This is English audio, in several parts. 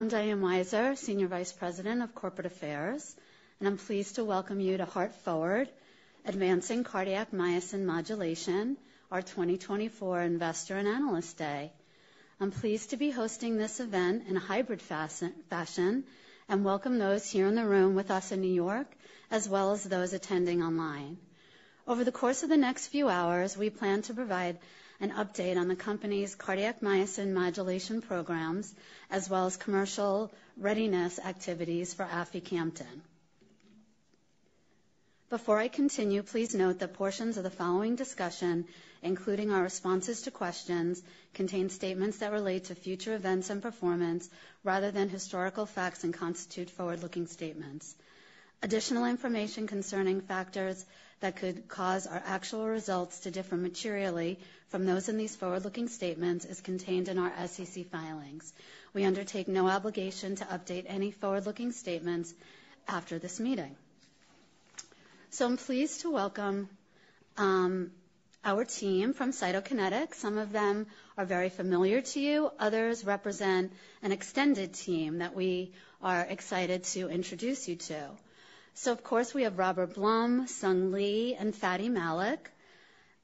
I'm Diane Weiser, Senior Vice President of Corporate Affairs, and I'm pleased to welcome you to Heart Forward: Advancing Cardiac Myosin Modulation, our 2024 Investor and Analyst Day. I'm pleased to be hosting this event in a hybrid fashion, and welcome those here in the room with us in New York, as well as those attending online. Over the course of the next few hours, we plan to provide an update on the company's cardiac myosin modulation programs, as well as commercial readiness activities for aficamten. Before I continue, please note that portions of the following discussion, including our responses to questions, contain statements that relate to future events and performance rather than historical facts and constitute forward-looking statements. Additional information concerning factors that could cause our actual results to differ materially from those in these forward-looking statements is contained in our SEC filings. We undertake no obligation to update any forward-looking statements after this meeting. So I'm pleased to welcome our team from Cytokinetics. Some of them are very familiar to you, others represent an extended team that we are excited to introduce you to. So of course, we have Robert Blum, Sung Lee, and Fady Malik,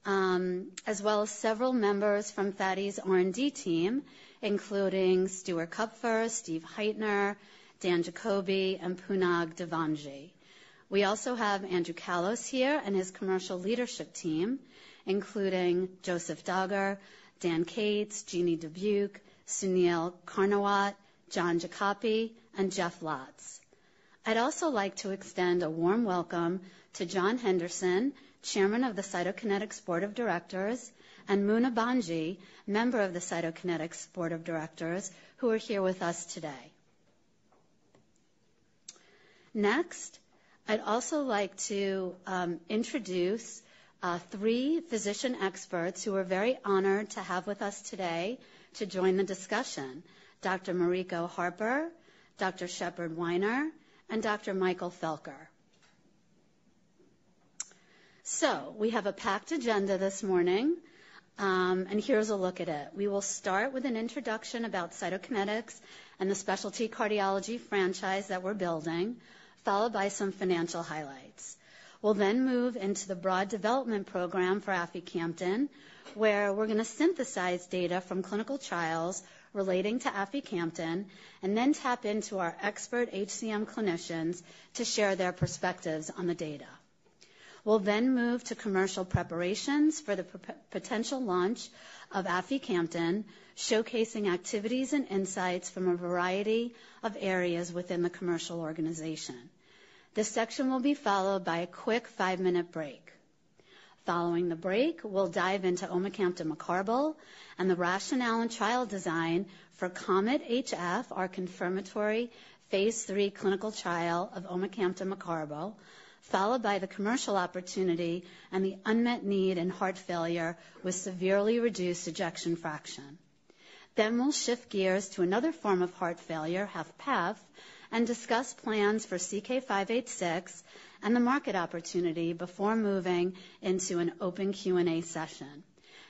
as well as several members from Fady's R&D team, including Stuart Kupfer, Stephen Heitner, Dan Jacoby, and Punag Divanji. We also have Andrew Callos here and his commercial leadership team, including Joseph Dagher, Dan Kates, Genie Dubuk, Sunil Karnawat, John Giacoppi, and Jeff Lotz. I'd also like to extend a warm welcome to John Henderson, Chairman of the Cytokinetics Board of Directors, and Muna Bhanji, member of the Cytokinetics Board of Directors, who are here with us today. Next, I'd also like to introduce three physician experts who we're very honored to have with us today to join the discussion: Dr. Mariko Harper, Dr. Shepard Weiner, and Dr. Michael Felker, so we have a packed agenda this morning, and here's a look at it. We will start with an introduction about Cytokinetics and the specialty cardiology franchise that we're building, followed by some financial highlights. We'll then move into the broad development program for aficamten, where we're going to synthesize data from clinical trials relating to aficamten, and then tap into our expert HCM clinicians to share their perspectives on the data. We'll then move to commercial preparations for the potential launch of aficamten, showcasing activities and insights from a variety of areas within the commercial organization. This section will be followed by a quick five-minute break. Following the break, we'll dive into omecamtiv mecarbil and the rationale and trial design for COMET-HF, our confirmatory phase 3 clinical trial of omecamtiv mecarbil, followed by the commercial opportunity and the unmet need in heart failure with severely reduced ejection fraction. Then we'll shift gears to another form of heart failure, HFpEF, and discuss plans for CK-586 and the market opportunity before moving into an open Q&A session.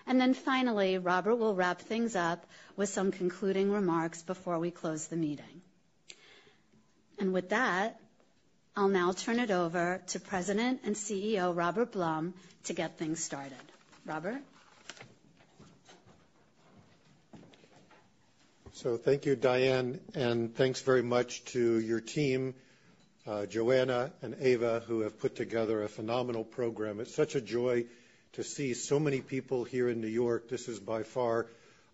And then finally, Robert will wrap things up with some concluding remarks before we close the meeting. And with that, I'll now turn it over to President and CEO, Robert Blum, to get things started. Robert? Thank you, Diane, and thanks very much to your team, Joanna and Ava, who have put together a phenomenal program. It's such a joy to see so many people here in New York. This is by far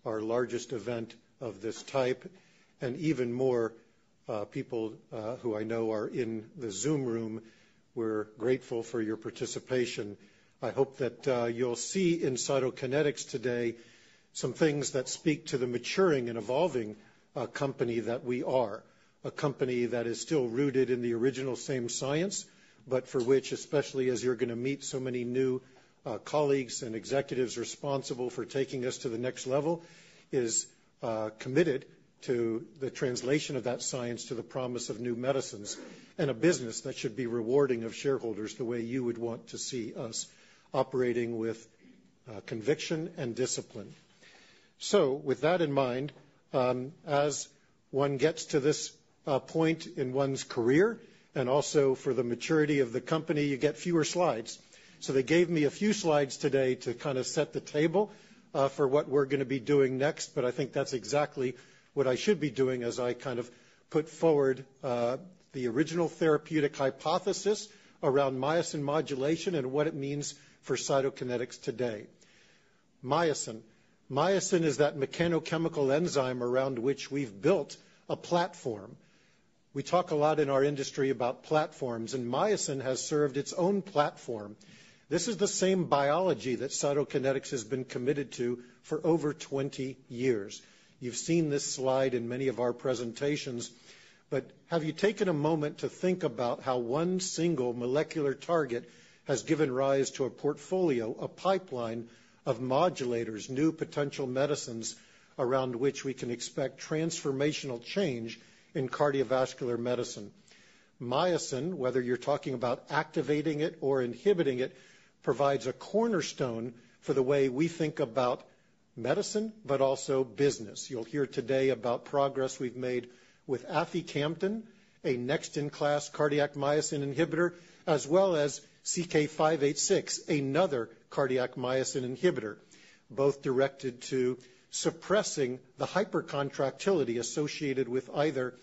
our largest event of this type, and even more people who I know are in the Zoom room. We're grateful for your participation. I hope that you'll see in Cytokinetics today some things that speak to the maturing and evolving company that we are. A company that is still rooted in the original same science, but for which, especially as you're going to meet so many new colleagues and executives responsible for taking us to the next level, is committed to the translation of that science to the promise of new medicines, and a business that should be rewarding of shareholders the way you would want to see us operating with conviction and discipline. So with that in mind, as one gets to this point in one's career and also for the maturity of the company, you get fewer slides. So they gave me a few slides today to kind of set the table for what we're going to be doing next, but I think that's exactly what I should be doing as I kind of put forward the original therapeutic hypothesis around myosin modulation and what it means for Cytokinetics today. Myosin. Myosin is that mechanochemical enzyme around which we've built a platform. We talk a lot in our industry about platforms, and myosin has served its own platform. This is the same biology that Cytokinetics has been committed to for over twenty years. You've seen this slide in many of our presentations, but have you taken a moment to think about how one single molecular target has given rise to a portfolio, a pipeline of modulators, new potential medicines around which we can expect transformational change in cardiovascular medicine?... Myosin, whether you're talking about activating it or inhibiting it, provides a cornerstone for the way we think about medicine, but also business. You'll hear today about progress we've made with aficamten, a next-in-class cardiac myosin inhibitor, as well as CK-586, another cardiac myosin inhibitor, both directed to suppressing the hypercontractility associated with either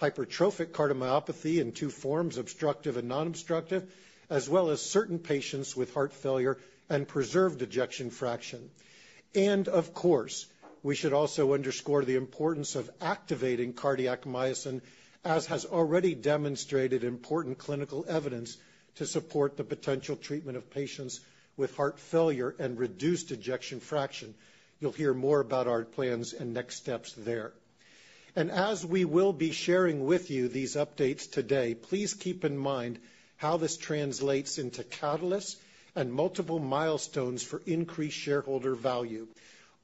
hypertrophic cardiomyopathy in two forms, obstructive and non-obstructive, as well as certain patients with heart failure and preserved ejection fraction. And of course, we should also underscore the importance of activating cardiac myosin, as has already demonstrated important clinical evidence to support the potential treatment of patients with heart failure and reduced ejection fraction. You'll hear more about our plans and next steps there. And as we will be sharing with you these updates today, please keep in mind how this translates into catalysts and multiple milestones for increased shareholder value.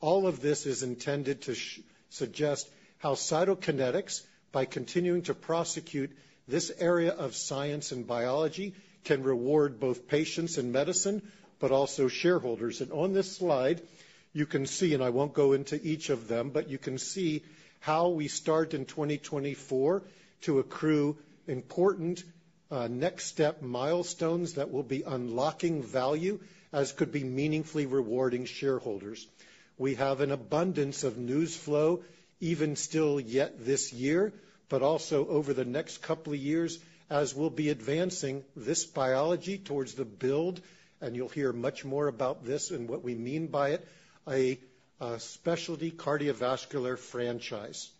All of this is intended to suggest how Cytokinetics, by continuing to prosecute this area of science and biology, can reward both patients and medicine, but also shareholders. On this slide, you can see, and I won't go into each of them, but you can see how we start in 2024 to accrue important next-step milestones that will be unlocking value as could be meaningfully rewarding shareholders. We have an abundance of news flow, even still yet this year, but also over the next couple of years, as we'll be advancing this biology towards the build, and you'll hear much more about this and what we mean by it, a specialty cardiovascular franchise.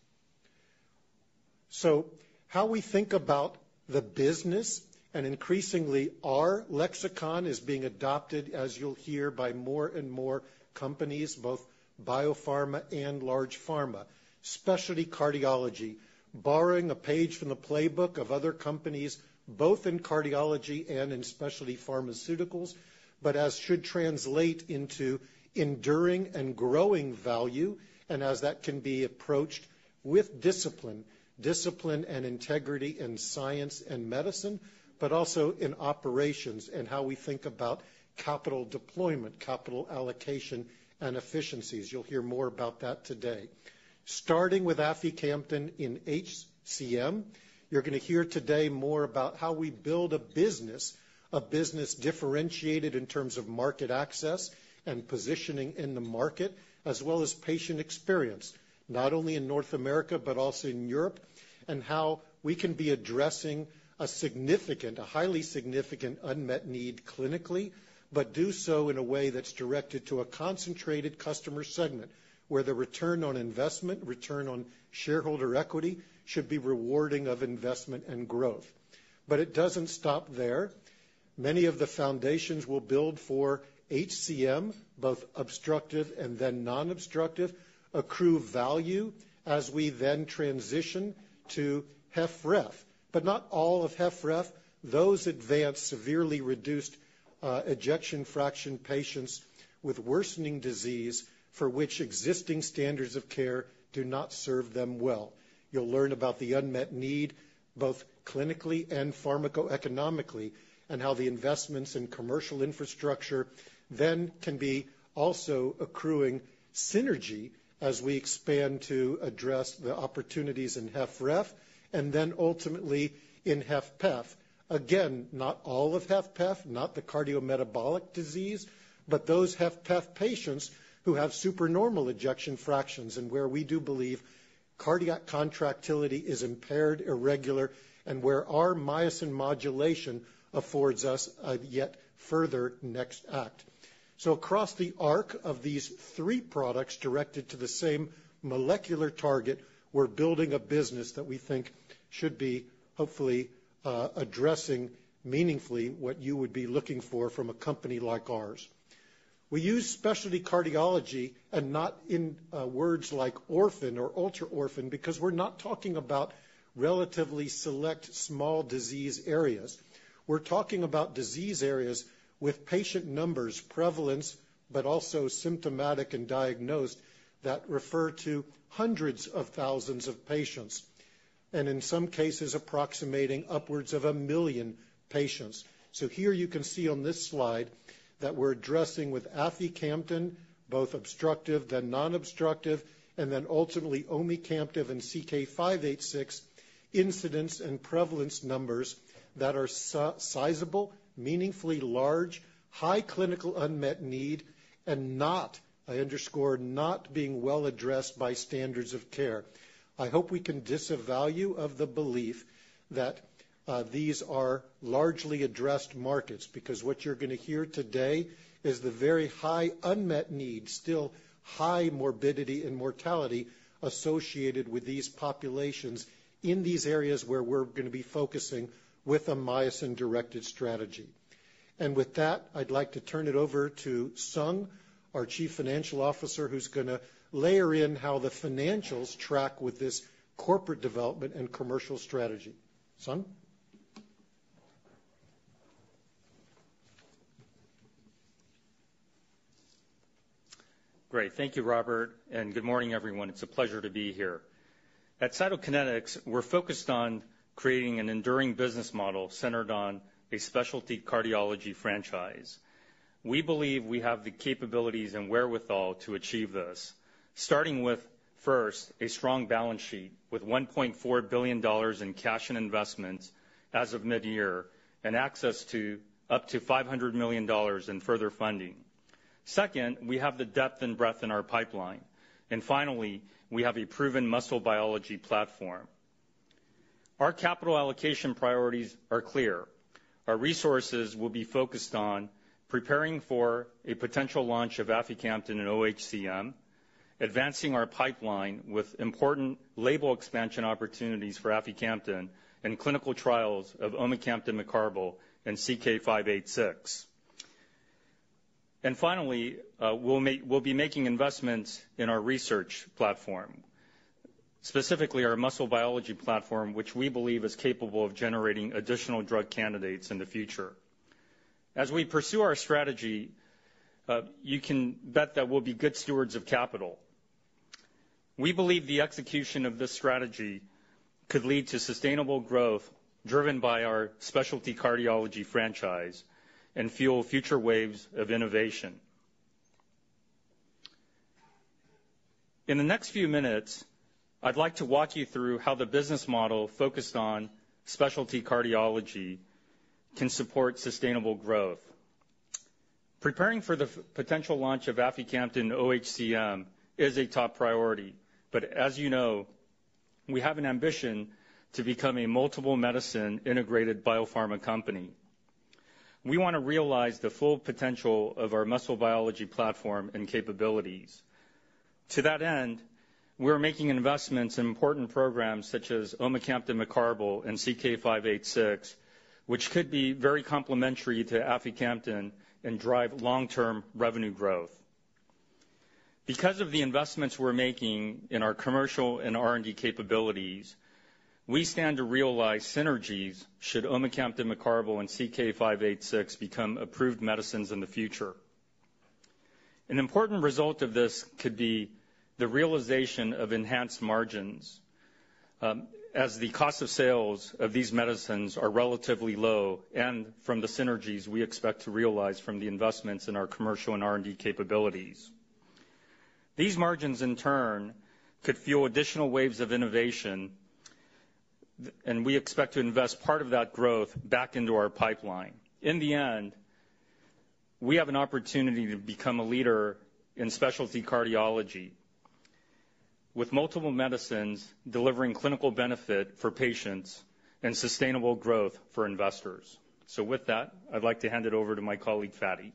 How we think about the business and increasingly our lexicon is being adopted, as you'll hear, by more and more companies, both biopharma and large pharma. Specialty cardiology, borrowing a page from the playbook of other companies, both in cardiology and in specialty pharmaceuticals, but as should translate into enduring and growing value, and as that can be approached with discipline, discipline and integrity in science and medicine, but also in operations and how we think about capital deployment, capital allocation, and efficiencies. You'll hear more about that today. Starting with aficamten in HCM, you're going to hear today more about how we build a business, a business differentiated in terms of market access and positioning in the market, as well as patient experience, not only in North America, but also in Europe, and how we can be addressing a significant, a highly significant unmet need clinically, but do so in a way that's directed to a concentrated customer segment, where the return on investment, return on shareholder equity, should be rewarding of investment and growth. But it doesn't stop there. Many of the foundations we'll build for HCM, both obstructive and then non-obstructive, accrue value as we then transition to HFrEF, but not all of HFrEF. Those advanced, severely reduced, ejection fraction patients with worsening disease for which existing standards of care do not serve them well. You'll learn about the unmet need, both clinically and pharmaco-economically, and how the investments in commercial infrastructure then can be also accruing synergy as we expand to address the opportunities in HFrEF, and then ultimately in HFpEF. Again, not all of HFpEF, not the cardiometabolic disease, but those HFpEF patients who have supernormal ejection fractions and where we do believe cardiac contractility is impaired, irregular, and where our myosin modulation affords us a yet further next act. So across the arc of these three products directed to the same molecular target, we're building a business that we think should be, hopefully, addressing meaningfully what you would be looking for from a company like ours. We use specialty cardiology and not in words like orphan or ultra-orphan, because we're not talking about relatively select small disease areas. We're talking about disease areas with patient numbers, prevalence, but also symptomatic and diagnosed, that refer to hundreds of thousands of patients, and in some cases, approximating upwards of a million patients. So here you can see on this slide that we're addressing with aficamten, both obstructive, then non-obstructive, and then ultimately omecamtiv and CK-586, incidence and prevalence numbers that are sizable, meaningfully large, high clinical unmet need, and not, I underscore, not being well addressed by standards of care. I hope we can disavow you of the belief that these are largely addressed markets, because what you're going to hear today is the very high unmet need, still high morbidity and mortality associated with these populations in these areas where we're going to be focusing with a myosin-directed strategy. And with that, I'd like to turn it over to Sung, our Chief Financial Officer, who's going to layer in how the financials track with this corporate development and commercial strategy. Sung?... Great. Thank you, Robert, and good morning, everyone. It's a pleasure to be here. At Cytokinetics, we're focused on creating an enduring business model centered on a specialty cardiology franchise. We believe we have the capabilities and wherewithal to achieve this, starting with, first, a strong balance sheet with $1.4 billion in cash and investments as of mid-year, and access to up to $500 million in further funding. Second, we have the depth and breadth in our pipeline. And finally, we have a proven muscle biology platform. Our capital allocation priorities are clear. Our resources will be focused on preparing for a potential launch of aficamten in OHCM, advancing our pipeline with important label expansion opportunities for aficamten, and clinical trials of omecamtiv mecarbil, and CK-586. And finally, we'll be making investments in our research platform, specifically our muscle biology platform, which we believe is capable of generating additional drug candidates in the future. As we pursue our strategy, you can bet that we'll be good stewards of capital. We believe the execution of this strategy could lead to sustainable growth, driven by our specialty cardiology franchise and fuel future waves of innovation. In the next few minutes, I'd like to walk you through how the business model focused on specialty cardiology can support sustainable growth. Preparing for the potential launch of aficamten in OHCM is a top priority, but as you know, we have an ambition to become a multiple medicine integrated biopharma company. We want to realize the full potential of our muscle biology platform and capabilities. To that end, we're making investments in important programs such as omecamtiv mecarbil and CK-586, which could be very complementary to aficamten and drive long-term revenue growth. Because of the investments we're making in our commercial and R&D capabilities, we stand to realize synergies should omecamtiv mecarbil and CK-586 become approved medicines in the future. An important result of this could be the realization of enhanced margins, as the cost of sales of these medicines are relatively low, and from the synergies we expect to realize from the investments in our commercial and R&D capabilities. These margins, in turn, could fuel additional waves of innovation, and we expect to invest part of that growth back into our pipeline. In the end, we have an opportunity to become a leader in specialty cardiology with multiple medicines, delivering clinical benefit for patients and sustainable growth for investors. So with that, I'd like to hand it over to my colleague, Fady.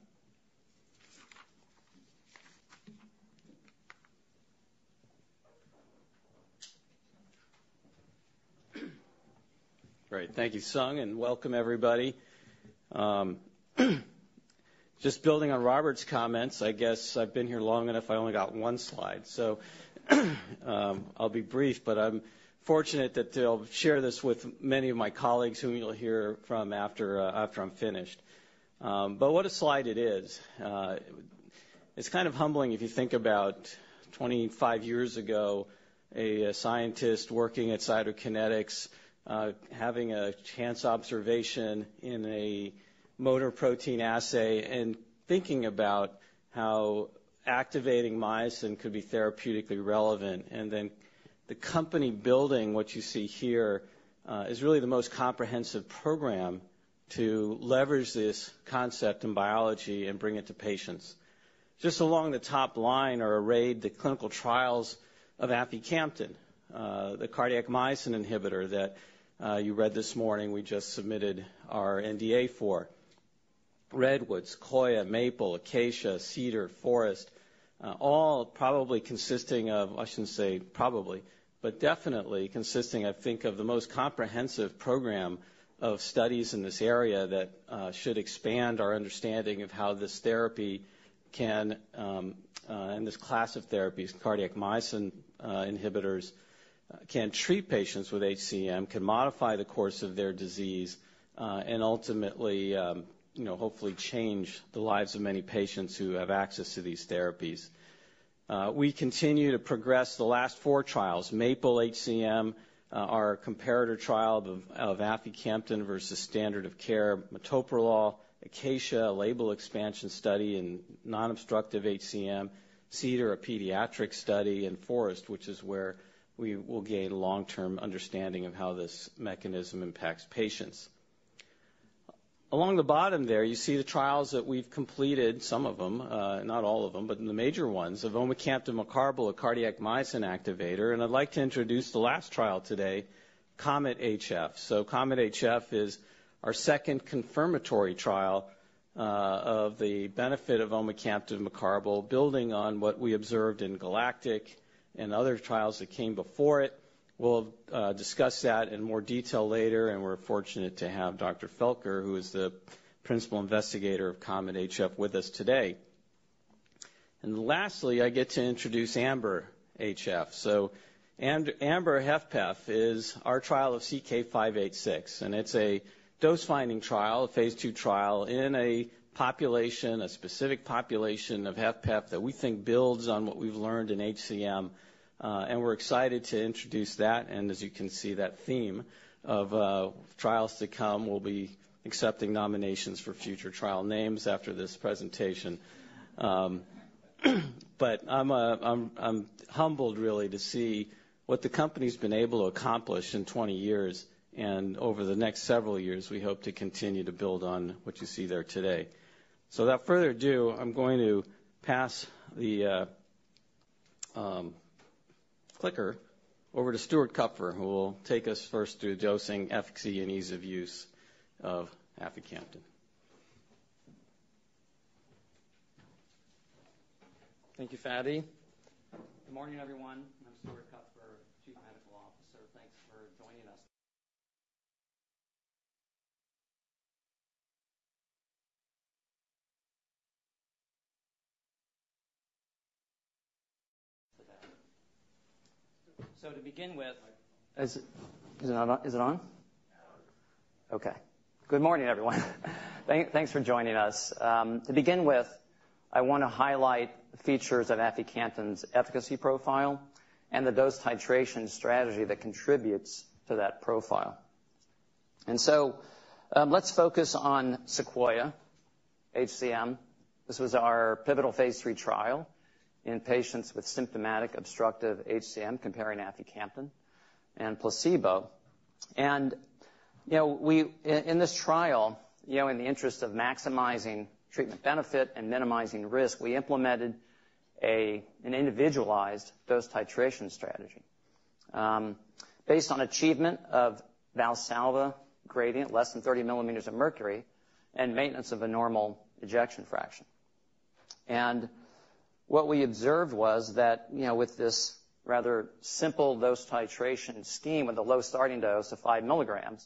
Great. Thank you, Sung, and welcome, everybody. Just building on Robert's comments, I guess I've been here long enough, I only got one slide. So, I'll be brief, but I'm fortunate that they'll share this with many of my colleagues, who you'll hear from after, after I'm finished. But what a slide it is. It's kind of humbling, if you think about 25 years ago, a scientist working at Cytokinetics, having a chance observation in a motor protein assay and thinking about how activating myosin could be therapeutically relevant. And then the company building, what you see here, is really the most comprehensive program to leverage this concept in biology and bring it to patients. Just along the top line are arrayed the clinical trials of aficamten, the cardiac myosin inhibitor that you read this morning we just submitted our NDA for. REDWOOD, SEQUOIA, MAPLE, ACACIA, Cedar, FOREST, all probably consisting of, I shouldn't say probably, but definitely consisting, I think, of the most comprehensive program of studies in this area that should expand our understanding of how this therapy can and this class of therapies, cardiac myosin inhibitors, can treat patients with HCM, can modify the course of their disease, and ultimately, you know, hopefully change the lives of many patients who have access to these therapies. We continue to progress the last four trials, MAPLE-HCM, our comparator trial of aficamten versus standard of care, metoprolol, ACACIA-HCM, a label expansion study in non-obstructive HCM, CEDAR-HCM, a pediatric study, and FOREST-HCM, which is where we will gain long-term understanding of how this mechanism impacts patients. Along the bottom there, you see the trials that we've completed, some of them, not all of them, but in the major ones, of omecamtiv mecarbil, a cardiac myosin activator, and I'd like to introduce the last trial today, COMET-HF. So COMET-HF is our second confirmatory trial of the benefit of omecamtiv mecarbil, building on what we observed in GALACTIC-HF and other trials that came before it. We'll discuss that in more detail later, and we're fortunate to have Dr. Felker, who is the principal investigator of COMET-HF, with us today. Lastly, I get to introduce Amber HFpEF. It's our trial of CK-586, and it's a dose-finding trial, a phase II trial in a population, a specific population of HFpEF, that we think builds on what we've learned in HCM, and we're excited to introduce that, and as you can see, that theme of trials to come. We'll be accepting nominations for future trial names after this presentation. But I'm humbled, really, to see what the company's been able to accomplish in 20 years, and over the next several years, we hope to continue to build on what you see there today. Without further ado, I'm going to pass the clicker over to Stuart Kupfer, who will take us first through dosing, efficacy, and ease of use of aficamten. Thank you, Fady. Good morning, everyone. I'm Stuart Kupfer, Chief Medical Officer. Thanks for joining us. So to begin with... Is it not on? Is it on? Yeah, it is. Okay. Good morning, everyone. Thank, thanks for joining us. To begin with, I wanna highlight the features of aficamten's efficacy profile and the dose titration strategy that contributes to that profile. And so, let's focus on SEQUOIA-HCM. This was our pivotal phase III trial in patients with symptomatic obstructive HCM, comparing aficamten and placebo. And, you know, we, in this trial, you know, in the interest of maximizing treatment benefit and minimizing risk, we implemented a, an individualized dose titration strategy, based on achievement of Valsalva gradient, less than 30 millimeters of mercury, and maintenance of a normal ejection fraction. And what we observed was that, you know, with this rather simple dose titration scheme, with a low starting dose of 5 milligrams,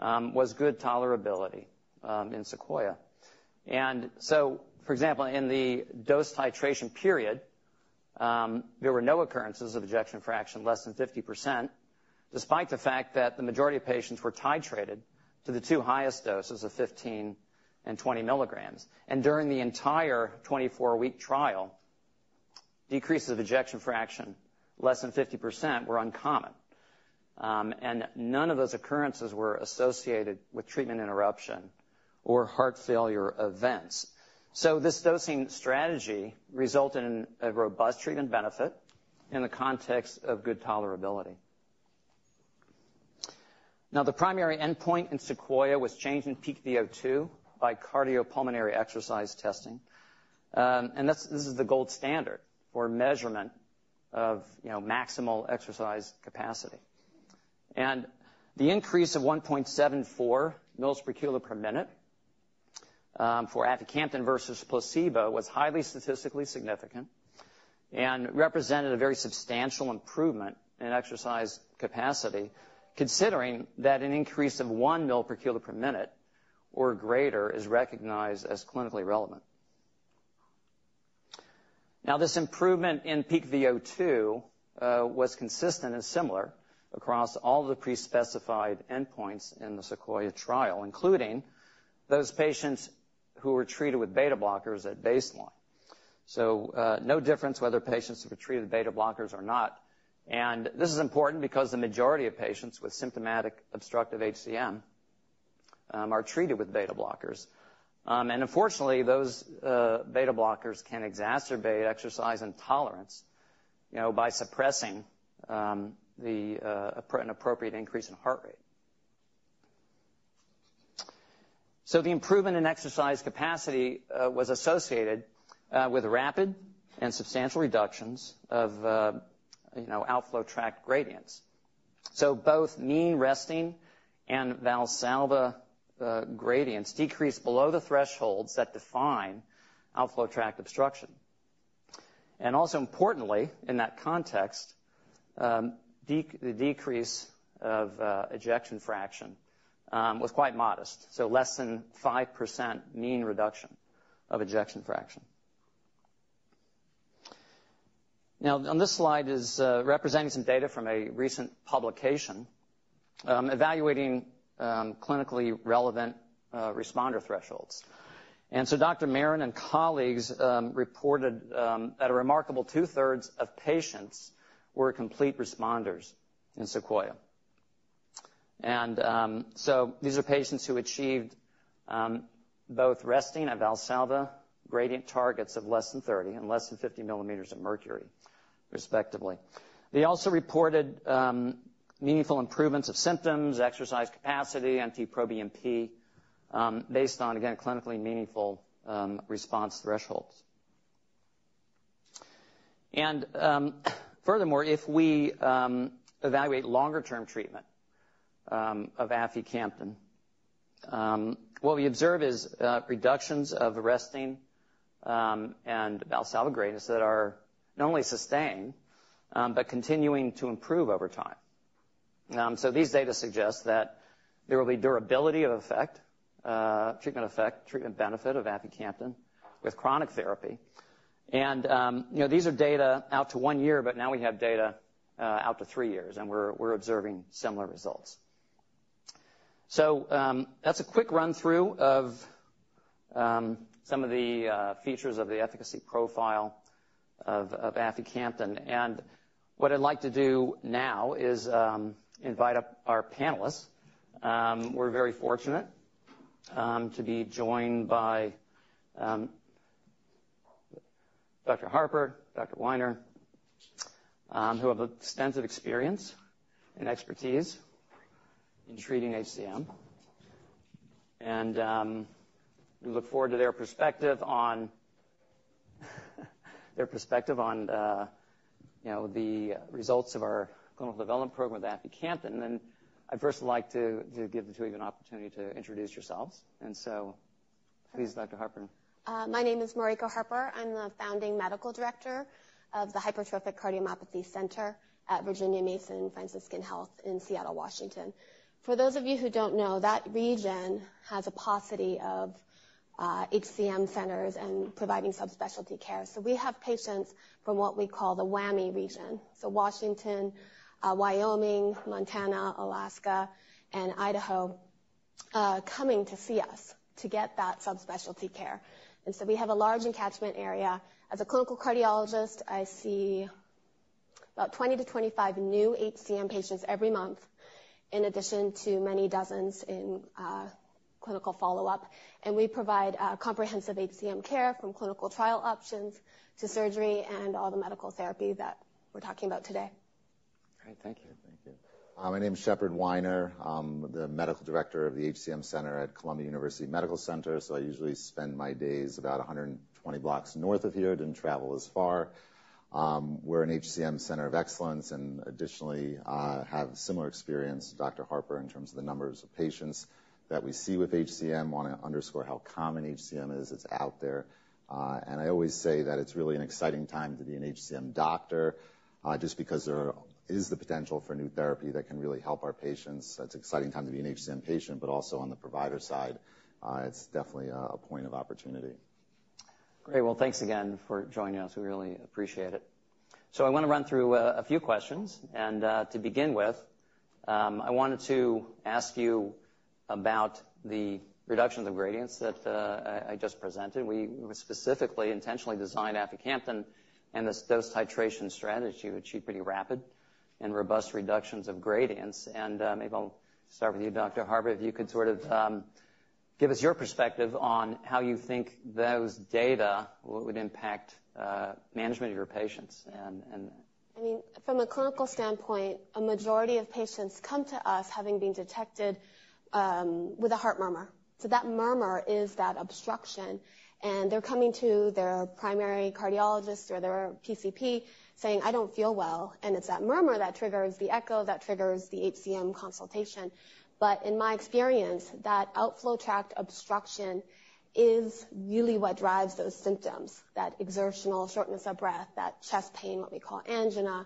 was good tolerability, in SEQUOIA. For example, in the dose titration period, there were no occurrences of ejection fraction less than 50%, despite the fact that the majority of patients were titrated to the two highest doses of 15 and 20 milligrams. During the entire 24-week trial, decreases of ejection fraction less than 50% were uncommon, and none of those occurrences were associated with treatment interruption or heart failure events. This dosing strategy resulted in a robust treatment benefit in the context of good tolerability. Now, the primary endpoint in SEQUOIA was change in peak VO2 by cardiopulmonary exercise testing, and that's this is the gold standard for measurement of, you know, maximal exercise capacity. The increase of 1.74 mL/kg/min for aficamten versus placebo was highly statistically significant and represented a very substantial improvement in exercise capacity, considering that an increase of 1 mL/kg/min or greater is recognized as clinically relevant. Now, this improvement in peak VO2 was consistent and similar across all the pre-specified endpoints in the SEQUOIA trial, including those patients who were treated with beta blockers at baseline. No difference whether patients were treated with beta blockers or not. This is important because the majority of patients with symptomatic obstructive HCM are treated with beta blockers. Unfortunately, those beta blockers can exacerbate exercise intolerance, you know, by suppressing an appropriate increase in heart rate. The improvement in exercise capacity was associated with rapid and substantial reductions of you know outflow tract gradients. Both mean resting and Valsalva gradients decreased below the thresholds that define outflow tract obstruction. Also importantly, in that context, the decrease of ejection fraction was quite modest, so less than 5% mean reduction of ejection fraction. Now, on this slide is representing some data from a recent publication evaluating clinically relevant responder thresholds. Dr. Maron and colleagues reported that a remarkable two-thirds of patients were complete responders in SEQUOIA. These are patients who achieved both resting and Valsalva gradient targets of less than 30 and less than 50 millimeters of mercury, respectively. They also reported meaningful improvements of symptoms, exercise capacity, NT-proBNP based on again clinically meaningful response thresholds. Furthermore, if we evaluate longer-term treatment of aficamten, what we observe is reductions of the resting and Valsalva gradients that are not only sustained but continuing to improve over time. These data suggest that there will be durability of effect, treatment effect, treatment benefit of aficamten with chronic therapy. You know, these are data out to one year, but now we have data out to three years, and we're observing similar results. That's a quick run-through of some of the features of the efficacy profile of aficamten. What I'd like to do now is invite up our panelists. We're very fortunate to be joined by Dr. Harper, Dr. Weiner, who have extensive experience and expertise in treating HCM. And we look forward to their perspective on, you know, the results of our clinical development program with aficamten. And I'd first like to give the two of you an opportunity to introduce yourselves. And so please, Dr. Harper. My name is Mariko Harper. I'm the Founding Medical Director of the Hypertrophic Cardiomyopathy Center at Virginia Mason Franciscan Health in Seattle, Washington. For those of you who don't know, that region has a paucity of HCM centers and providing subspecialty care. So we have patients from what we call the WWAMI region, so Washington, Wyoming, Montana, Alaska, and Idaho coming to see us to get that subspecialty care. And so we have a large catchment area. As a clinical cardiologist, I see about 20 to 25 new HCM patients every month, in addition to many dozens in clinical follow-up. And we provide comprehensive HCM care, from clinical trial options to surgery and all the medical therapy that we're talking about today. Great. Thank you. Thank you. My name is Shepard Weiner. I'm the Medical Director of the HCM Center at Columbia University Medical Center, so I usually spend my days about 120 blocks north of here. I didn't travel as far. We're an HCM center of excellence, and additionally, have similar experience to Dr. Harper in terms of the numbers of patients that we see with HCM. Want to underscore how COMET HCM is. It's out there. And I always say that it's really an exciting time to be an HCM doctor, just because there is the potential for new therapy that can really help our patients. It's an exciting time to be an HCM patient, but also on the provider side, it's definitely a point of opportunity. Great. Well, thanks again for joining us. We really appreciate it. So I wanna run through a few questions, and to begin with, I wanted to ask you about the reductions of gradients that I just presented. We specifically, intentionally designed aficamten and this dose titration strategy to achieve pretty rapid and robust reductions of gradients. And maybe I'll start with you, Dr. Harper. If you could sort of give us your perspective on how you think those data would impact management of your patients and, and- I mean, from a clinical standpoint, a majority of patients come to us having been detected with a heart murmur. So that murmur is that obstruction, and they're coming to their primary cardiologist or their PCP saying, "I don't feel well." And it's that murmur that triggers the echo, that triggers the HCM consultation. But in my experience, that outflow tract obstruction is really what drives those symptoms, that exertional shortness of breath, that chest pain, what we call angina,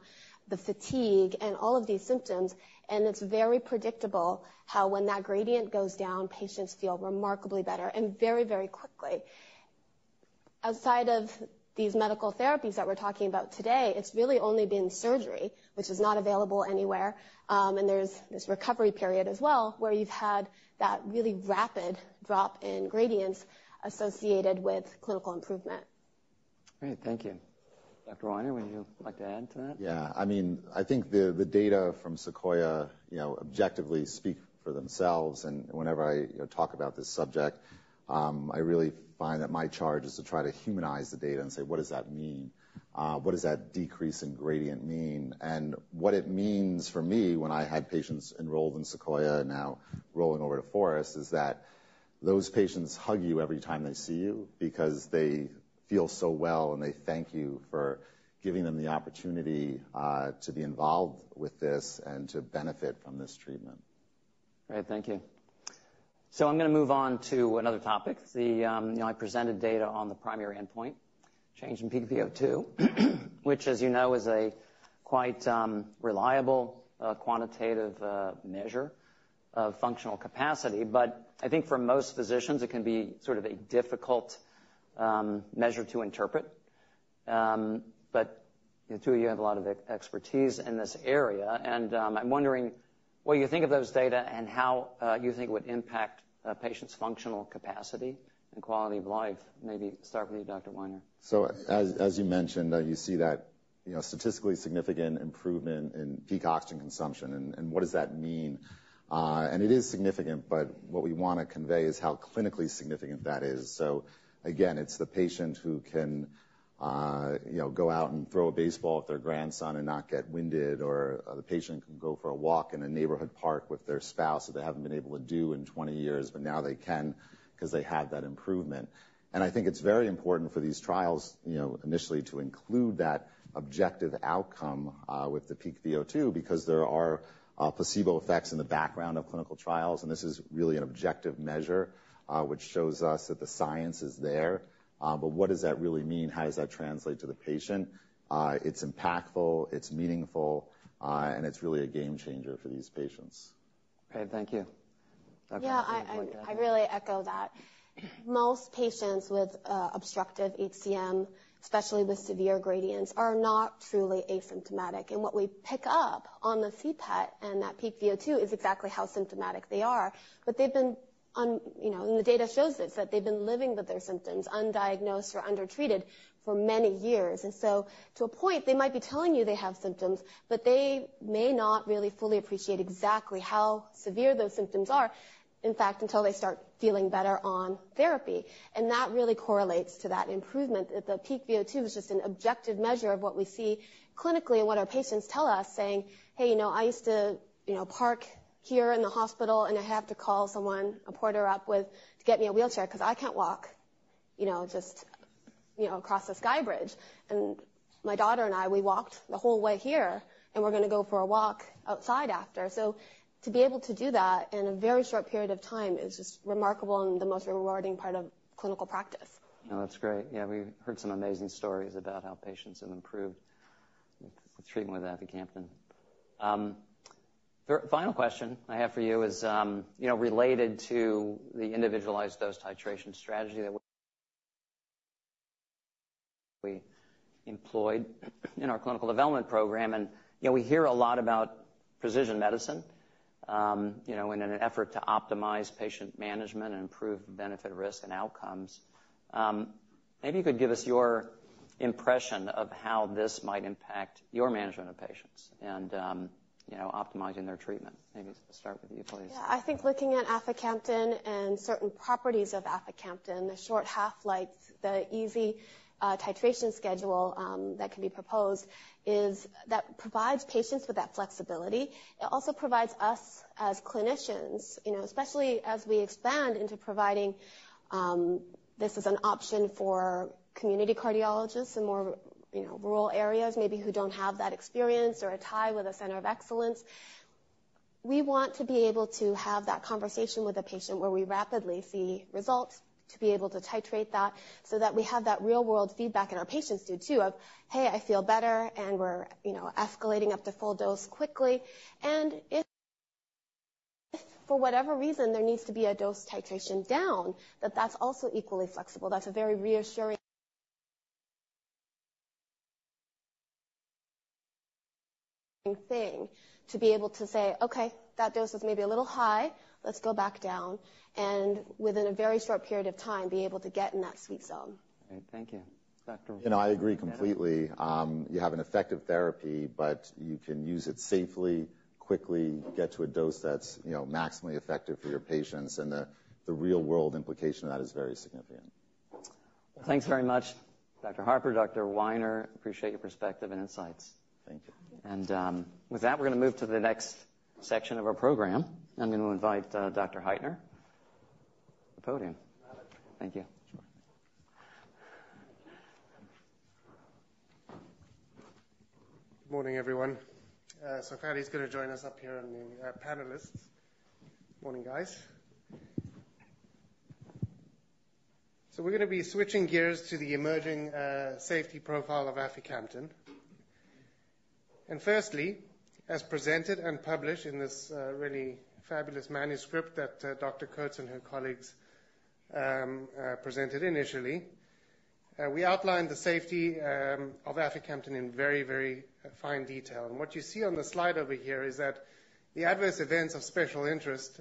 the fatigue, and all of these symptoms. And it's very predictable how when that gradient goes down, patients feel remarkably better, and very, very quickly. Outside of these medical therapies that we're talking about today, it's really only been surgery, which is not available anywhere, and there's this recovery period as well, where you've had that really rapid drop in gradients associated with clinical improvement. Great, thank you. Dr. Weiner, would you like to add to that? Yeah. I mean, I think the data from SEQUOIA, you know, objectively speak for themselves, and whenever I, you know, talk about this subject, I really find that my charge is to try to humanize the data and say, "What does that mean? What does that decrease in gradient mean?" And what it means for me, when I had patients enrolled in SEQUOIA and now rolling over to FOREST, is that those patients hug you every time they see you because they feel so well, and they thank you for giving them the opportunity, to be involved with this and to benefit from this treatment. Great, thank you. So I'm gonna move on to another topic. The, I presented data on the primary endpoint, change in peak VO2, which, as you know, is a quite, reliable, quantitative, measure of functional capacity. But I think for most physicians, it can be sort of a difficult, measure to interpret. But the two of you have a lot of expertise in this area, and, I'm wondering what you think of those data and how, you think it would impact a patient's functional capacity and quality of life? Maybe start with you, Dr. Weiner. So as you mentioned, you see that, you know, statistically significant improvement in peak oxygen consumption, and what does that mean? It is significant, but what we wanna convey is how clinically significant that is. So again, it's the patient who can, you know, go out and throw a baseball with their grandson and not get winded, or the patient can go for a walk in a neighborhood park with their spouse that they haven't been able to do in twenty years, but now they can because they have that improvement. And I think it's very important for these trials, you know, initially to include that objective outcome with the peak VO2, because there are placebo effects in the background of clinical trials, and this is really an objective measure which shows us that the science is there. But what does that really mean? How does that translate to the patient? It's impactful, it's meaningful, and it's really a game changer for these patients. Great, thank you.... Yeah, I really echo that. Most patients with obstructive HCM, especially with severe gradients, are not truly asymptomatic. And what we pick up on the CPET and that peak VO2 is exactly how symptomatic they are. But they've been on, you know, and the data shows this, that they've been living with their symptoms, undiagnosed or undertreated for many years. And so to a point, they might be telling you they have symptoms, but they may not really fully appreciate exactly how severe those symptoms are, in fact, until they start feeling better on therapy. And that really correlates to that improvement, that the peak VO2 is just an objective measure of what we see clinically and what our patients tell us, saying, "Hey, you know, I used to, you know, park here in the hospital, and I have to call someone, a porter up with, to get me a wheelchair because I can't walk, you know, just, you know, across the sky bridge. And my daughter and I, we walked the whole way here, and we're going to go for a walk outside after." So to be able to do that in a very short period of time is just remarkable and the most rewarding part of clinical practice. Oh, that's great. Yeah, we've heard some amazing stories about how patients have improved with treatment with aficamten. The final question I have for you is, you know, related to the individualized dose titration strategy that we employed in our clinical development program, and, you know, we hear a lot about precision medicine, you know, in an effort to optimize patient management and improve benefit, risk, and outcomes. Maybe you could give us your impression of how this might impact your management of patients and, you know, optimizing their treatment. Maybe start with you, please. Yeah. I think looking at aficamten and certain properties of aficamten, the short half-life, the easy titration schedule that can be proposed, is that provides patients with that flexibility. It also provides us as clinicians, you know, especially as we expand into providing this as an option for community cardiologists in more, you know, rural areas, maybe who don't have that experience or a tie with a center of excellence. We want to be able to have that conversation with a patient where we rapidly see results, to be able to titrate that so that we have that real-world feedback and our patients do, too, of, "Hey, I feel better," and we're, you know, escalating up to full dose quickly. And if for whatever reason, there needs to be a dose titration down, that's also equally flexible. That's a very reassuring thing to be able to say, "Okay, that dose is maybe a little high. Let's go back down," and within a very short period of time, be able to get in that sweet zone. Okay, thank you. Dr. Weiner? You know, I agree completely. You have an effective therapy, but you can use it safely, quickly, get to a dose that's, you know, maximally effective for your patients, and the real-world implication of that is very significant. Thanks very much, Dr. Harper, Dr. Weiner. Appreciate your perspective and insights. Thank you. Thank you. With that, we're going to move to the next section of our program, and I'm going to invite Dr. Heitner to the podium. Thank you. Sure. Good morning, everyone. So Kylie is going to join us up here on the panelists. Good morning, guys. So we're going to be switching gears to the emerging safety profile of aficamten. And firstly, as presented and published in this really fabulous manuscript that Dr. Coats and her colleagues presented initially, we outlined the safety of aficamten in very, very fine detail. And what you see on the slide over here is that the adverse events of special interest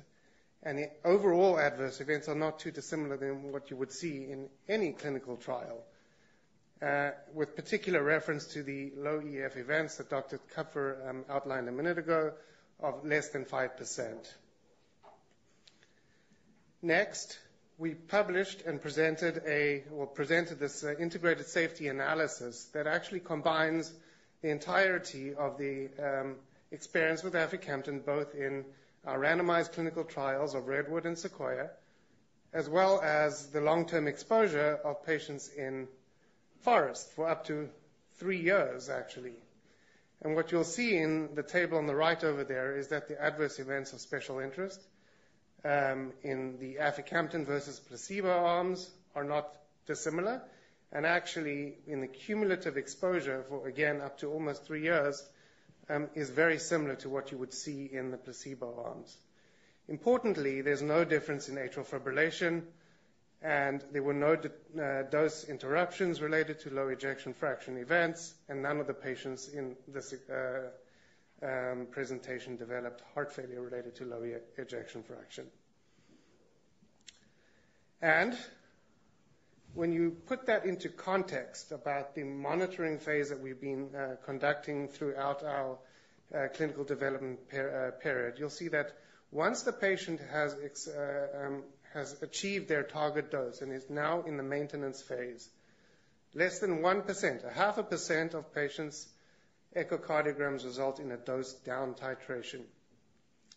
and the overall adverse events are not too dissimilar than what you would see in any clinical trial with particular reference to the low EF events that Dr. Kupfer outlined a minute ago of less than 5%. Next, we published and presented this integrated safety analysis that actually combines the entirety of the experience with aficamten, both in our randomized clinical trials of Redwood and Sequoia, as well as the long-term exposure of patients in Forest for up to three years, actually. What you'll see in the table on the right over there is that the adverse events of special interest in the aficamten versus placebo arms are not dissimilar, and actually in the cumulative exposure for, again, up to almost three years, is very similar to what you would see in the placebo arms. Importantly, there's no difference in atrial fibrillation, and there were no dose interruptions related to low ejection fraction events, and none of the patients in this presentation developed heart failure related to low ejection fraction. And when you put that into context about the monitoring phase that we've been conducting throughout our clinical development period, you'll see that once the patient has achieved their target dose and is now in the maintenance phase, less than 1%, 0.5% of patients' echocardiograms result in a dose-down titration.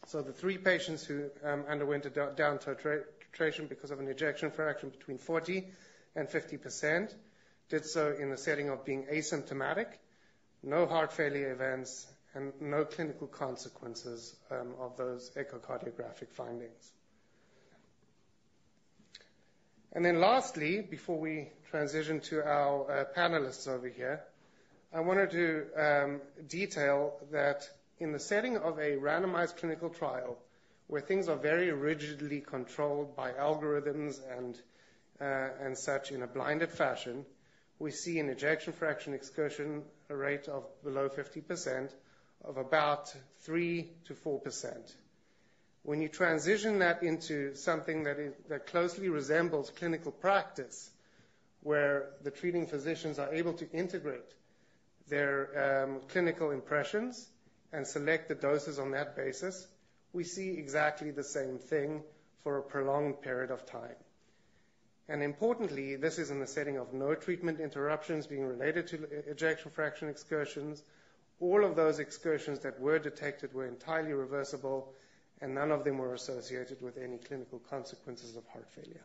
So the 3 patients who underwent a down titration because of an ejection fraction between 40% and 50%, did so in the setting of being asymptomatic, no heart failure events and no clinical consequences of those echocardiographic findings. And then lastly, before we transition to our panelists over here, I wanted to detail that in the setting of a randomized clinical trial, where things are very rigidly controlled by algorithms and such in a blinded fashion, we see an ejection fraction excursion, a rate of below 50% of about 3%-4%. When you transition that into something that closely resembles clinical practice, where the treating physicians are able to integrate their clinical impressions and select the doses on that basis, we see exactly the same thing for a prolonged period of time. Importantly, this is in the setting of no treatment interruptions being related to ejection fraction excursions. All of those excursions that were detected were entirely reversible, and none of them were associated with any clinical consequences of heart failure.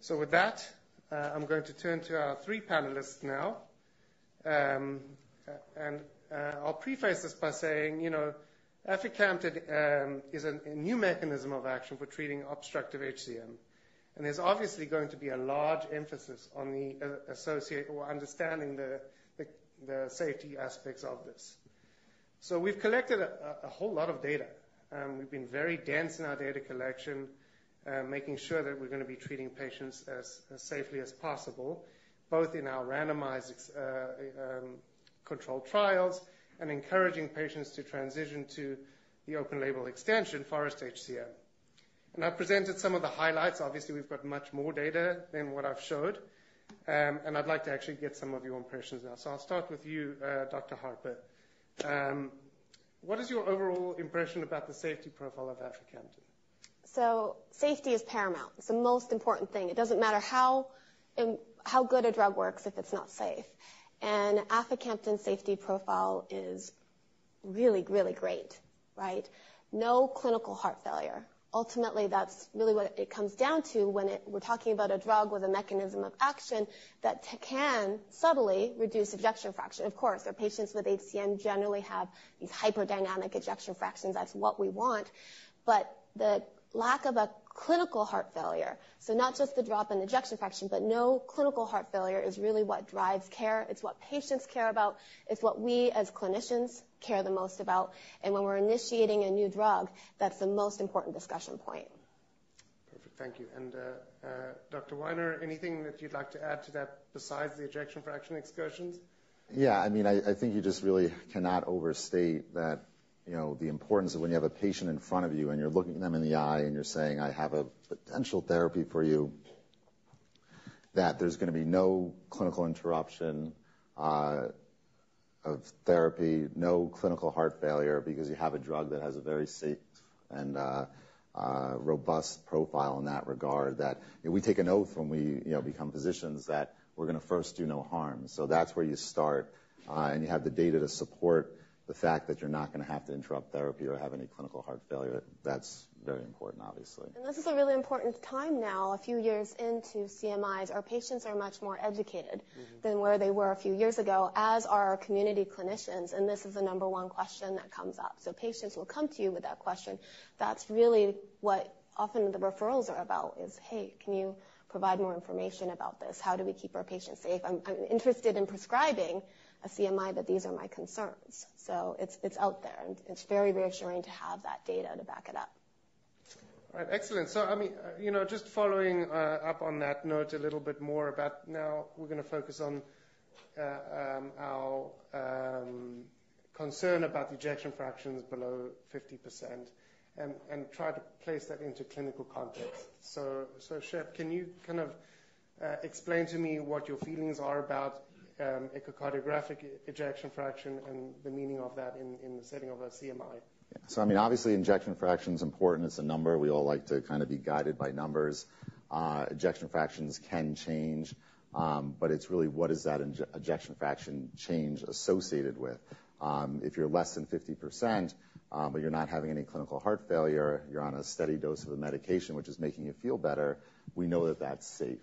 So with that, I'm going to turn to our three panelists now. And I'll preface this by saying, you know, aficamten is a new mechanism of action for treating obstructive HCM, and there's obviously going to be a large emphasis on the associate or understanding the safety aspects of this. So we've collected a whole lot of data, and we've been very dense in our data collection, making sure that we're gonna be treating patients as safely as possible, both in our randomized controlled trials and encouraging patients to transition to the open label extension, FOREST-HCM. And I presented some of the highlights. Obviously, we've got much more data than what I've showed, and I'd like to actually get some of your impressions now. So I'll start with you, Dr. Harper. What is your overall impression about the safety profile of aficamten? So safety is paramount. It's the most important thing. It doesn't matter how good a drug works if it's not safe, and aficamten safety profile is really, really great, right? No clinical heart failure. Ultimately, that's really what it comes down to when we're talking about a drug with a mechanism of action that can subtly reduce ejection fraction. Of course, our patients with HCM generally have these hyperdynamic ejection fractions. That's what we want, but the lack of a clinical heart failure, so not just the drop in ejection fraction, but no clinical heart failure is really what drives care. It's what patients care about. It's what we, as clinicians, care the most about, and when we're initiating a new drug, that's the most important discussion point. Perfect. Thank you. And, Dr. Weiner, anything that you'd like to add to that besides the ejection fraction excursions? Yeah, I mean, I think you just really cannot overstate that, you know, the importance of when you have a patient in front of you, and you're looking them in the eye, and you're saying, "I have a potential therapy for you," that there's gonna be no clinical interruption of therapy, no clinical heart failure, because you have a drug that has a very safe and robust profile in that regard, that we take an oath when we, you know, become physicians that we're gonna first do no harm. So that's where you start, and you have the data to support the fact that you're not gonna have to interrupt therapy or have any clinical heart failure. That's very important, obviously. This is a really important time now, a few years into Camzyos. Our patients are much more educated- -than where they were a few years ago, as are our community clinicians, and this is the number one question that comes up. So patients will come to you with that question. That's really what often the referrals are about is: Hey, can you provide more information about this? How do we keep our patients safe? I'm interested in prescribing a CMI, but these are my concerns. So it's out there, and it's very reassuring to have that data to back it up. All right. Excellent. So, I mean, you know, just following up on that note a little bit more about now we're gonna focus on our concern about ejection fractions below 50% and try to place that into clinical context. So, Shep, can you kind of explain to me what your feelings are about echocardiographic ejection fraction and the meaning of that in the setting of a CMI? So, I mean, obviously, ejection fraction is important. It's a number. We all like to kind of be guided by numbers. Ejection fractions can change, but it's really what is that ejection fraction change associated with? If you're less than 50%, but you're not having any clinical heart failure, you're on a steady dose of a medication, which is making you feel better, we know that that's safe.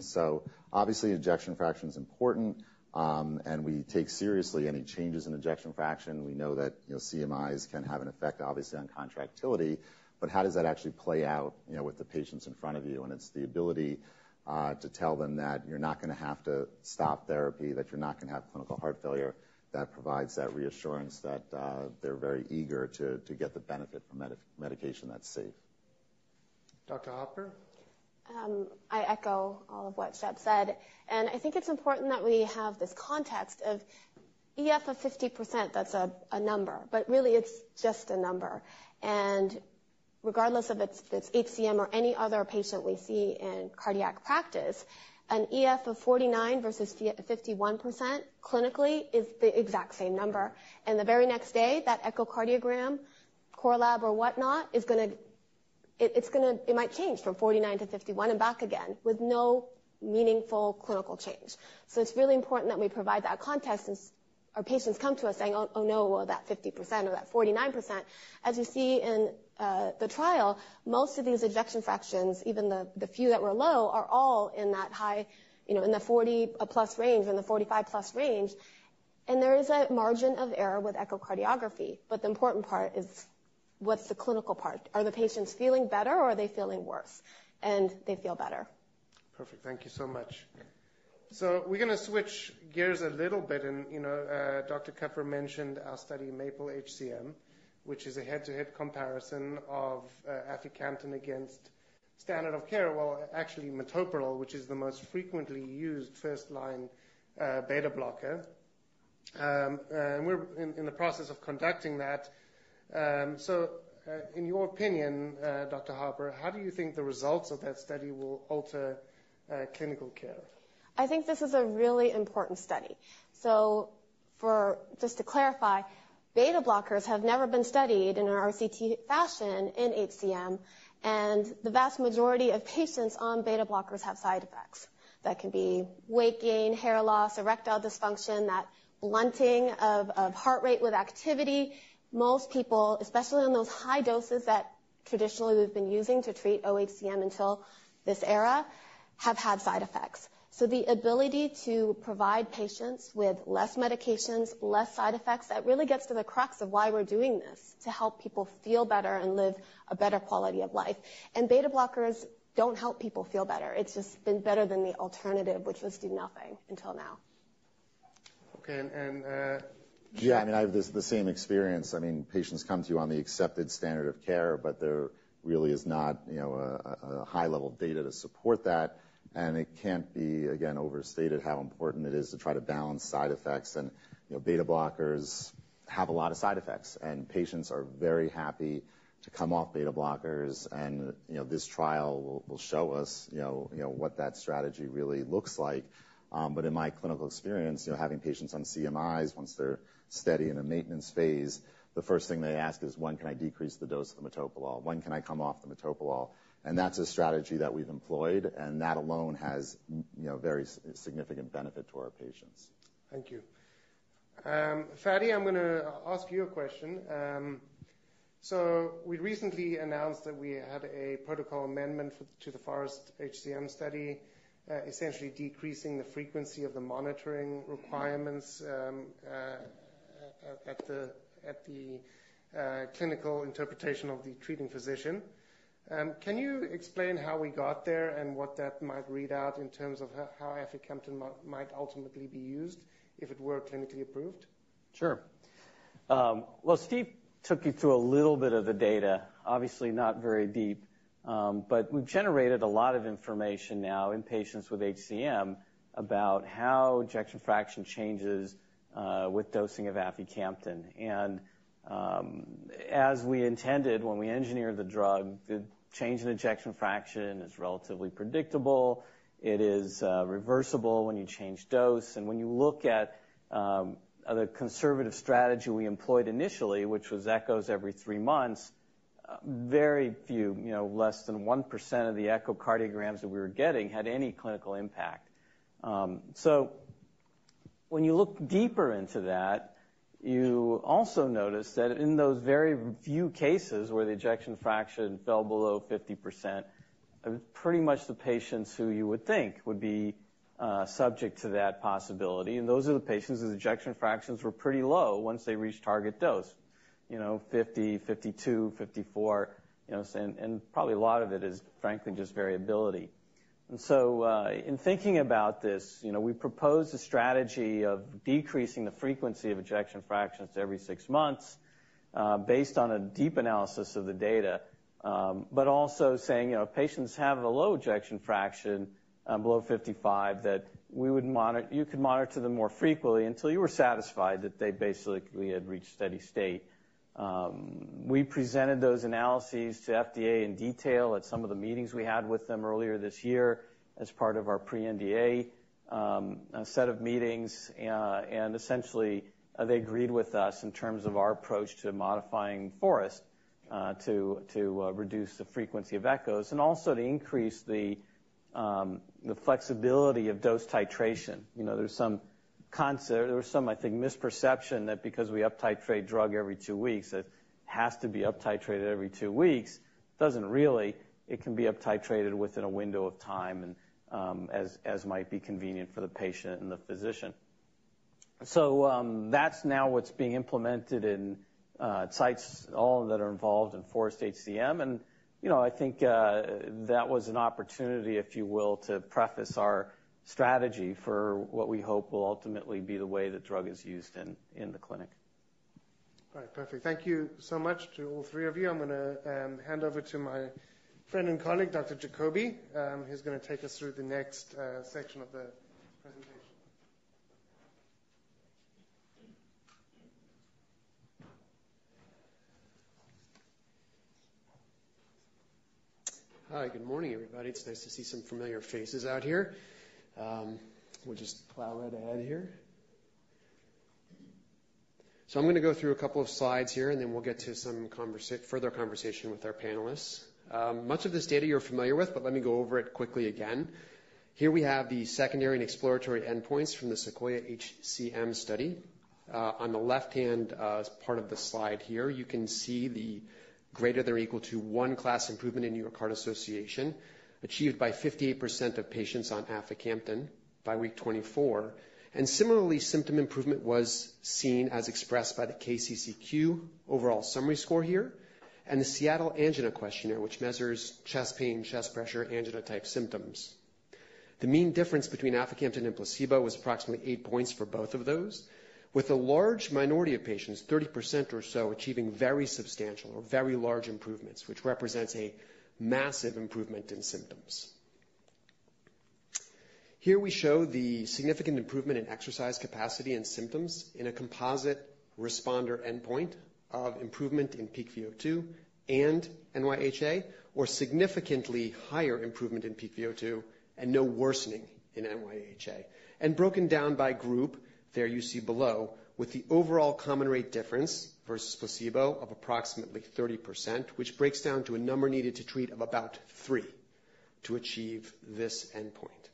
So obviously, ejection fraction is important, and we take seriously any changes in ejection fraction. We know that, you know, CMIs can have an effect, obviously, on contractility, but how does that actually play out, you know, with the patients in front of you? It's the ability to tell them that you're not gonna have to stop therapy, that you're not gonna have clinical heart failure, that provides that reassurance that they're very eager to get the benefit from medication that's safe. Dr. Harper? I echo all of what Shep said, and I think it's important that we have this context of EF of 50%. That's a number, but really, it's just a number. And regardless if it's HCM or any other patient we see in cardiac practice, an EF of 49 versus 51% clinically is the exact same number. And the very next day, that echocardiogram, core lab or whatnot, is gonna. It might change from 49 to 51 and back again with no meaningful clinical change. So it's really important that we provide that context since our patients come to us saying, "Oh, oh, no, well, that 50% or that 49%." As you see in the trial, most of these ejection fractions, even the few that were low, are all in that high, you know, in the 40-plus range, in the 45-plus range. And there is a margin of error with echocardiography, but the important part is, what's the clinical part? Are the patients feeling better, or are they feeling worse? And they feel better. Perfect. Thank you so much. So we're going to switch gears a little bit, and, you know, Dr. Kupfer mentioned our study, MAPLE-HCM, which is a head-to-head comparison of aficamten against standard of care. Well, actually, metoprolol, which is the most frequently used first-line beta blocker. And we're in the process of conducting that. So, in your opinion, Dr. Harper, how do you think the results of that study will alter clinical care? I think this is a really important study. So just to clarify, beta blockers have never been studied in an RCT fashion in HCM, and the vast majority of patients on beta blockers have side effects. That can be weight gain, hair loss, erectile dysfunction, that blunting of heart rate with activity. Most people, especially on those high doses that traditionally we've been using to treat OHCM until this era, have had side effects. So the ability to provide patients with less medications, less side effects, that really gets to the crux of why we're doing this, to help people feel better and live a better quality of life. And beta blockers don't help people feel better. It's just been better than the alternative, which was do nothing until now. Okay, and Yeah, I mean, I have the same experience. I mean, patients come to you on the accepted standard of care, but there really is not, you know, a high level of data to support that, and it can't be, again, overstated how important it is to try to balance side effects, and, you know, beta blockers have a lot of side effects, and patients are very happy to come off beta blockers. And, you know, this trial will show us, you know, what that strategy really looks like. But in my clinical experience, you know, having patients on CMI, once they're steady in a maintenance phase, the first thing they ask is: When can I decrease the dose of the metoprolol? When can I come off the metoprolol? That's a strategy that we've employed, and that alone has, you know, very significant benefit to our patients. Thank you. Fady, I'm gonna ask you a question. So we recently announced that we had a protocol amendment to the FOREST-HCM study, essentially decreasing the frequency of the monitoring requirements at the clinical interpretation of the treating physician. Can you explain how we got there and what that might read out in terms of how aficamten might ultimately be used if it were clinically approved? Sure. Well, Steve took you through a little bit of the data, obviously not very deep, but we've generated a lot of information now in patients with HCM about how ejection fraction changes with dosing of aficamten. And, as we intended when we engineered the drug, the change in ejection fraction is relatively predictable. It is, reversible when you change dose, and when you look at the conservative strategy we employed initially, which was echoes every three months, very few, you know, less than 1% of the echocardiograms that we were getting had any clinical impact. So when you look deeper into that, you also notice that in those very few cases where the ejection fraction fell below 50%, pretty much the patients who you would think would be subject to that possibility, and those are the patients whose ejection fractions were pretty low once they reached target dose. You know, 50, 52, 54, you know, so. And probably a lot of it is, frankly, just variability. And so, in thinking about this, you know, we proposed a strategy of decreasing the frequency of ejection fractions to every six months, based on a deep analysis of the data. But also saying, you know, patients having a low ejection fraction below 55, that we would you could monitor them more frequently until you were satisfied that they basically had reached steady state. We presented those analyses to FDA in detail at some of the meetings we had with them earlier this year as part of our pre-NDA, a set of meetings. And essentially, they agreed with us in terms of our approach to modifying FOREST-HCM to reduce the frequency of echoes and also to increase the flexibility of dose titration. You know, there was some, I think, misperception that because we uptitrate drug every two weeks, that it has to be uptitrated every two weeks. Doesn't really. It can be uptitrated within a window of time and as might be convenient for the patient and the physician. So, that's now what's being implemented in all sites that are involved in FOREST-HCM. You know, I think that was an opportunity, if you will, to preface our strategy for what we hope will ultimately be the way the drug is used in the clinic. All right. Perfect. Thank you so much to all three of you. I'm gonna hand over to my friend and colleague, Dr. Jacoby, who's going to take us through the next section of the presentation. Hi, good morning, everybody. It's nice to see some familiar faces out here. We'll just plow right ahead here. So I'm gonna go through a couple of slides here, and then we'll get to some further conversation with our panelists. Much of this data you're familiar with, but let me go over it quickly again. ...Here we have the secondary and exploratory endpoints from the SEQUOIA-HCM study. On the left-hand part of the slide here, you can see the greater than or equal to one class improvement in New York Heart Association, achieved by 58% of patients on aficamten by week 24. And similarly, symptom improvement was seen as expressed by the KCCQ overall summary score here, and the Seattle Angina Questionnaire, which measures chest pain, chest pressure, angina-type symptoms. The mean difference between aficamten and placebo was approximately eight points for both of those, with a large minority of patients, 30% or so, achieving very substantial or very large improvements, which represents a massive improvement in symptoms. Here we show the significant improvement in exercise capacity and symptoms in a composite responder endpoint of improvement in peak VO2 and NYHA, or significantly higher improvement in peak VO2 and no worsening in NYHA, and broken down by group, there you see below, with the overall common rate difference versus placebo of approximately 30%, which breaks down to a number needed to treat of about three to achieve this endpoint.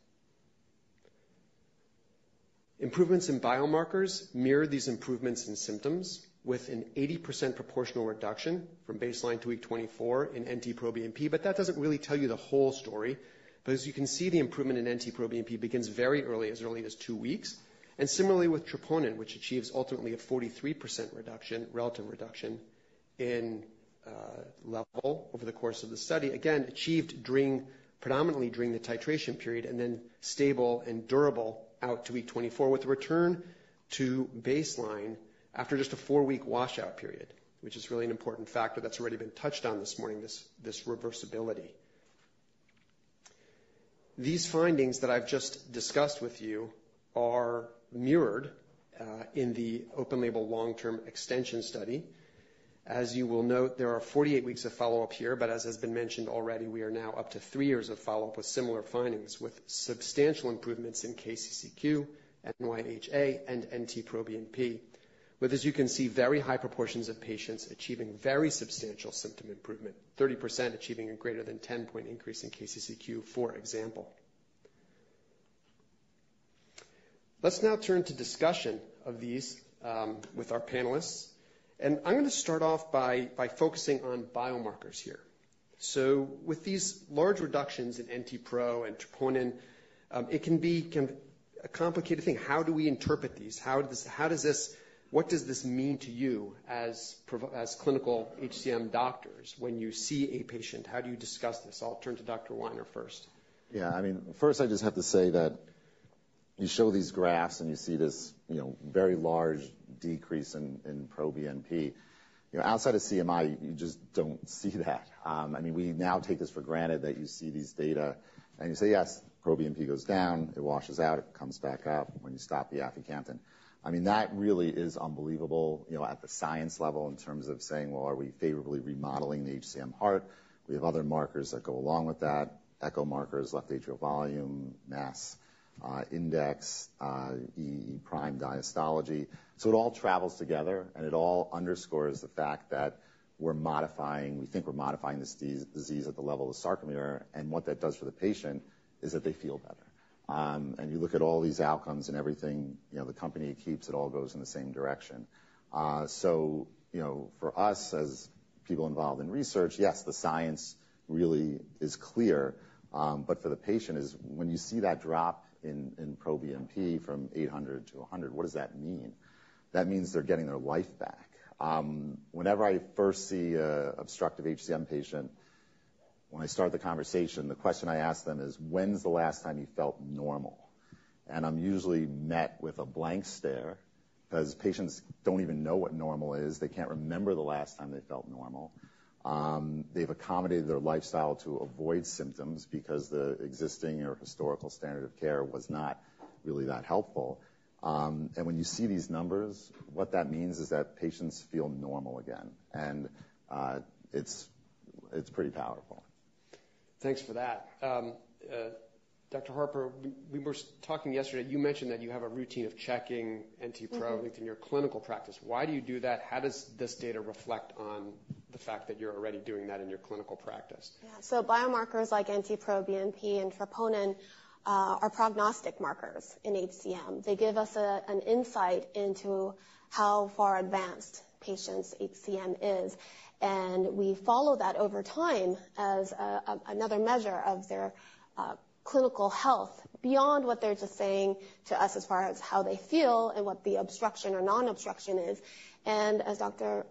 Improvements in biomarkers mirror these improvements in symptoms, with an 80% proportional reduction from baseline to week 24 in NT-proBNP, but that doesn't really tell you the whole story, because you can see the improvement in NT-proBNP begins very early, as early as 2 weeks, and similarly with troponin, which achieves ultimately a 43% reduction, relative reduction in, level over the course of the study. Again, achieved during predominantly during the titration period, and then stable and durable out to week 24, with a return to baseline after just a 4 week washout period, which is really an important factor that's already been touched on this morning, this, this reversibility. These findings that I've just discussed with you are mirrored in the open label long-term extension study. As you will note, there are 48 weeks of follow-up here, but as has been mentioned already, we are now up to 3 years of follow-up with similar findings, with substantial improvements in KCCQ, NYHA, and NT-proBNP. With, as you can see, very high proportions of patients achieving very substantial symptom improvement, 30% achieving a greater than 10-point increase in KCCQ, for example. Let's now turn to discussion of these with our panelists, and I'm gonna start off by focusing on biomarkers here. So with these large reductions in NT-pro and troponin, it can be a complicated thing. How do we interpret these? How does this, what does this mean to you as clinical HCM doctors when you see a patient? How do you discuss this? I'll turn to Dr. Weiner first. Yeah, I mean, first, I just have to say that you show these graphs, and you see this, you know, very large decrease in proBNP. You know, outside of CMI, you just don't see that. I mean, we now take this for granted that you see these data, and you say, yes, proBNP goes down, it washes out, it comes back up when you stop the aficamten. I mean, that really is unbelievable, you know, at the science level, in terms of saying, well, are we favorably remodeling the HCM heart? We have other markers that go along with that, echo markers, left atrial volume, mass, index, E/E' diastology. So it all travels together, and it all underscores the fact that we're modifying. We think we're modifying this disease at the level of the sarcomere, and what that does for the patient is that they feel better. And you look at all these outcomes and everything, you know, the company keeps. It all goes in the same direction. So, you know, for us, as people involved in research, yes, the science really is clear, but for the patient is when you see that drop in proBNP from 800 to 100, what does that mean? That means they're getting their life back. Whenever I first see an obstructive HCM patient, when I start the conversation, the question I ask them is, "When's the last time you felt normal?" And I'm usually met with a blank stare because patients don't even know what normal is. They can't remember the last time they felt normal. They've accommodated their lifestyle to avoid symptoms because the existing or historical standard of care was not really that helpful. And when you see these numbers, what that means is that patients feel normal again, and it's pretty powerful. Thanks for that. Dr. Harper, we were talking yesterday. You mentioned that you have a routine of checking NT-proBNP. In your clinical practice. Why do you do that? How does this data reflect on the fact that you're already doing that in your clinical practice? Yeah. So biomarkers like NT-proBNP and troponin are prognostic markers in HCM. They give us an insight into how far advanced patient's HCM is, and we follow that over time as another measure of their clinical health, beyond what they're just saying to us as far as how they feel and what the obstruction or non-obstruction is. And as Dr.,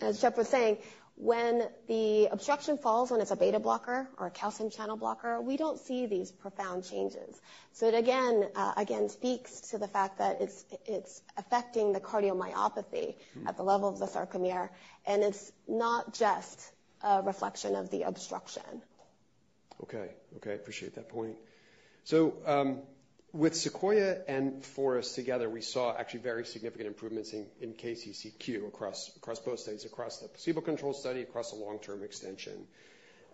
as Jeff was saying, when the obstruction falls when it's a beta blocker or a calcium channel blocker, we don't see these profound changes. So it again speaks to the fact that it's affecting the cardiomyopathy- Mm-hmm At the level of the sarcomere, and it's not just a reflection of the obstruction. Okay. Okay, appreciate that point. So, with Sequoia and Forest together, we saw actually very significant improvements in KCCQ across both studies, across the placebo-controlled study, across the long-term extension.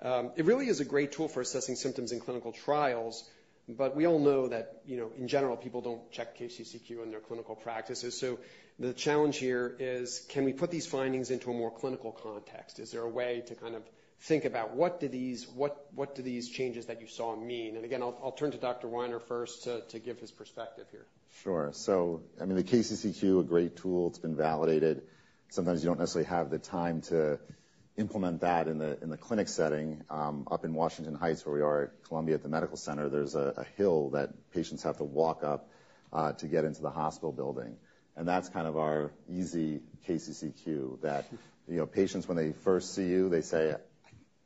It really is a great tool for assessing symptoms in clinical trials, but we all know that, you know, in general, people don't check KCCQ in their clinical practices. So the challenge here is, can we put these findings into a more clinical context? Is there a way to think about what do these changes that you saw mean? And again, I'll turn to Dr. Weiner first to give his perspective here. Sure. So I mean, the KCCQ, a great tool, it's been validated. Sometimes you don't necessarily have the time to implement that in the clinic setting. Up in Washington Heights, where we are at Columbia University Medical Center, there's a hill that patients have to walk up to get into the hospital building, and that's kind of our easy KCCQ, that you know, patients when they first see you, they say,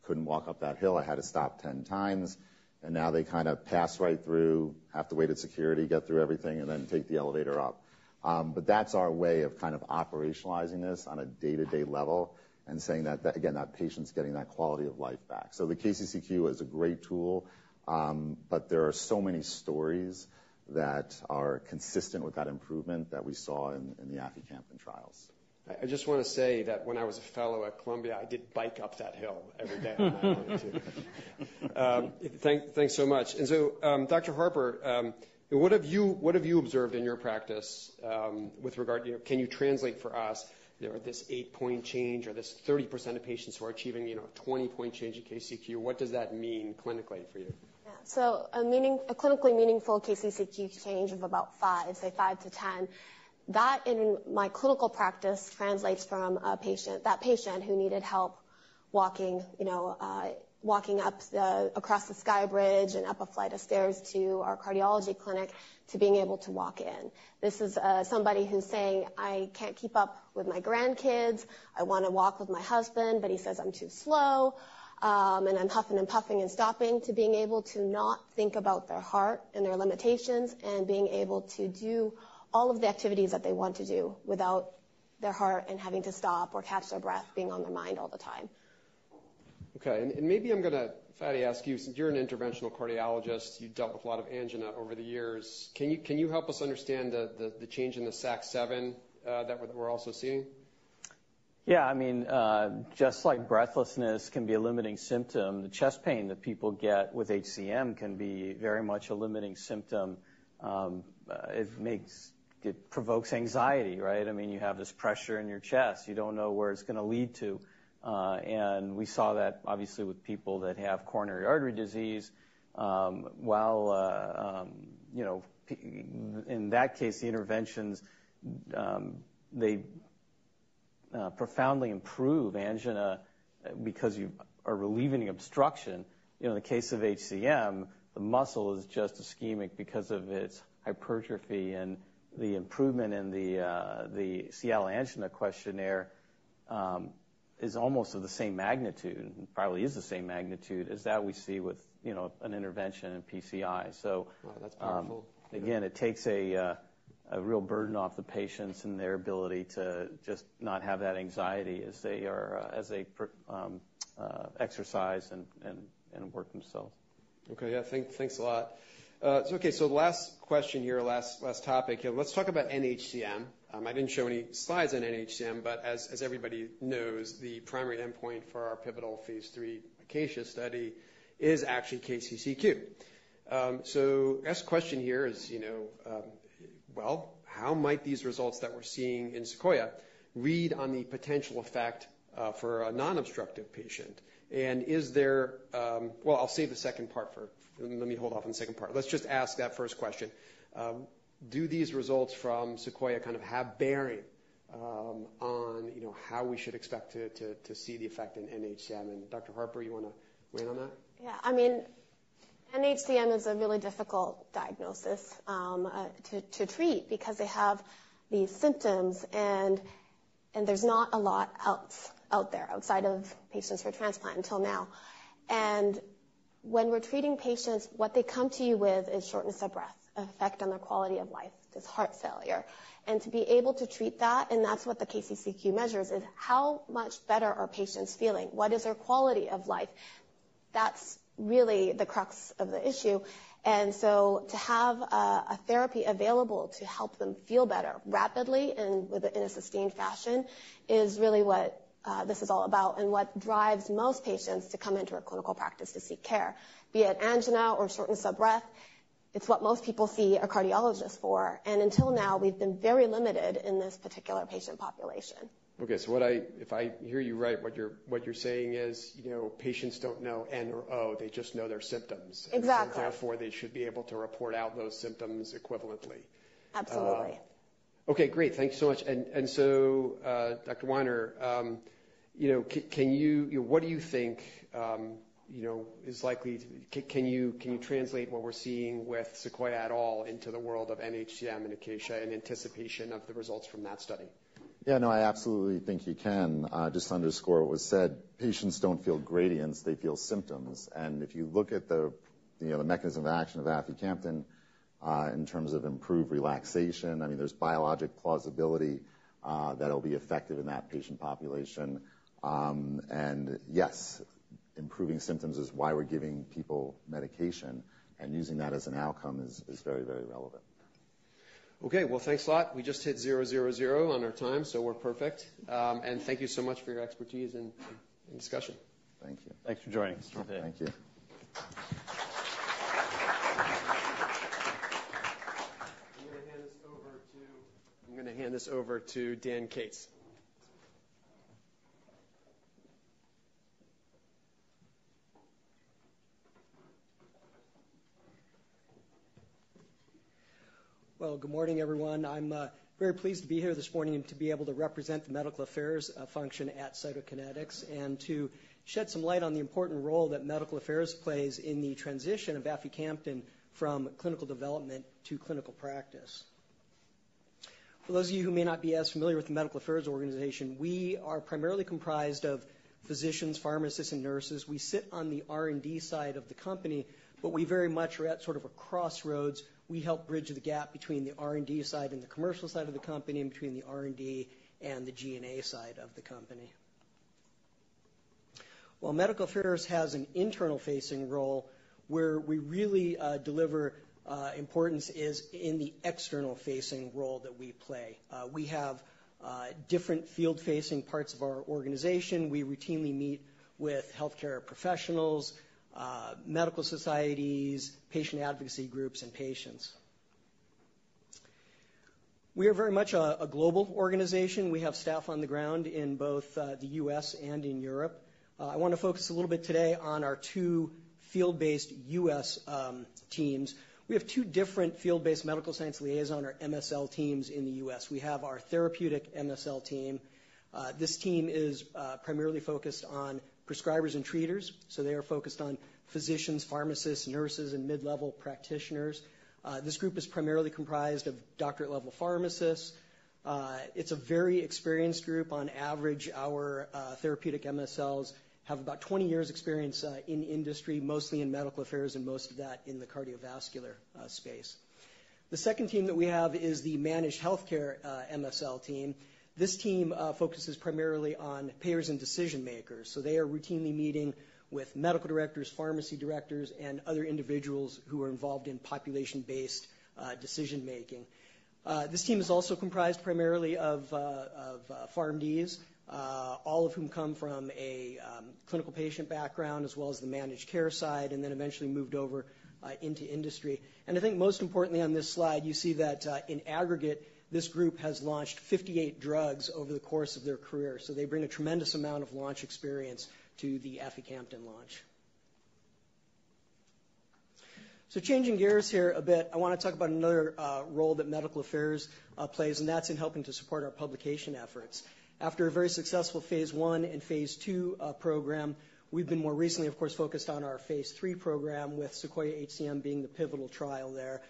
"I couldn't walk up that hill. I had to stop ten times," and now they kind of pass right through, have to wait at security, get through everything, and then take the elevator up, but that's our way of kind of operationalizing this on a day-to-day level and saying that, again, that patient's getting that quality of life back. So the KCCQ is a great tool, but there are so many stories that are consistent with that improvement that we saw in the aficamten trials. I just wanna say that when I was a fellow at Columbia, I did bike up that hill every day. Thanks so much. And so, Dr. Harper, what have you observed in your practice with regard to can you translate for us, you know, this eight-point change or this 30% of patients who are achieving, you know, a twenty-point change in KCCQ? What does that mean clinically for you? Yeah. So a clinically meaningful KCCQ change of about five, say five to 10, that in my clinical practice translates from that patient who needed help walking, you know, walking up the across the sky bridge and up a flight of stairs to our cardiology clinic, to being able to walk in. This is somebody who's saying, "I can't keep up with my grandkids. I wanna walk with my husband, but he says I'm too slow, and I'm huffing and puffing and stopping," to being able to not think about their heart and their limitations, and being able to do all of the activities that they want to do without their heart and having to stop or catch their breath, being on their mind all the time. Okay, and maybe I'm gonna ask you, Fady, since you're an interventional cardiologist, you've dealt with a lot of angina over the years. Can you help us understand the change in the SAQ-7 that we're also seeing? Yeah, I mean, just like breathlessness can be a limiting symptom, the chest pain that people get with HCM can be very much a limiting symptom. It provokes anxiety, right? I mean, you have this pressure in your chest, you don't know where it's gonna lead to. And we saw that obviously with people that have coronary artery disease, while, you know, in that case, the interventions, they, profoundly improve angina because you are relieving the obstruction. You know, in the case of HCM, the muscle is just ischemic because of its hypertrophy and the improvement in the, the Seattle Angina Questionnaire, is almost of the same magnitude, and probably is the same magnitude, as that we see with, you know, an intervention in PCI so- Wow, that's powerful! Again, it takes a real burden off the patients and their ability to just not have that anxiety as they exercise and work themselves. Okay. Yeah, thanks a lot. So okay, so the last question here, last topic here. Let's talk about NHCM. I didn't show any slides on NHCM, but as everybody knows, the primary endpoint for our pivotal phase 3 ACACIA study is actually KCCQ. So the best question here is, you know, well, how might these results that we're seeing in Sequoia read on the potential effect for a non-obstructive patient? And is there... Well, I'll save the second part for- let me hold off on the second part. Let's just ask that first question. Do these results from Sequoia kind of have bearing on, you know, how we should expect to see the effect in NHCM? And Dr. Harper, you wanna weigh in on that? Yeah. I mean, NHCM is a really difficult diagnosis to treat because they have these symptoms and there's not a lot else out there, outside of patients for transplant until now, and when we're treating patients, what they come to you with is shortness of breath, effect on their quality of life, this heart failure, and to be able to treat that, and that's what the KCCQ measures: how much better are patients feeling? What is their quality of life? That's really the crux of the issue, and so to have a therapy available to help them feel better rapidly and with a in a sustained fashion, is really what this is all about and what drives most patients to come into a clinical practice to seek care. Be it angina or shortness of breath, it's what most people see a cardiologist for, and until now, we've been very limited in this particular patient population. Okay, so if I hear you right, what you're saying is, you know, patients don't know N or O, they just know their symptoms. Exactly. Therefore, they should be able to report out those symptoms equivalently. Absolutely. Okay, great. Thank you so much. And so, Dr. Weiner, you know, can you translate what we're seeing with Sequoia at all into the world of NHCM and Acacia in anticipation of the results from that study? Yeah, no, I absolutely think you can. Just to underscore what was said, patients don't feel gradients, they feel symptoms. And if you look at the, you know, the mechanism of action of aficamten, in terms of improved relaxation, I mean, there's biologic plausibility, that it'll be effective in that patient population. And yes, improving symptoms is why we're giving people medication, and using that as an outcome is very, very relevant. Okay, well, thanks a lot. We just hit zero, zero, zero on our time, so we're perfect, and thank you so much for your expertise and discussion. Thank you. Thanks for joining us. Thank you.... I'm gonna hand this over to Dan Kates. Good morning, everyone. I'm very pleased to be here this morning and to be able to represent the medical affairs function at Cytokinetics, and to shed some light on the important role that medical affairs plays in the transition of aficamten from clinical development to clinical practice. For those of you who may not be as familiar with the medical affairs organization, we are primarily comprised of physicians, pharmacists, and nurses. We sit on the R&D side of the company, but we very much are at sort of a crossroads. We help bridge the gap between the R&D side and the commercial side of the company, and between the R&D and the G&A side of the company. While medical affairs has an internal-facing role, where we really deliver importance is in the external-facing role that we play. We have different field-facing parts of our organization. We routinely meet with healthcare professionals, medical societies, patient advocacy groups, and patients. We are very much a global organization. We have staff on the ground in both the US and in Europe. I wanna focus a little bit today on our two field-based US teams. We have two different field-based medical science liaison or MSL teams in the US. We have our therapeutic MSL team. This team is primarily focused on prescribers and treaters, so they are focused on physicians, pharmacists, nurses, and mid-level practitioners. This group is primarily comprised of doctorate-level pharmacists. It's a very experienced group. On average, our therapeutic MSLs have about 20 years experience in industry, mostly in medical affairs, and most of that in the cardiovascular space. The second team that we have is the managed healthcare, MSL team. This team focuses primarily on payers and decision-makers, so they are routinely meeting with medical directors, pharmacy directors, and other individuals who are involved in population-based decision making. This team is also comprised primarily of PharmDs, all of whom come from a clinical patient background, as well as the managed care side, and then eventually moved over into industry. And I think most importantly on this slide, you see that in aggregate, this group has launched fifty-eight drugs over the course of their career, so they bring a tremendous amount of launch experience to the aficamten launch. So changing gears here a bit, I wanna talk about another role that medical affairs plays, and that's in helping to support our publication efforts. After a very successful phase I and phase II program, we've been more recently, of course, focused on our phase III program, with SEQUOIA-HCM being the pivotal trial there,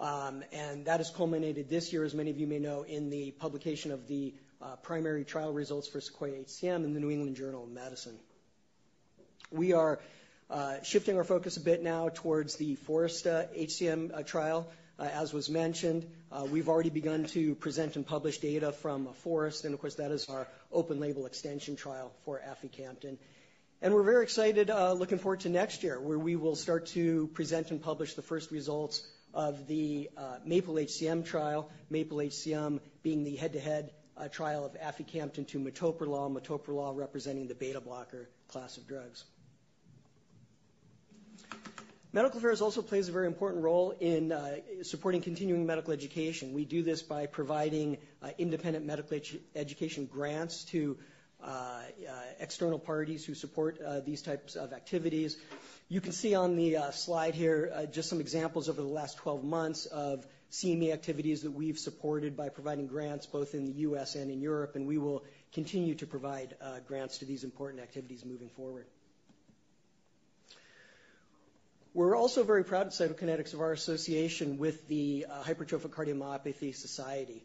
and that has culminated this year, as many of you may know, in the publication of the primary trial results for SEQUOIA-HCM in The New England Journal of Medicine. We are shifting our focus a bit now towards the FOREST-HCM trial. As was mentioned, we've already begun to present and publish data from FOREST, and of course, that is our open-label extension trial for aficamten. We're very excited looking forward to next year, where we will start to present and publish the first results of the MAPLE-HCM trial. MAPLE-HCM being the head-to-head trial of aficamten to metoprolol, metoprolol representing the beta blocker class of drugs. Medical affairs also plays a very important role in supporting continuing medical education. We do this by providing independent medical education grants to external parties who support these types of activities. You can see on the slide here just some examples over the last twelve months of CME activities that we've supported by providing grants both in the U.S. and in Europe, and we will continue to provide grants to these important activities moving forward. We're also very proud at Cytokinetics of our association with the Hypertrophic Cardiomyopathy Society.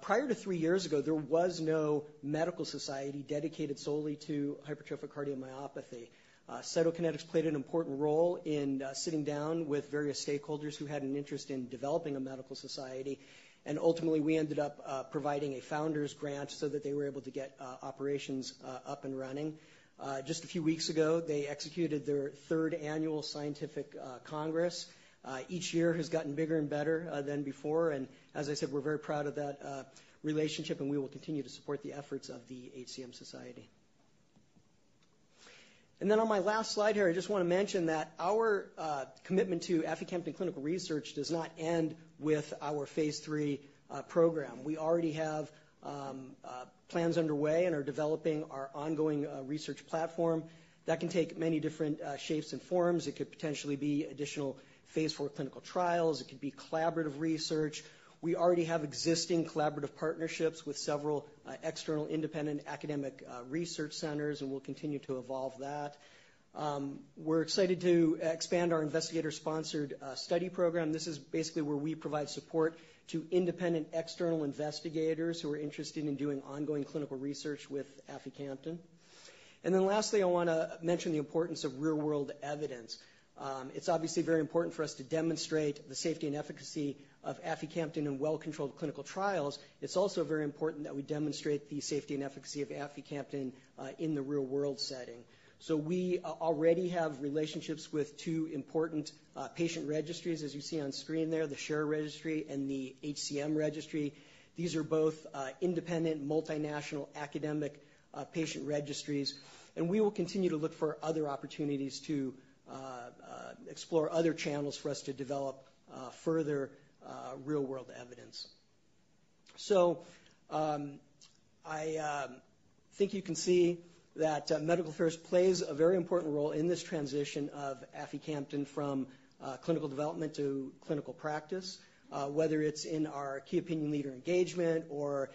Prior to three years ago, there was no medical society dedicated solely to hypertrophic cardiomyopathy. Cytokinetics played an important role in sitting down with various stakeholders who had an interest in developing a medical society, and ultimately, we ended up providing a founder's grant so that they were able to get operations up and running. Just a few weeks ago, they executed their third annual scientific congress. Each year it has gotten bigger and better than before, and as I said, we're very proud of that relationship, and we will continue to support the efforts of the HCM Society. And then on my last slide here, I just wanna mention that our commitment to aficamten clinical research does not end with our phase III program. We already have plans underway and are developing our ongoing research platform. That can take many different shapes and forms. It could potentially be additional phase IV clinical trials. It could be collaborative research. We already have existing collaborative partnerships with several external, independent, academic research centers, and we'll continue to evolve that. We're excited to expand our investigator-sponsored study program. This is basically where we provide support to independent external investigators who are interested in doing ongoing clinical research with aficamten. And then lastly, I wanna mention the importance of real-world evidence. It's obviously very important for us to demonstrate the safety and efficacy of aficamten in well-controlled clinical trials. It's also very important that we demonstrate the safety and efficacy of aficamten in the real-world setting. So we already have relationships with two important patient registries, as you see on screen there, the SHARE Registry and the HCM Registry. These are both independent, multinational, academic patient registries, and we will continue to look for other opportunities to explore other channels for us to develop further real-world evidence. So, I think you can see that medical affairs plays a very important role in this transition of aficamten from clinical development to clinical practice, whether it's in our key opinion leader engagement or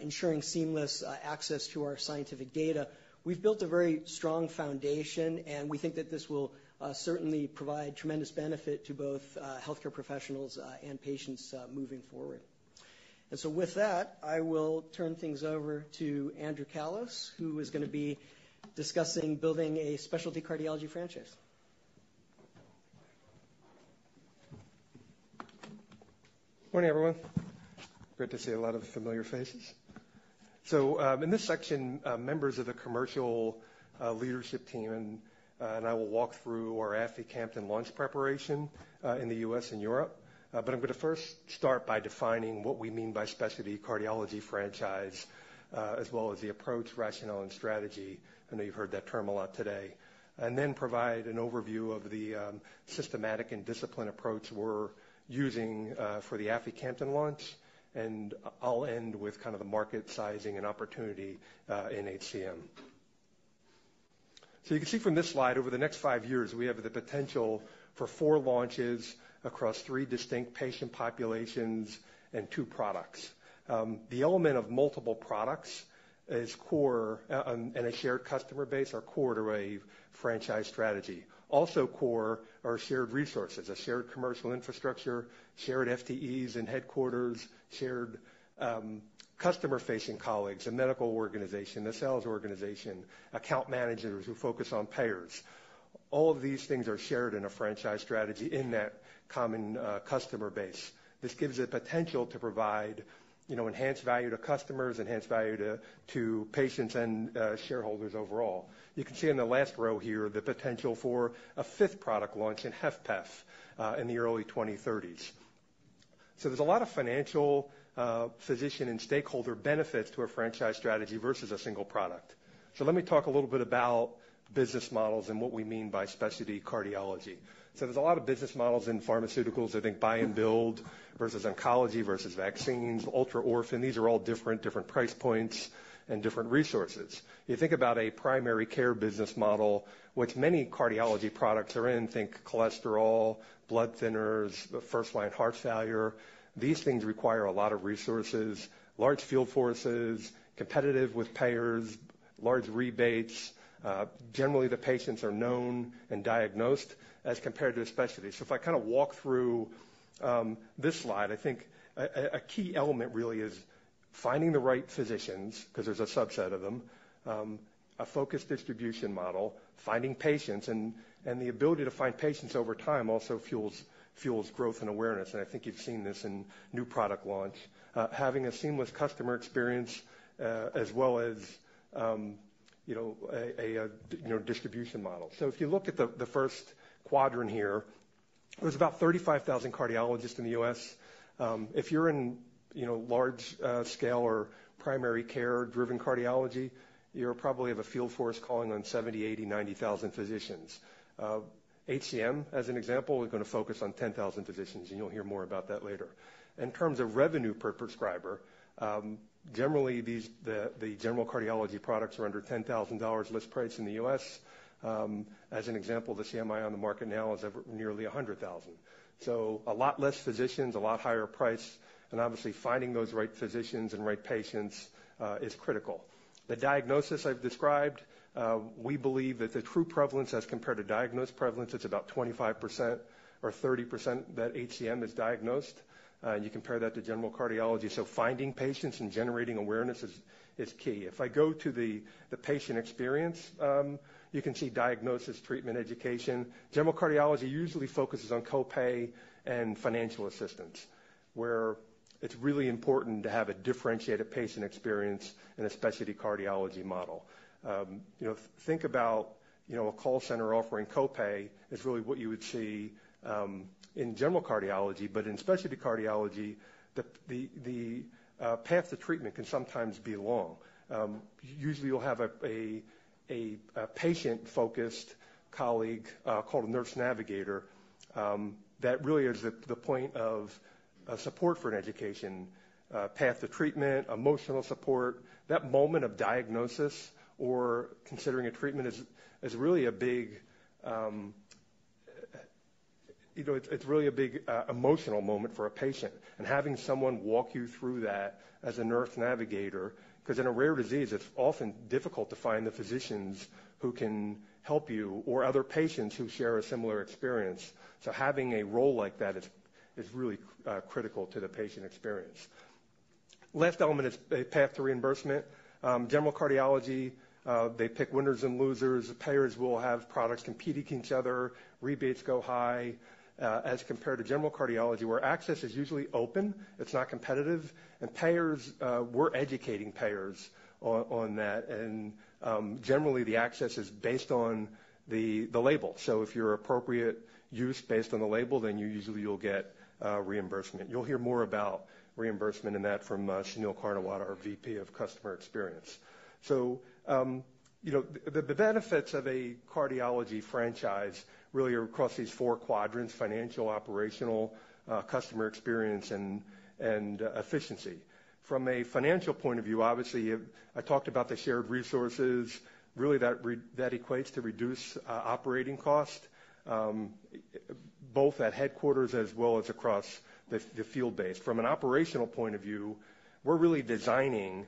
ensuring seamless access to our scientific data. We've built a very strong foundation, and we think that this will certainly provide tremendous benefit to both healthcare professionals and patients moving forward. And so with that, I will turn things over to Andrew Callos, who is going to be discussing building a specialty cardiology franchise. Good morning, everyone. Great to see a lot of familiar faces. So, in this section, members of the commercial leadership team and I will walk through our aficamten launch preparation in the U.S. and Europe. But I'm going to first start by defining what we mean by specialty cardiology franchise as well as the approach, rationale, and strategy. I know you've heard that term a lot today. And then provide an overview of the systematic and disciplined approach we're using for the aficamten launch, and I'll end with kind of the market sizing and opportunity in HCM. So you can see from this slide, over the next five years, we have the potential for four launches across three distinct patient populations and two products. The element of multiple products is core, and a shared customer base are core to a franchise strategy. Also core are shared resources, a shared commercial infrastructure, shared FTEs and headquarters, shared customer-facing colleagues, a medical organization, a sales organization, account managers who focus on payers. All of these things are shared in a franchise strategy in that common customer base. This gives the potential to provide, you know, enhanced value to customers, enhanced value to patients and shareholders overall. You can see in the last row here, the potential for a fifth product launch in HFpEF in the early twenty-thirties. So there's a lot of financial, physician and stakeholder benefits to a franchise strategy versus a single product. So let me talk a little bit about business models and what we mean by specialty cardiology. So there's a lot of business models in pharmaceuticals. I think buy and build versus oncology, versus vaccines, ultra orphan. These are all different, different price points and different resources. You think about a primary care business model, which many cardiology products are in, think cholesterol, blood thinners, the first-line heart failure. These things require a lot of resources, large field forces, competitive with payers, large rebates. Generally, the patients are known and diagnosed as compared to a specialty. So if I walk through this slide, I think a key element really is finding the right physicians because there's a subset of them, a focused distribution model, finding patients, and the ability to find patients over time also fuels growth and awareness. And I think you've seen this in new product launch. Having a seamless customer experience, as well as, you know, a distribution model. So if you look at the first quadrant here, there's about 35,000 cardiologists in the U.S. If you're in, you know, large scale or primary care-driven cardiology, you probably have a field force calling on 70,000, 80,000, 90,000 physicians. HCM, as an example, we're going to focus on 10,000 physicians, and you'll hear more about that later. In terms of revenue per prescriber, generally, these the general cardiology products are under $10,000 list price in the U.S. As an example, the Camzyos on the market now is over nearly $100,000. So a lot less physicians, a lot higher price, and obviously, finding those right physicians and right patients is critical. The diagnosis I've described, we believe that the true prevalence as compared to diagnosed prevalence, it's about 25% or 30%, that HCM is diagnosed, and you compare that to general cardiology. So finding patients and generating awareness is key. If I go to the patient experience, you can see diagnosis, treatment, education. General cardiology usually focuses on copay and financial assistance, where it's really important to have a differentiated patient experience in a specialty cardiology model. You know, think about, you know, a call center offering copay is really what you would see in general cardiology, but in specialty cardiology, the path to treatment can sometimes be long. Usually, you'll have a patient-focused colleague called a nurse navigator that really is the point of support for an education path to treatment, emotional support. That moment of diagnosis or considering a treatment is really a big... You know, it's really a big emotional moment for a patient and having someone walk you through that as a nurse navigator, because in a rare disease, it's often difficult to find the physicians who can help you or other patients who share a similar experience. So having a role like that is really critical to the patient experience. Last element is a path to reimbursement. General cardiology, they pick winners and losers. The payers will have products competing against each other. Rebates go high as compared to general cardiology, where access is usually open, it's not competitive, and payers. We're educating payers on that, and generally, the access is based on the label. So if you're appropriate use based on the label, then you usually get reimbursement. You'll hear more about reimbursement and that from Sunil Karnawat, our VP of Customer Experience. So, you know, the benefits of a cardiology franchise really are across these four quadrants: financial, operational, customer experience, and efficiency. From a financial point of view, obviously, I talked about the shared resources, really, that equates to reduced operating cost both at headquarters as well as across the field base. From an operational point of view, we're really designing-...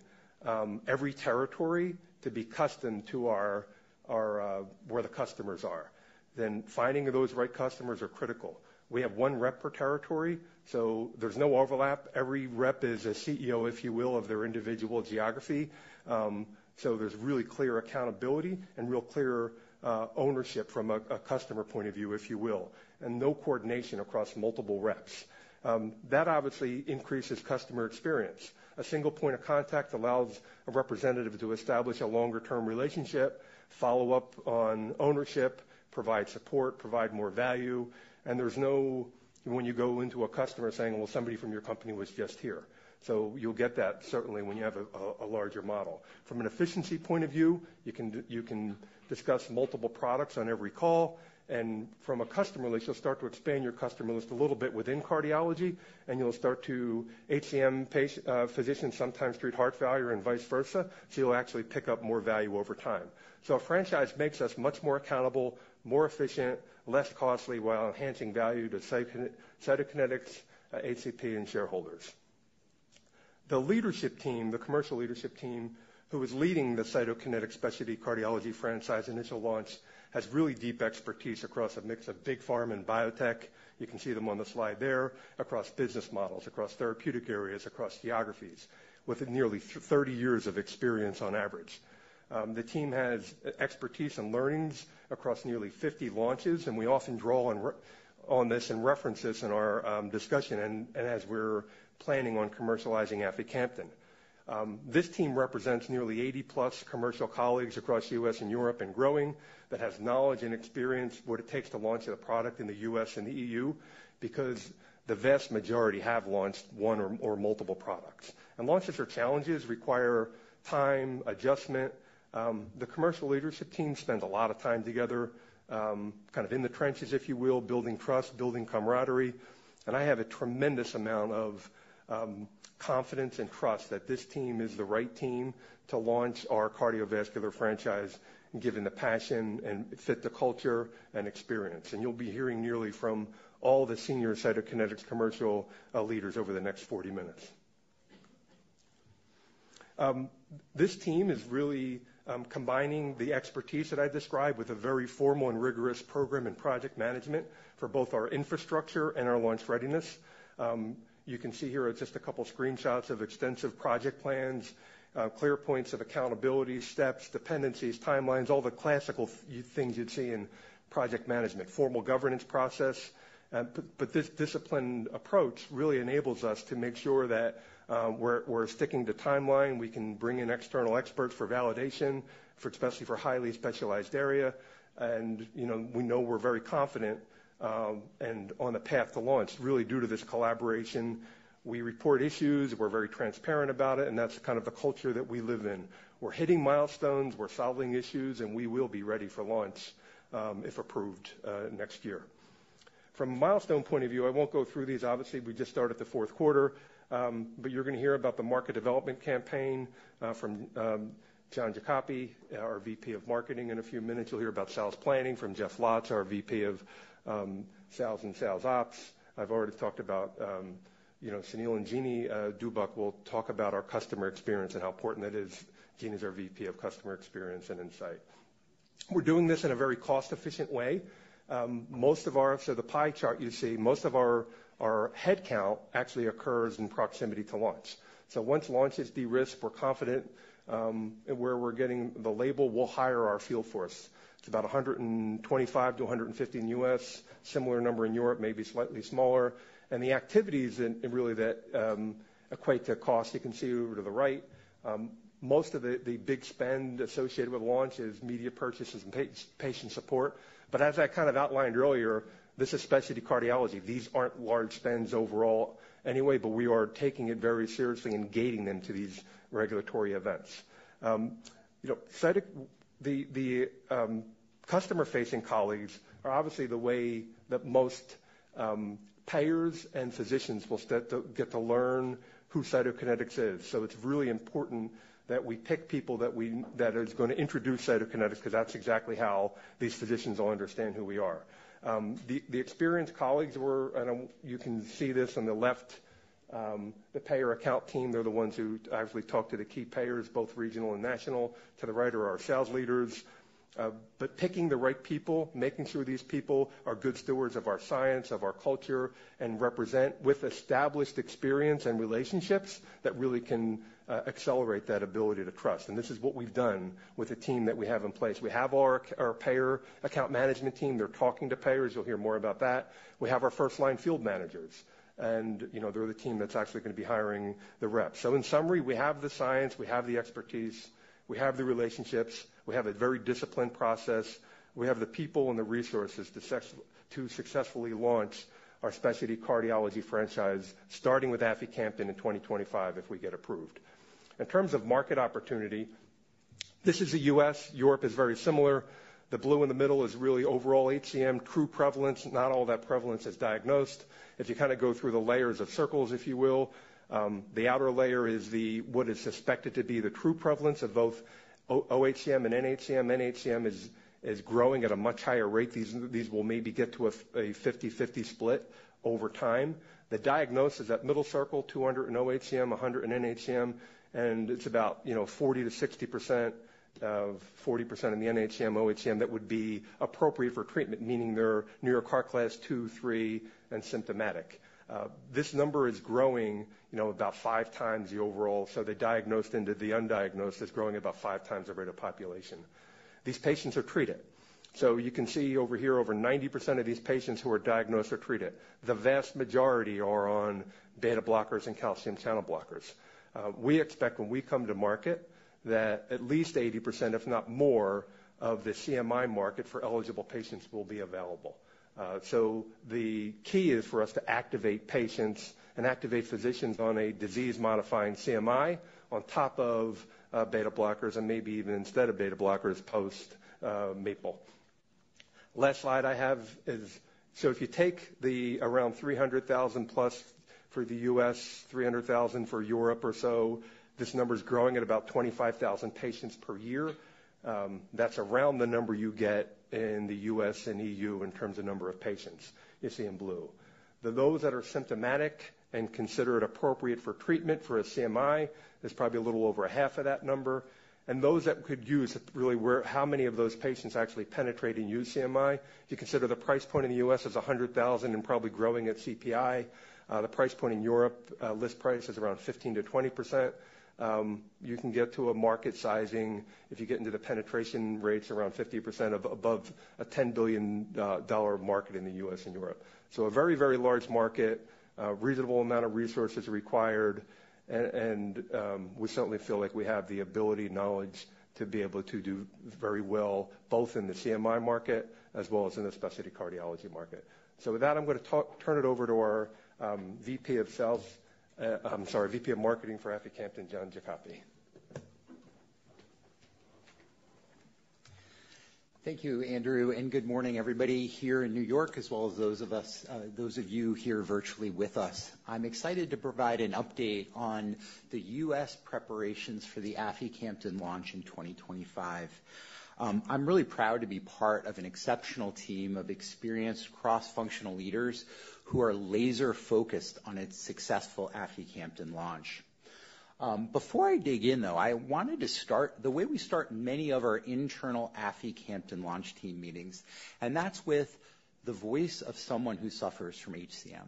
Every territory to be custom to where the customers are, then finding those right customers are critical. We have one rep per territory, so there's no overlap. Every rep is a CEO, if you will, of their individual geography. So there's really clear accountability and real clear ownership from a customer point of view, if you will, and no coordination across multiple reps. That obviously increases customer experience. A single point of contact allows a representative to establish a longer-term relationship, follow up on ownership, provide support, provide more value, and there's no, when you go into a customer saying, "Well, somebody from your company was just here." So you'll get that certainly when you have a larger model. From an efficiency point of view, you can discuss multiple products on every call, and from a customer list, you'll start to expand your customer list a little bit within cardiology, and you'll start to HCM physicians, sometimes treat heart failure and vice versa, so you'll actually pick up more value over time. So a franchise makes us much more accountable, more efficient, less costly, while enhancing value to Cytokinetics, ACP, and shareholders. The leadership team, the commercial leadership team, who is leading the Cytokinetics Specialty Cardiology Franchise initial launch, has really deep expertise across a mix of Big Pharma and biotech. You can see them on the slide there, across business models, across therapeutic areas, across geographies, with nearly 30 years of experience on average. The team has expertise and learnings across nearly 50 launches, and we often draw on this in references in our discussion and as we're planning on commercializing aficamten. This team represents nearly 80-plus commercial colleagues across the US and Europe and growing, that has knowledge and experience in what it takes to launch a product in the US and the EU, because the vast majority have launched one or multiple products. Launches are challenges, require time, adjustment. The commercial leadership team spent a lot of time together, kind of in the trenches, if you will, building trust, building camaraderie, and I have a tremendous amount of confidence and trust that this team is the right team to launch our cardiovascular franchise, given the passion and fit the culture and experience. And you'll be hearing nearly from all the senior Cytokinetics commercial leaders over the next 40 minutes. This team is really combining the expertise that I described with a very formal and rigorous program and project management for both our infrastructure and our launch readiness. You can see here just a couple of screenshots of extensive project plans, clear points of accountability, steps, dependencies, timelines, all the classical things you'd see in project management, formal governance process. But this disciplined approach really enables us to make sure that we're sticking to timeline. We can bring in external experts for validation, especially for highly specialized area. And, you know, we know we're very confident and on the path to launch, really due to this collaboration. We report issues, we're very transparent about it, and that's kind of the culture that we live in. We're hitting milestones, we're solving issues, and we will be ready for launch, if approved, next year. From a milestone point of view, I won't go through these. Obviously, we just started the fourth quarter, but you're going to hear about the market development campaign, from John Giacoppi, our VP of Marketing. In a few minutes, you'll hear about sales planning from Jeff Lotz, our VP of Sales and Sales Ops. I've already talked about, you know, Sunil and Jeanne Dubuc will talk about our customer experience and how important that is. Jeanne is our VP of Customer Experience and Insights. We're doing this in a very cost-efficient way. Most of our... The pie chart you see, most of our headcount actually occurs in proximity to launch. Once launch is de-risked, we're confident where we're getting the label, we'll hire our field force. It's about 125 to 150 in the U.S., similar number in Europe, maybe slightly smaller. The activities and really that equate to cost, you can see over to the right. Most of the big spend associated with launch is media purchases and patient support. As I kind of outlined earlier, this is specialty cardiology. These aren't large spends overall anyway, but we are taking it very seriously and gating them to these regulatory events. You know, the customer-facing colleagues are obviously the way that most payers and physicians will start to get to learn who Cytokinetics is. So it's really important that we pick people that is gonna introduce Cytokinetics, because that's exactly how these physicians will understand who we are. The experienced colleagues, and you can see this on the left, the payer account team, they're the ones who actually talk to the key payers, both regional and national. To the right are our sales leaders. But picking the right people, making sure these people are good stewards of our science, of our culture, and represent with established experience and relationships that really can accelerate that ability to trust. And this is what we've done with the team that we have in place. We have our payer account management team. They're talking to payers. You'll hear more about that. We have our first-line field managers, and, you know, they're the team that's actually going to be hiring the reps. So in summary, we have the science, we have the expertise, we have the relationships, we have a very disciplined process, we have the people and the resources to successfully launch our specialty cardiology franchise, starting with aficamten in twenty twenty-five, if we get approved. In terms of market opportunity. This is the US, Europe is very similar. The blue in the middle is really overall HCM true prevalence, not all that prevalence is diagnosed. If you kind of go through the layers of circles, if you will, the outer layer is the, what is suspected to be the true prevalence of both OHCM and NHCM. NHCM is growing at a much higher rate. These will maybe get to a 50/50 split over time. The diagnosis, that middle circle, 200 in OHCM, 100 in NHCM, and it's about, you know, 40%-60% of 40% in the NHCM, OHCM that would be appropriate for treatment, meaning they're New York Heart Association class two, three, and symptomatic. This number is growing, you know, about five times the overall. So the diagnosed into the undiagnosed is growing about five times the rate of population. These patients are treated. So you can see over here, over 90% of these patients who are diagnosed are treated. The vast majority are on beta blockers and calcium channel blockers. We expect when we come to market, that at least 80%, if not more, of the Camzyos market for eligible patients will be available. So the key is for us to activate patients and activate physicians on a disease-modifying Camzyos on top of beta blockers and maybe even instead of beta blockers, post MAPLE. Last slide I have is. So if you take the around 300,000 plus for the US, three hundred thousand for Europe or so, this number is growing at about 25,000 patients per year. That's around the number you get in the US and EU in terms of number of patients, you see in blue. Those that are symptomatic and considered appropriate for treatment for a Camzyos is probably a little over half of that number, and those that could use, really, how many of those patients actually penetrate and use Camzyos. If you consider the price point in the US is $100,000 and probably growing at CPI, the price point in Europe, list price is around 15%-20%. You can get to a market sizing, if you get into the penetration rates, around 50% or above a $10 billion market in the US and Europe. So a very, very large market, a reasonable amount of resources required, and we certainly feel like we have the ability, knowledge to be able to do very well, both in the Camzyos market as well as in the specialty cardiology market. So with that, I'm gonna turn it over to our VP of Marketing for aficamten, John Giacoppi. Thank you, Andrew, and good morning, everybody here in New York, as well as those of you here virtually with us. I'm excited to provide an update on the U.S. preparations for the aficamten launch in 2025. I'm really proud to be part of an exceptional team of experienced cross-functional leaders who are laser-focused on its successful aficamten launch. Before I dig in, though, I wanted to start the way we start many of our internal aficamten launch team meetings, and that's with the voice of someone who suffers from HCM.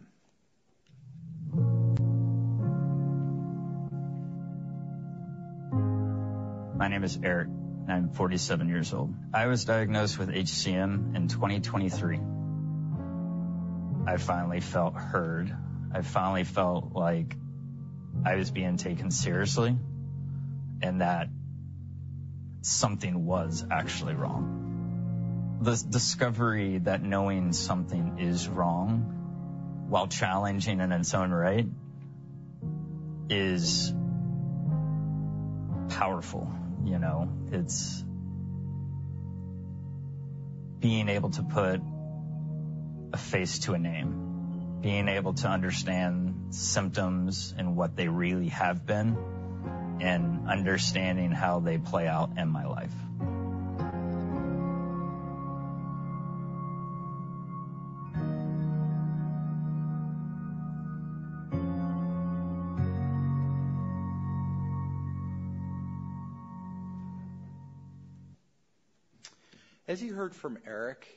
My name is Eric, and I'm 47 years old. I was diagnosed with HCM in 2023. I finally felt heard. I finally felt like I was being taken seriously, and that something was actually wrong. This discovery that knowing something is wrong, while challenging in its own right, is powerful, you know. It's being able to put a face to a name, being able to understand symptoms and what they really have been, and understanding how they play out in my life. As you heard from Eric,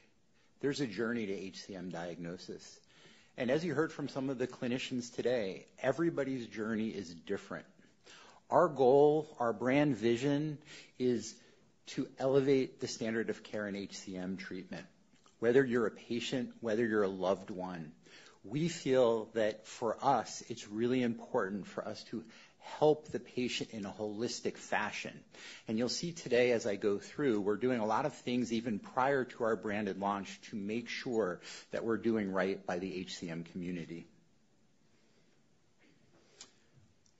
there's a journey to HCM diagnosis. And as you heard from some of the clinicians today, everybody's journey is different. Our goal, our brand vision, is to elevate the standard of care in HCM treatment. Whether you're a patient, whether you're a loved one, we feel that for us, it's really important for us to help the patient in a holistic fashion. And you'll see today, as I go through, we're doing a lot of things even prior to our branded launch, to make sure that we're doing right by the HCM community.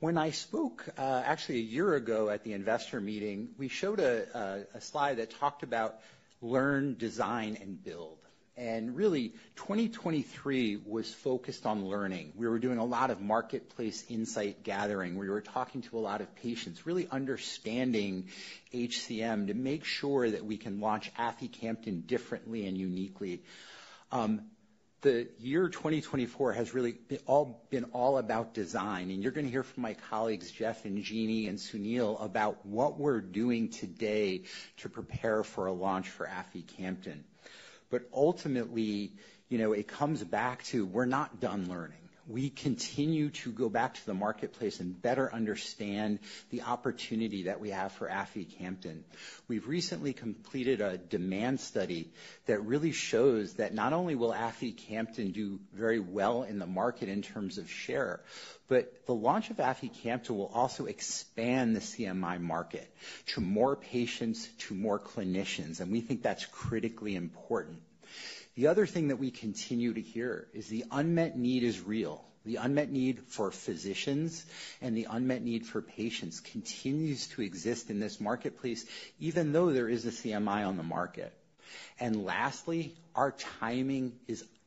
When I spoke, actually, a year ago at the investor meeting, we showed a slide that talked about learn, design, and build. And really, twenty twenty-three was focused on learning. We were doing a lot of marketplace insight gathering. We were talking to a lot of patients, really understanding HCM, to make sure that we can launch aficamten differently and uniquely. The year 2024 has really been all about design, and you're gonna hear from my colleagues, Jeff and Jeanne, and Sunil, about what we're doing today to prepare for a launch for aficamten. But ultimately, you know, it comes back to. We're not done learning. We continue to go back to the marketplace and better understand the opportunity that we have for aficamten. We've recently completed a demand study that really shows that not only will aficamten do very well in the market in terms of share, but the launch of aficamten will also expand the Camzyos market to more patients, to more clinicians, and we think that's critically important. The other thing that we continue to hear is the unmet need is real. The unmet need for physicians and the unmet need for patients continues to exist in this marketplace, even though there is a Camzyos on the market, and lastly, our timing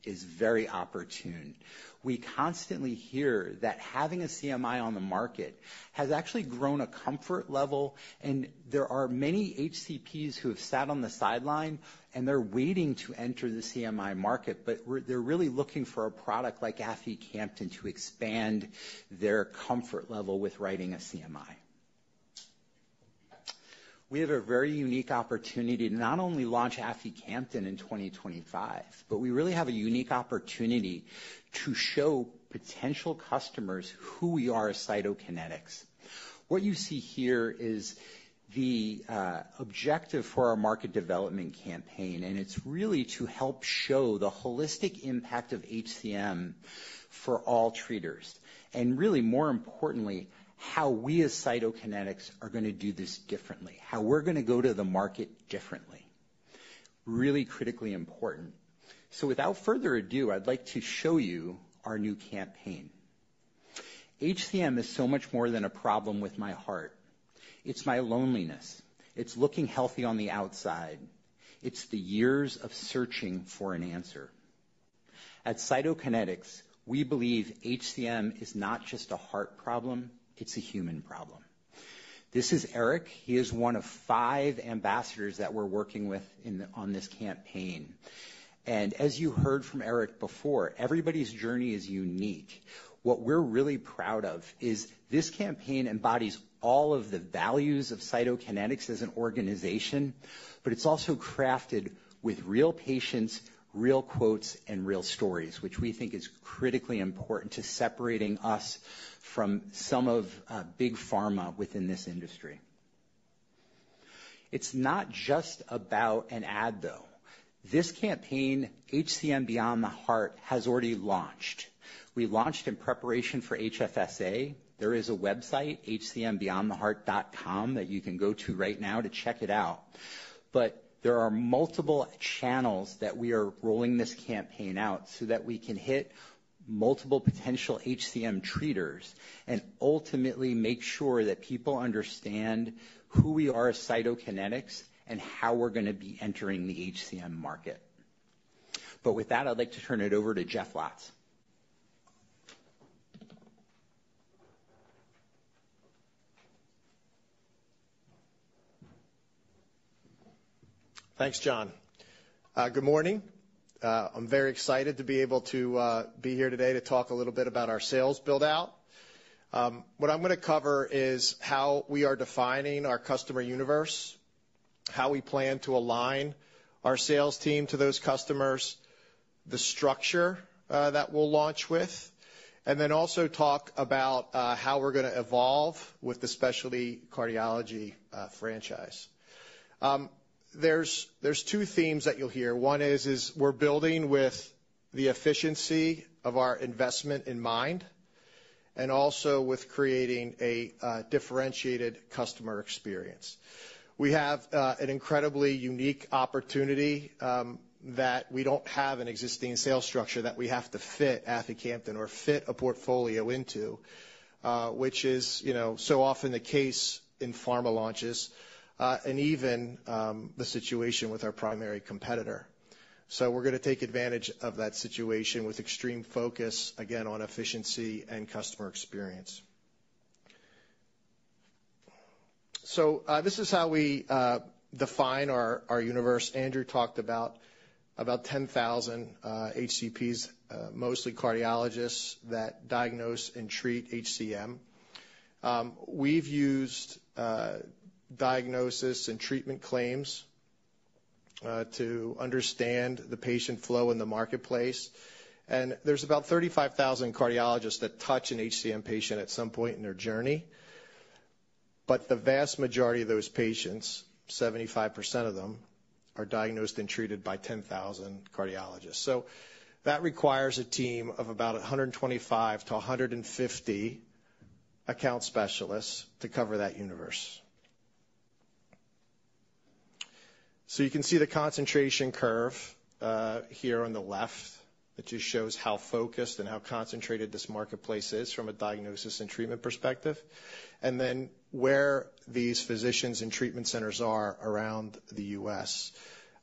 is very opportune. We constantly hear that having a Camzyos on the market has actually grown a comfort level, and there are many HCPs who have sat on the sideline, and they're waiting to enter the Camzyos market, but they're really looking for a product like aficamten to expand their comfort level with writing a Camzyos. We have a very unique opportunity to not only launch aficamten in twenty twenty-five, but we really have a unique opportunity to show potential customers who we are as Cytokinetics. What you see here is the objective for our market development campaign, and it's really to help show the holistic impact of HCM for all treaters, and really, more importantly, how we as Cytokinetics are gonna do this differently, how we're gonna go to the market differently. Really critically important. So without further ado, I'd like to show you our new campaign. HCM is so much more than a problem with my heart. It's my loneliness. It's looking healthy on the outside. It's the years of searching for an answer. At Cytokinetics, we believe HCM is not just a heart problem, it's a human problem. This is Eric. He is one of five ambassadors that we're working with on this campaign. And as you heard from Eric before, everybody's journey is unique. What we're really proud of is this campaign embodies all of the values of Cytokinetics as an organization, but it's also crafted with real patients, real quotes, and real stories, which we think is critically important to separating us from some of big pharma within this industry. It's not just about an ad, though. This campaign, HCM Beyond the Heart, has already launched. We launched in preparation for HFSA. There is a website, hcmbeyondtheheart.com, that you can go to right now to check it out. But there are multiple channels that we are rolling this campaign out, so that we can hit multiple potential HCM treaters and ultimately make sure that people understand who we are as Cytokinetics and how we're gonna be entering the HCM market. But with that, I'd like to turn it over to Jeff Lotz. Thanks, John. Good morning. I'm very excited to be able to be here today to talk a little bit about our sales build-out. What I'm gonna cover is how we are defining our customer universe, how we plan to align our sales team to those customers, the structure that we'll launch with, and then also talk about how we're gonna evolve with the specialty cardiology franchise. There's two themes that you'll hear. One is we're building with the efficiency of our investment in mind, and also with creating a differentiated customer experience. We have an incredibly unique opportunity that we don't have an existing sales structure that we have to fit aficamten or fit a portfolio into, which is, you know, so often the case in pharma launches, and even the situation with our primary competitor, so we're gonna take advantage of that situation with extreme focus, again, on efficiency and customer experience, so this is how we define our universe. Andrew talked about 10,000 HCPs, mostly cardiologists, that diagnose and treat HCM. We've used diagnosis and treatment claims to understand the patient flow in the marketplace, and there's about 35,000 cardiologists that touch an HCM patient at some point in their journey, but the vast majority of those patients, 75% of them, are diagnosed and treated by 10,000 cardiologists. So that requires a team of about 125 to 150 account specialists to cover that universe. So you can see the concentration curve, here on the left. It just shows how focused and how concentrated this marketplace is from a diagnosis and treatment perspective, and then where these physicians and treatment centers are around the U.S.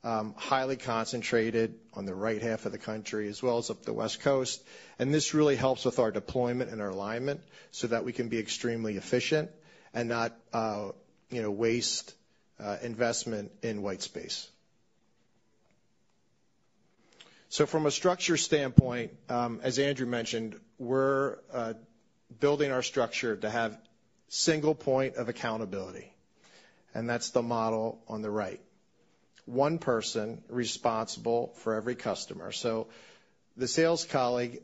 Highly concentrated on the right half of the country, as well as up the West Coast, and this really helps with our deployment and our alignment so that we can be extremely efficient and not, you know, waste investment in white space. So from a structure standpoint, as Andrew mentioned, we're building our structure to have single point of accountability, and that's the model on the right. One person responsible for every customer. So the sales colleague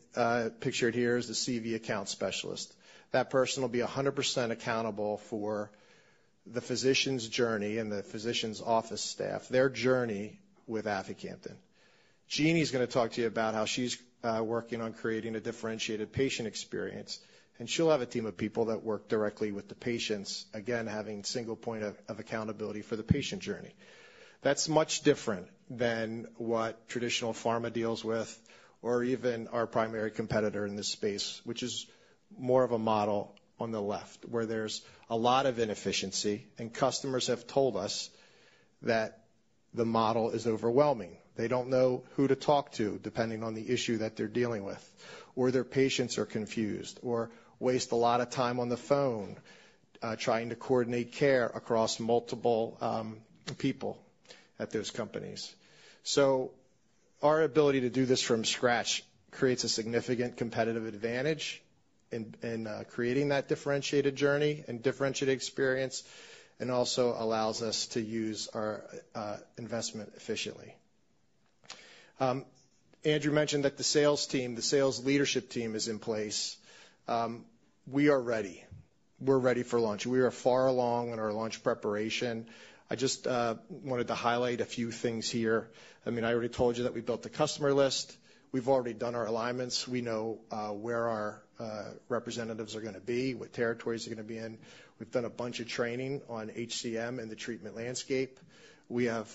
pictured here is the CV account specialist. That person will be 100% accountable for the physician's journey and the physician's office staff, their journey with aficamten. Genie is gonna talk to you about how she's working on creating a differentiated patient experience, and she'll have a team of people that work directly with the patients, again, having single point of accountability for the patient journey. That's much different than what traditional pharma deals with, or even our primary competitor in this space, which is more of a model on the left, where there's a lot of inefficiency, and customers have told us that the model is overwhelming. They don't know who to talk to, depending on the issue that they're dealing with, or their patients are confused or waste a lot of time on the phone, trying to coordinate care across multiple, people at those companies. Our ability to do this from scratch creates a significant competitive advantage in creating that differentiated journey and differentiated experience, and also allows us to use our investment efficiently. Andrew mentioned that the sales team, the sales leadership team, is in place. We are ready. We're ready for launch. We are far along in our launch preparation. I just wanted to highlight a few things here. I mean, I already told you that we built the customer list. We've already done our alignments. We know where our representatives are gonna be, what territories they're gonna be in. We've done a bunch of training on HCM and the treatment landscape. We have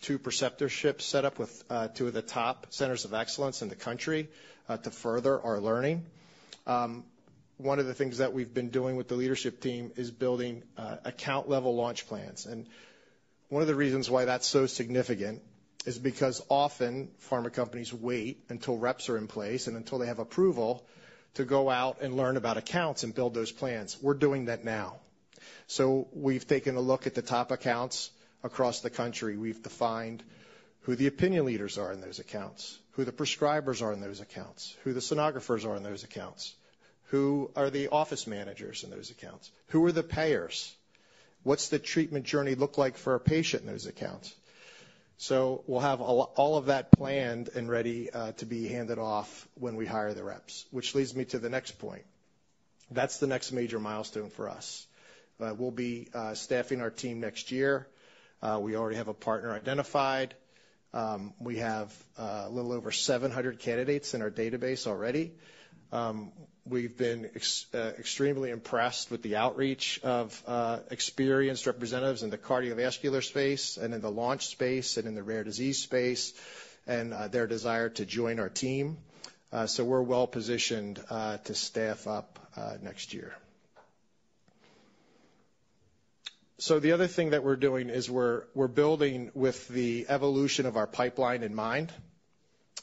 two preceptorships set up with two of the top centers of excellence in the country to further our learning. One of the things that we've been doing with the leadership team is building account-level launch plans, and one of the reasons why that's so significant is because often, pharma companies wait until reps are in place, and until they have approval, to go out and learn about accounts and build those plans. We're doing that now, so we've taken a look at the top accounts across the country. We've defined who the opinion leaders are in those accounts, who the prescribers are in those accounts, who the sonographers are in those accounts, who are the office managers in those accounts? Who are the payers? What's the treatment journey look like for a patient in those accounts? So we'll have all, all of that planned and ready to be handed off when we hire the reps, which leads me to the next point. That's the next major milestone for us. We'll be staffing our team next year. We already have a partner identified. We have a little over seven hundred candidates in our database already. We've been extremely impressed with the outreach of experienced representatives in the cardiovascular space and in the launch space and in the rare disease space, and their desire to join our team. So we're well-positioned to staff up next year. So the other thing that we're doing is we're building with the evolution of our pipeline in mind,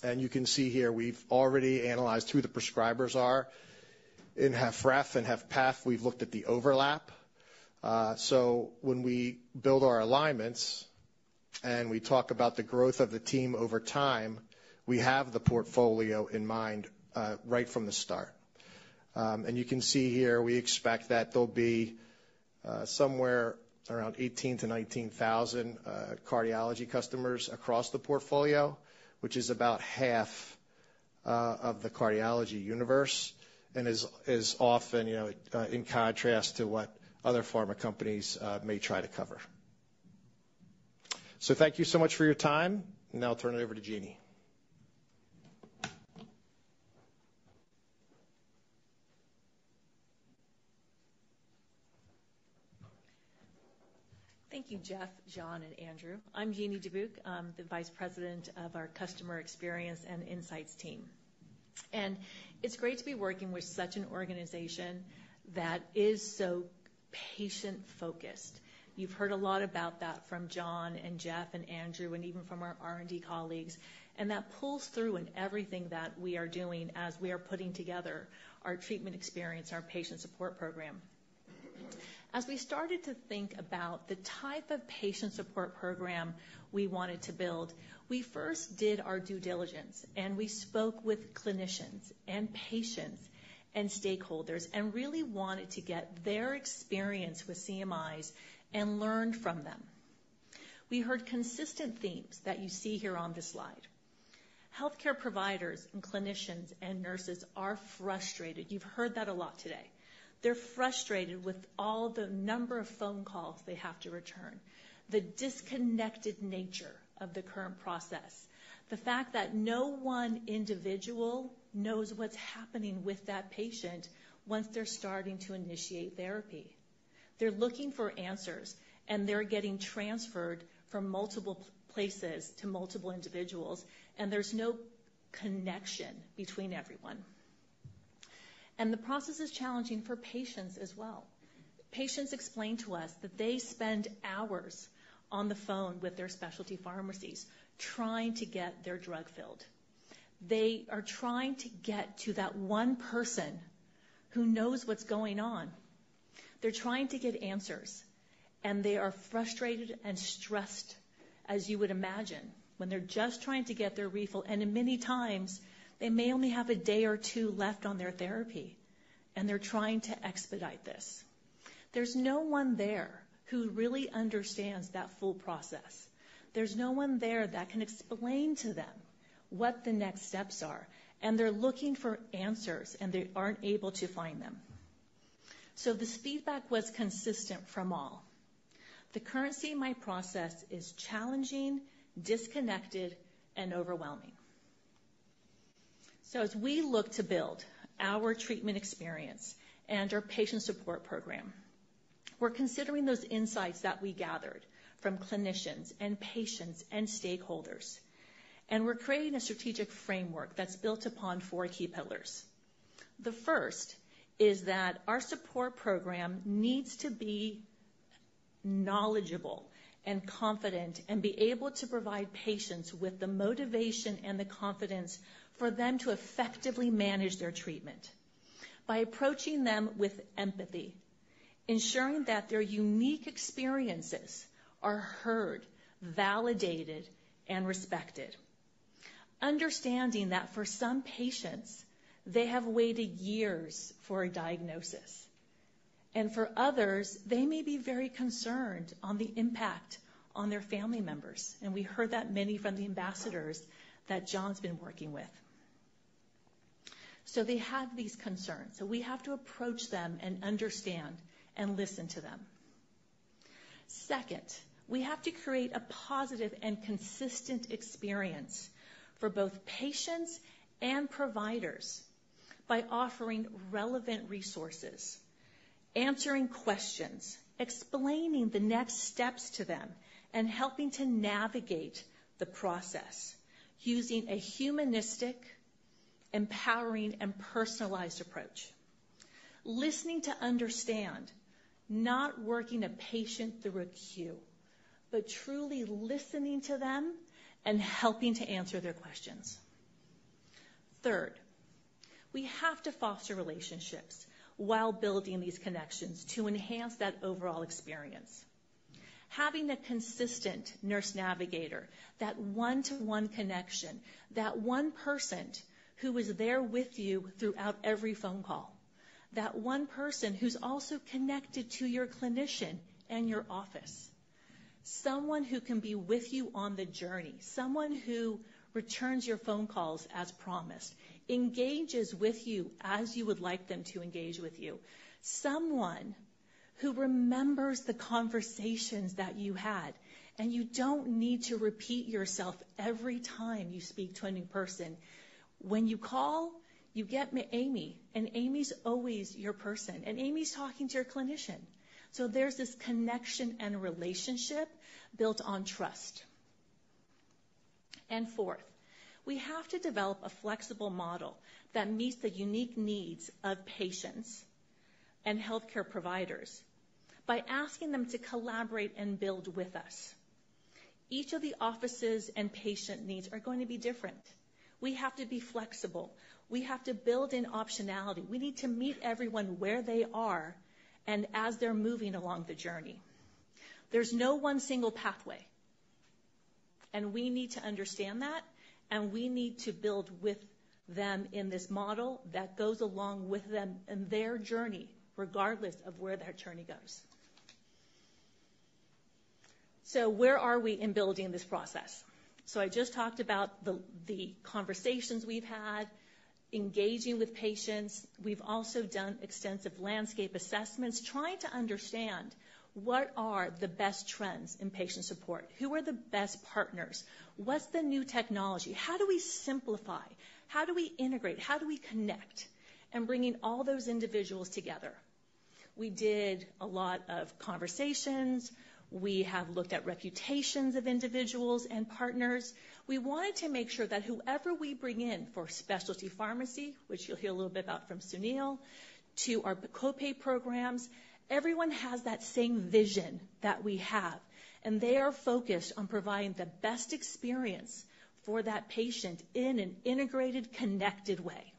and you can see here we've already analyzed who the prescribers are. In HFrEF and HFpEF, we've looked at the overlap. So when we build our alignments, and we talk about the growth of the team over time, we have the portfolio in mind, right from the start. And you can see here, we expect that there'll be somewhere around 18-19 thousand cardiology customers across the portfolio, which is about half of the cardiology universe, and is often, you know, in contrast to what other pharma companies may try to cover. So thank you so much for your time, and now I'll turn it over to Genie. Thank you, Jeff, John, and Andrew. I'm Genie Dubuk. I'm the Vice President of our Customer Experience and Insights team. And it's great to be working with such an organization that is so patient-focused. You've heard a lot about that from John and Jeff and Andrew, and even from our R&D colleagues, and that pulls through in everything that we are doing as we are putting together our treatment experience, our patient support program. As we started to think about the type of patient support program we wanted to build, we first did our due diligence, and we spoke with clinicians and patients and stakeholders, and really wanted to get their experience with Camzyos and learn from them. We heard consistent themes that you see here on this slide. Healthcare providers and clinicians and nurses are frustrated. You've heard that a lot today. They're frustrated with all the number of phone calls they have to return, the disconnected nature of the current process, the fact that no one individual knows what's happening with that patient once they're starting to initiate therapy. They're looking for answers, and they're getting transferred from multiple places to multiple individuals, and there's no connection between everyone, and the process is challenging for patients as well. Patients explain to us that they spend hours on the phone with their specialty pharmacies, trying to get their drug filled. They are trying to get to that one person who knows what's going on. They're trying to get answers, and they are frustrated and stressed, as you would imagine, when they're just trying to get their refill, and in many times, they may only have a day or two left on their therapy, and they're trying to expedite this. There's no one there who really understands that full process. There's no one there that can explain to them what the next steps are, and they're looking for answers, and they aren't able to find them. So this feedback was consistent from all. The current Camzyos process is challenging, disconnected, and overwhelming. So as we look to build our treatment experience and our patient support program, we're considering those insights that we gathered from clinicians and patients and stakeholders, and we're creating a strategic framework that's built upon four key pillars. The first is that our support program needs to be knowledgeable and confident, and be able to provide patients with the motivation and the confidence for them to effectively manage their treatment... by approaching them with empathy, ensuring that their unique experiences are heard, validated, and respected. Understanding that for some patients, they have waited years for a diagnosis, and for others, they may be very concerned on the impact on their family members, and we heard that many from the ambassadors that John's been working with, so they have these concerns, so we have to approach them and understand, and listen to them. Second, we have to create a positive and consistent experience for both patients and providers by offering relevant resources, answering questions, explaining the next steps to them, and helping to navigate the process using a humanistic, empowering, and personalized approach, listening to understand, not working a patient through a queue, but truly listening to them and helping to answer their questions. Third, we have to foster relationships while building these connections to enhance that overall experience. Having a consistent nurse navigator, that one-to-one connection, that one person who is there with you throughout every phone call, that one person who's also connected to your clinician and your office. Someone who can be with you on the journey, someone who returns your phone calls as promised, engages with you as you would like them to engage with you. Someone who remembers the conversations that you had, and you don't need to repeat yourself every time you speak to a new person. When you call, you get Amy, and Amy's always your person, and Amy's talking to your clinician. So there's this connection and relationship built on trust. And fourth, we have to develop a flexible model that meets the unique needs of patients and healthcare providers by asking them to collaborate and build with us. Each of the offices and patient needs are going to be different. We have to be flexible. We have to build in optionality. We need to meet everyone where they are and as they're moving along the journey. There's no one single pathway, and we need to understand that, and we need to build with them in this model that goes along with them and their journey, regardless of where their journey goes. So where are we in building this process? So I just talked about the conversations we've had, engaging with patients. We've also done extensive landscape assessments, trying to understand what are the best trends in patient support? Who are the best partners? What's the new technology? How do we simplify? How do we integrate? How do we connect? And bringing all those individuals together. We did a lot of conversations. We have looked at reputations of individuals and partners. We wanted to make sure that whoever we bring in for specialty pharmacy, which you'll hear a little bit about from Sunil, to our co-pay programs, everyone has that same vision that we have, and they are focused on providing the best experience for that patient in an integrated, connected way.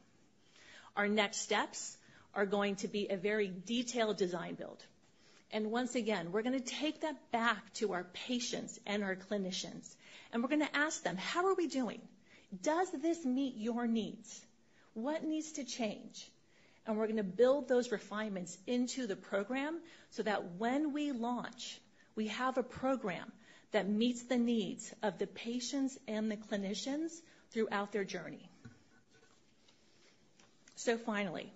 Our next steps are going to be a very detailed design build. And once again, we're gonna take that back to our patients and our clinicians, and we're gonna ask them: How are we doing? Does this meet your needs? What needs to change? And we're gonna build those refinements into the program, so that when we launch, we have a program that meets the needs of the patients and the clinicians throughout their journey. So finally,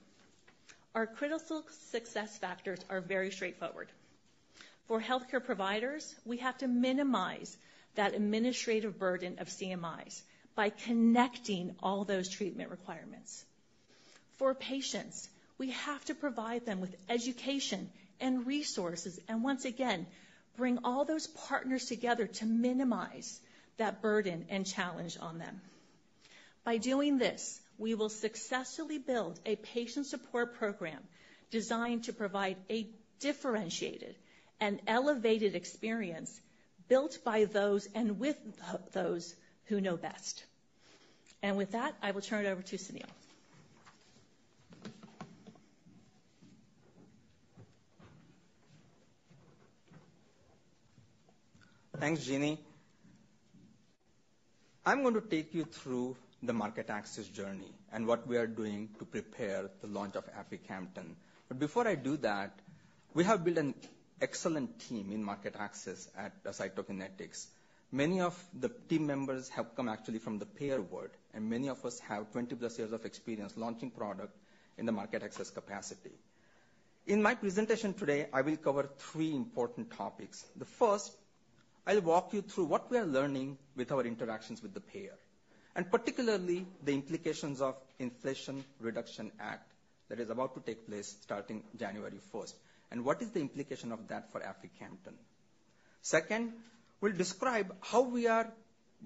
our critical success factors are very straightforward. For healthcare providers, we have to minimize that administrative burden of Camzyos by connecting all those treatment requirements. For patients, we have to provide them with education and resources, and once again, bring all those partners together to minimize that burden and challenge on them. By doing this, we will successfully build a patient support program designed to provide a differentiated and elevated experience built by those and with those who know best. And with that, I will turn it over to Sunil. Thanks, Genie. I'm going to take you through the market access journey and what we are doing to prepare the launch of aficamten. But before I do that, we have built an excellent team in market access at Cytokinetics. Many of the team members have come actually from the payer world, and many of us have twenty-plus years of experience launching product in the market access capacity. In my presentation today, I will cover three important topics. The first, I'll walk you through what we are learning with our interactions with the payer, and particularly, the implications of Inflation Reduction Act that is about to take place starting January first, and what is the implication of that for aficamten. Second, we'll describe how we are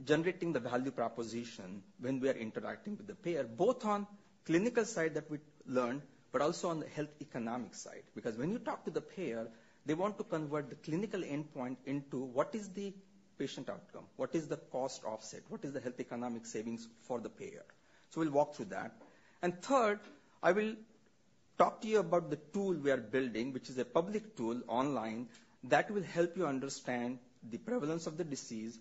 generating the value proposition when we are interacting with the payer, both on clinical side that we learn, but also on the health economic side. Because when you talk to the payer, they want to convert the clinical endpoint into: What is the patient outcome? What is the cost offset? What is the health economic savings for the payer? So we'll walk through that. And third, I will talk to you about the tool we are building, which is a public tool online, that will help you understand the prevalence of the disease,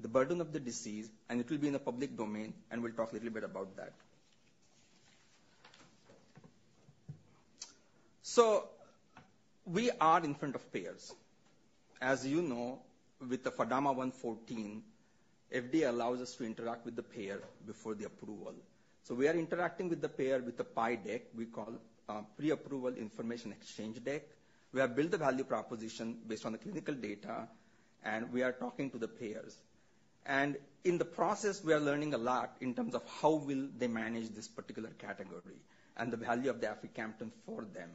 the burden of the disease, and it will be in the public domain, and we'll talk a little bit about that. So we are in front of payers. As you know, with the FDAMA 114, FDA allows us to interact with the payer before the approval. So we are interacting with the payer, with the PIE Deck, we call it, Pre-Approval Information Exchange Deck. We have built a value proposition based on the clinical data, and we are talking to the payers, and in the process, we are learning a lot in terms of how will they manage this particular category and the value of the aficamten for them.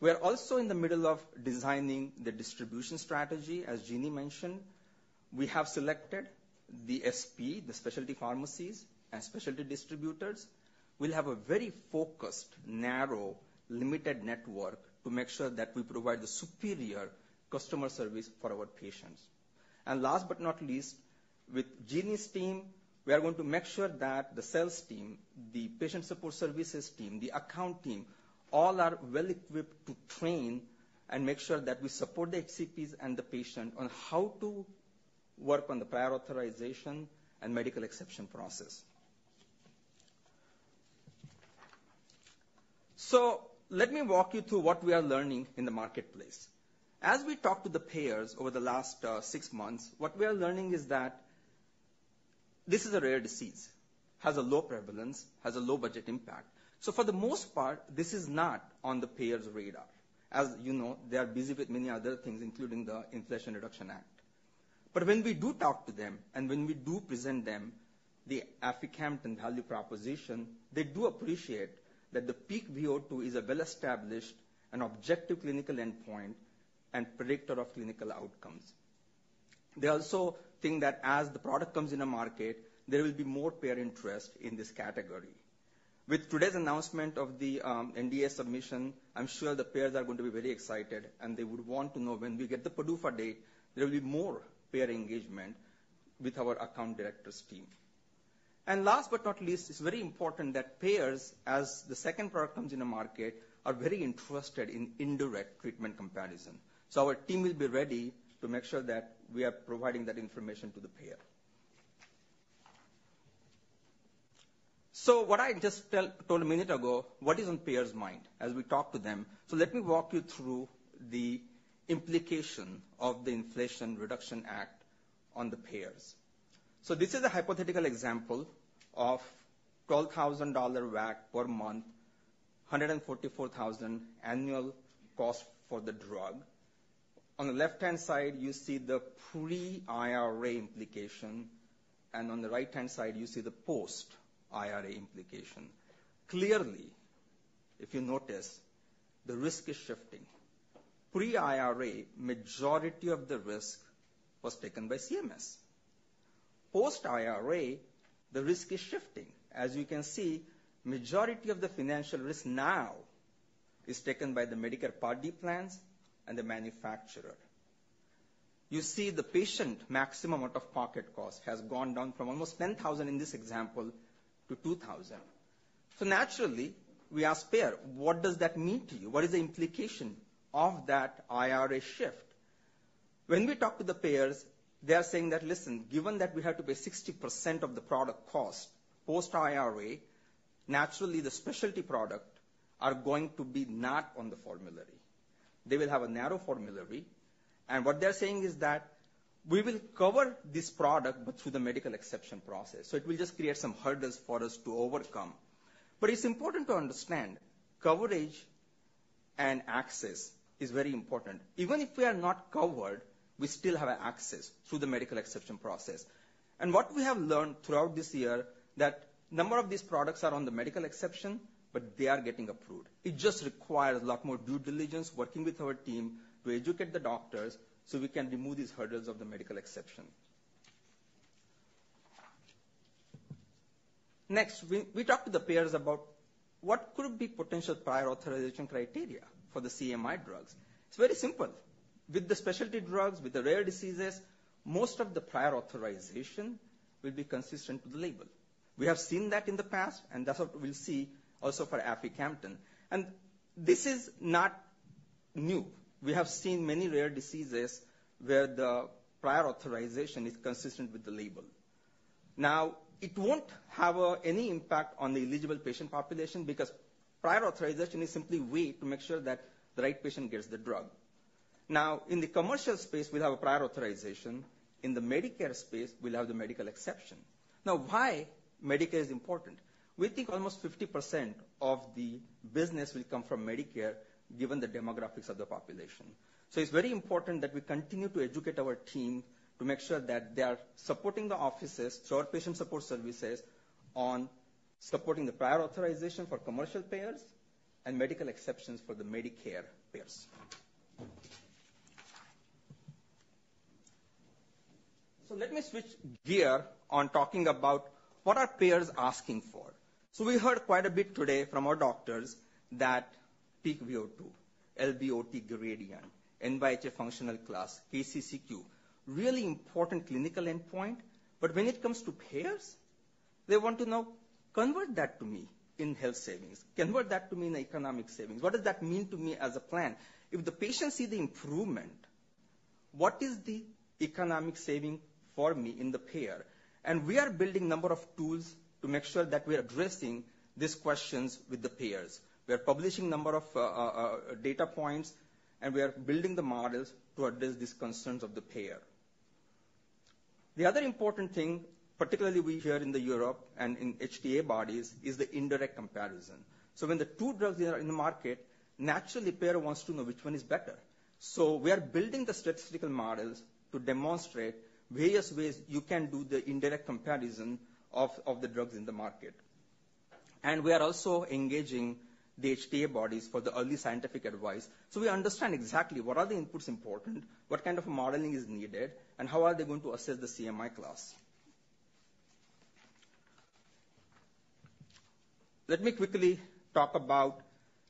We are also in the middle of designing the distribution strategy, as Genie mentioned. We have selected the SP, the specialty pharmacies and specialty distributors. We'll have a very focused, narrow, limited network to make sure that we provide the superior customer service for our patients, and last but not least, with Jeannie's team, we are going to make sure that the sales team, the patient support services team, the account team, all are well-equipped to train and make sure that we support the HCPs and the patient on how to work on the prior authorization and medical exception process. So let me walk you through what we are learning in the marketplace. As we talked to the payers over the last six months, what we are learning is that this is a rare disease, has a low prevalence, has a low budget impact. So for the most part, this is not on the payer's radar. As you know, they are busy with many other things, including the Inflation Reduction Act. But when we do talk to them, and when we do present them, the aficamten value proposition, they do appreciate that the peak VO2 is a well-established and objective clinical endpoint and predictor of clinical outcomes. They also think that as the product comes in the market, there will be more payer interest in this category. With today's announcement of the NDA submission, I'm sure the payers are going to be very excited, and they would want to know when we get the PDUFA date. There will be more payer engagement with our account directors team. Last but not least, it's very important that payers, as the second product comes in the market, are very interested in indirect treatment comparison. Our team will be ready to make sure that we are providing that information to the payer. What I just told a minute ago, what is on payers' mind as we talk to them? Let me walk you through the implication of the Inflation Reduction Act on the payers. This is a hypothetical example of $12,000 WAC per month, $144,000 annual cost for the drug. On the left-hand side, you see the pre-IRA implication, and on the right-hand side, you see the post-IRA implication. Clearly, if you notice, the risk is shifting. Pre-IRA, majority of the risk was taken by CMS. Post-IRA, the risk is shifting. As you can see, majority of the financial risk now is taken by the Medicare Part D plans and the manufacturer. You see, the patient maximum out-of-pocket cost has gone down from almost ten thousand in this example to two thousand. So naturally, we ask payer, "What does that mean to you? What is the implication of that IRA shift?" When we talk to the payers, they are saying that, "Listen, given that we have to pay 60% of the product cost post-IRA, naturally, the specialty product are going to be not on the formulary." They will have a narrow formulary, and what they're saying is that, "We will cover this product, but through the medical exception process. So it will just create some hurdles for us to overcome." But it's important to understand, coverage and access is very important. Even if we are not covered, we still have access through the medical exception process. And what we have learned throughout this year, that number of these products are on the medical exception, but they are getting approved. It just requires a lot more due diligence working with our team to educate the doctors, so we can remove these hurdles of the medical exception. Next, we talk to the payers about what could be potential prior authorization criteria for the Camzyos drugs. It's very simple. With the specialty drugs, with the rare diseases, most of the prior authorization will be consistent with the label. We have seen that in the past, and that's what we'll see also for aficamten. This is not new. We have seen many rare diseases where the prior authorization is consistent with the label. Now, it won't have any impact on the eligible patient population because prior authorization is simply a way to make sure that the right patient gets the drug. Now, in the commercial space, we'll have a prior authorization. In the Medicare space, we'll have the medical exception. Now, why Medicare is important? We think almost 50% of the business will come from Medicare, given the demographics of the population. So it's very important that we continue to educate our team to make sure that they are supporting the offices, so our patient support services, on supporting the prior authorization for commercial payers and medical exceptions for the Medicare payers. So let me switch gear on talking about what are payers asking for. So we heard quite a bit today from our doctors that peak VO2, LVOT gradient, NYHA functional class, KCCQ, really important clinical endpoint. But when it comes to payers... They want to know, convert that to me in health savings. Convert that to me in economic savings. What does that mean to me as a plan? If the patient see the improvement, what is the economic saving for me in the payer? We are building number of tools to make sure that we are addressing these questions with the payers. We are publishing a number of data points, and we are building the models to address these concerns of the payer. The other important thing, particularly we hear in Europe and in HTA bodies, is the indirect comparison. So when the two drugs are in the market, naturally, payer wants to know which one is better. So we are building the statistical models to demonstrate various ways you can do the indirect comparison of the drugs in the market. And we are also engaging the HTA bodies for the early scientific advice, so we understand exactly what are the inputs important, what kind of modeling is needed, and how are they going to assess the Camzyos class? Let me quickly talk about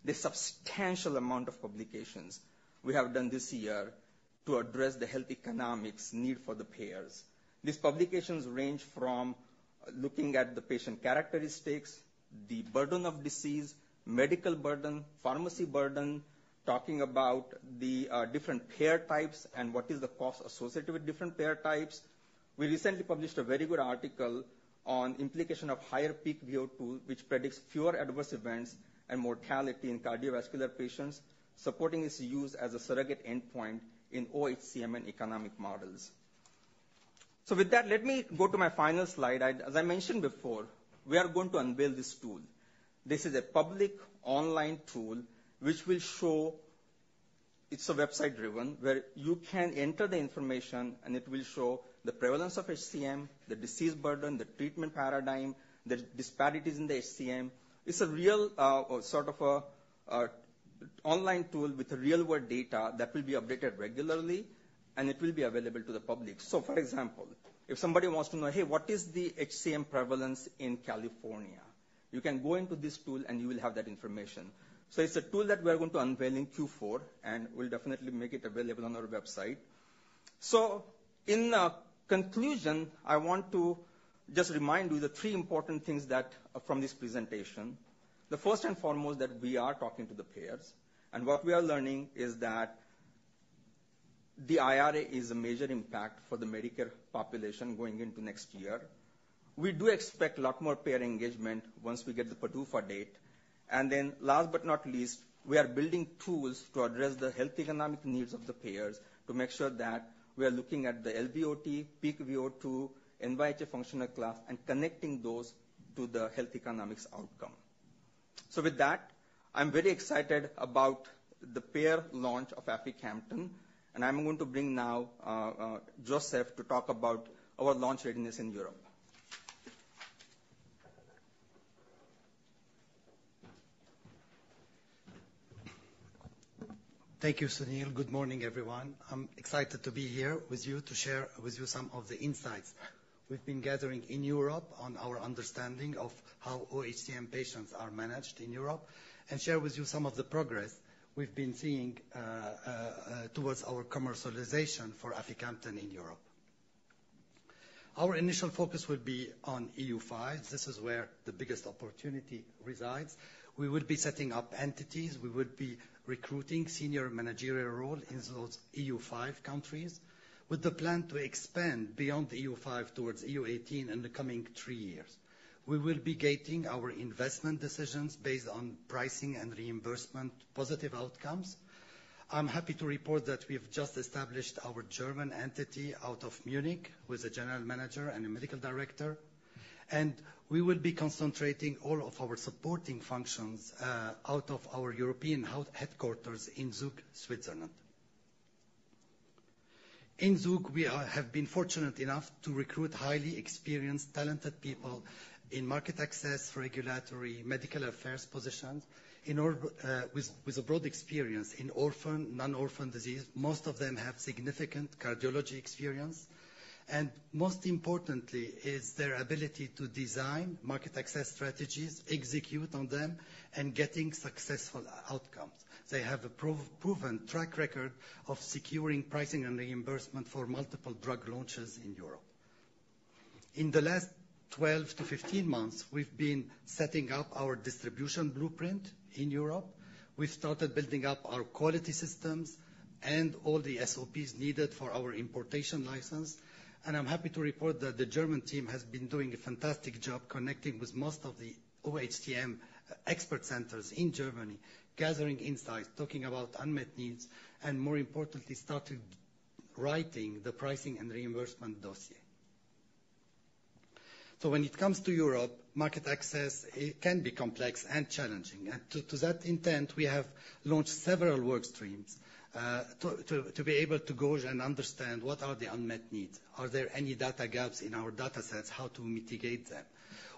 the substantial amount of publications we have done this year to address the health economics need for the payers. These publications range from looking at the patient characteristics, the burden of disease, medical burden, pharmacy burden, talking about the different payer types and what is the cost associated with different payer types. We recently published a very good article on implication of higher peak VO2, which predicts fewer adverse events and mortality in cardiovascular patients, supporting its use as a surrogate endpoint in OHCM and economic models. So with that, let me go to my final slide. I. As I mentioned before, we are going to unveil this tool. This is a public online tool which will show... It's a website-driven, where you can enter the information, and it will show the prevalence of HCM, the disease burden, the treatment paradigm, the disparities in the HCM. It's a real, sort of a online tool with a real-world data that will be updated regularly, and it will be available to the public. So, for example, if somebody wants to know, "Hey, what is the HCM prevalence in California?" You can go into this tool, and you will have that information. So it's a tool that we are going to unveil in Q4, and we'll definitely make it available on our website. So in, conclusion, I want to just remind you the three important things that, from this presentation. The first and foremost, that we are talking to the payers, and what we are learning is that the IRA is a major impact for the Medicare population going into next year. We do expect a lot more payer engagement once we get the PDUFA date. And then last but not least, we are building tools to address the health economic needs of the payers to make sure that we are looking at the LVOT, peak VO2, NYHA functional class, and connecting those to the health economics outcome. So with that, I'm very excited about the payer launch of aficamten, and I'm going to bring now Joseph to talk about our launch readiness in Europe. Thank you, Sunil. Good morning, everyone. I'm excited to be here with you to share with you some of the insights we've been gathering in Europe on our understanding of how OHCM patients are managed in Europe, and share with you some of the progress we've been seeing towards our commercialization for aficamten in Europe. Our initial focus will be on EU5. This is where the biggest opportunity resides. We will be setting up entities, we will be recruiting senior managerial role in those EU5 countries, with the plan to expand beyond EU5 towards EU18 in the coming three years. We will be gating our investment decisions based on pricing and reimbursement, positive outcomes. I'm happy to report that we have just established our German entity out of Munich, with a general manager and a medical director. We will be concentrating all of our supporting functions out of our European headquarters in Zug, Switzerland. In Zug, we have been fortunate enough to recruit highly experienced, talented people in market access, regulatory, medical affairs positions with a broad experience in orphan, non-orphan disease. Most of them have significant cardiology experience, and most importantly is their ability to design market access strategies, execute on them, and getting successful outcomes. They have a proven track record of securing pricing and reimbursement for multiple drug launches in Europe. In the last 12-15 months, we've been setting up our distribution blueprint in Europe. We've started building up our quality systems and all the SOPs needed for our importation license, and I'm happy to report that the German team has been doing a fantastic job connecting with most of the OHCM expert centers in Germany, gathering insights, talking about unmet needs, and more importantly, started writing the pricing and reimbursement dossier. So when it comes to Europe, market access, it can be complex and challenging. And to that intent, we have launched several work streams to be able to go and understand what are the unmet needs. Are there any data gaps in our data sets? How to mitigate them.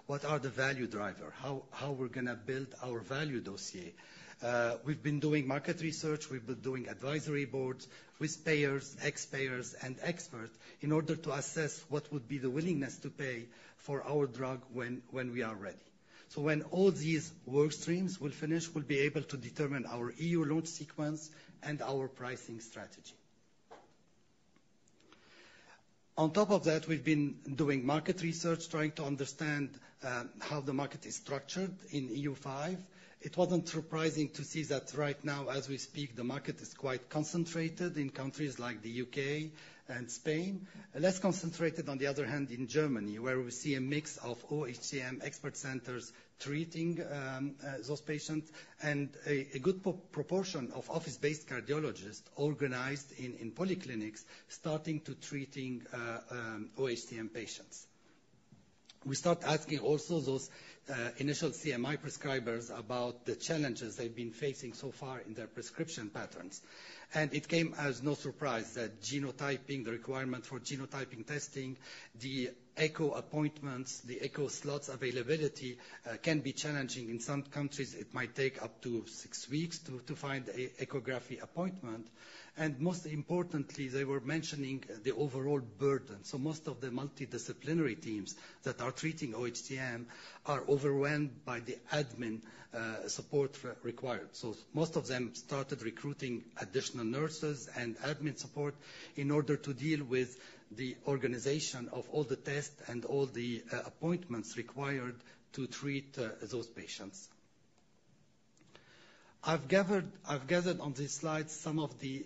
What are the value driver? How we're gonna build our value dossier. We've been doing market research, we've been doing advisory boards with payers, ex-payers, and experts in order to assess what would be the willingness to pay for our drug when, when we are ready. So when all these work streams will finish, we'll be able to determine our EU launch sequence and our pricing strategy. On top of that, we've been doing market research, trying to understand how the market is structured in EU5. It wasn't surprising to see that right now, as we speak, the market is quite concentrated in countries like the UK and Spain. Less concentrated, on the other hand, in Germany, where we see a mix of OHCM expert centers treating those patients, and a good proportion of office-based cardiologists organized in polyclinics, starting to treating OHCM patients. We start asking also those, initial Camzyos prescribers about the challenges they've been facing so far in their prescription patterns, and it came as no surprise that genotyping, the requirement for genotyping testing, the echo appointments, the echo slots availability, can be challenging. In some countries, it might take up to six weeks to find a echography appointment, and most importantly, they were mentioning the overall burden, so most of the multidisciplinary teams that are treating OHCM are overwhelmed by the admin, support required. So most of them started recruiting additional nurses and admin support in order to deal with the organization of all the tests and all the, appointments required to treat, those patients. I've gathered on this slide some of the,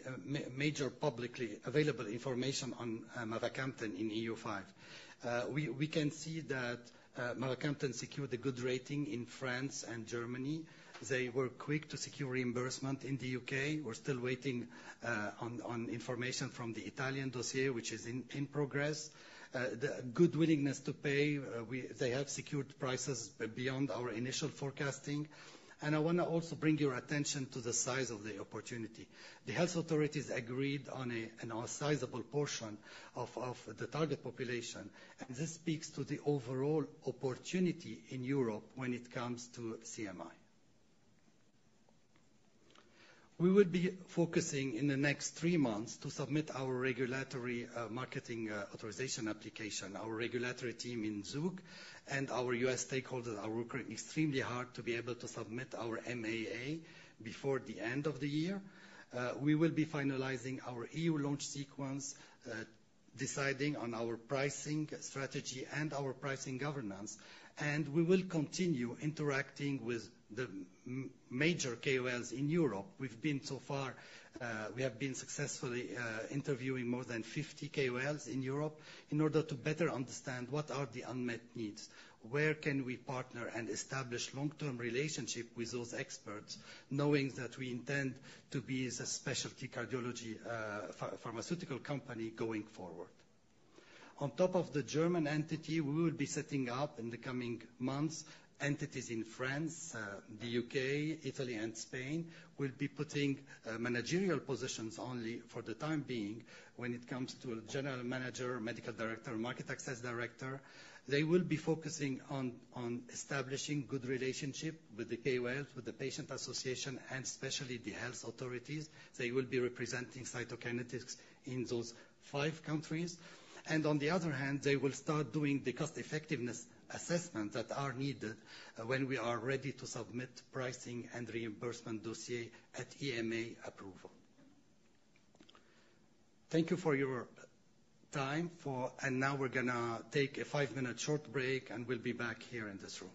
major publicly available information on, aficamten in EU5. We can see that aficamten secured a good rating in France and Germany. They were quick to secure reimbursement in the UK. We're still waiting on information from the Italian dossier, which is in progress. The good willingness to pay, they have secured prices beyond our initial forecasting. And I wanna also bring your attention to the size of the opportunity. The health authorities agreed on a sizable portion of the target population, and this speaks to the overall opportunity in Europe when it comes to Camzyos. We will be focusing in the next three months to submit our regulatory marketing authorization application. Our regulatory team in Zug and our US stakeholders are working extremely hard to be able to submit our MAA before the end of the year. We will be finalizing our EU launch sequence, deciding on our pricing strategy and our pricing governance, and we will continue interacting with the major KOLs in Europe. We've been so far, we have been successfully interviewing more than fifty KOLs in Europe in order to better understand what are the unmet needs, where can we partner and establish long-term relationship with those experts, knowing that we intend to be the specialty cardiology pharmaceutical company going forward. On top of the German entity, we will be setting up in the coming months, entities in France, the UK, Italy and Spain. We'll be putting managerial positions only for the time being when it comes to a general manager, medical director, market access director. They will be focusing on establishing good relationship with the KOLs, with the patient association, and especially the health authorities. They will be representing Cytokinetics in those five countries. And on the other hand, they will start doing the cost effectiveness assessment that are needed when we are ready to submit pricing and reimbursement dossier at EMA approval. Thank you for your time for... And now we're gonna take a five-minute short break, and we'll be back here in this room. ...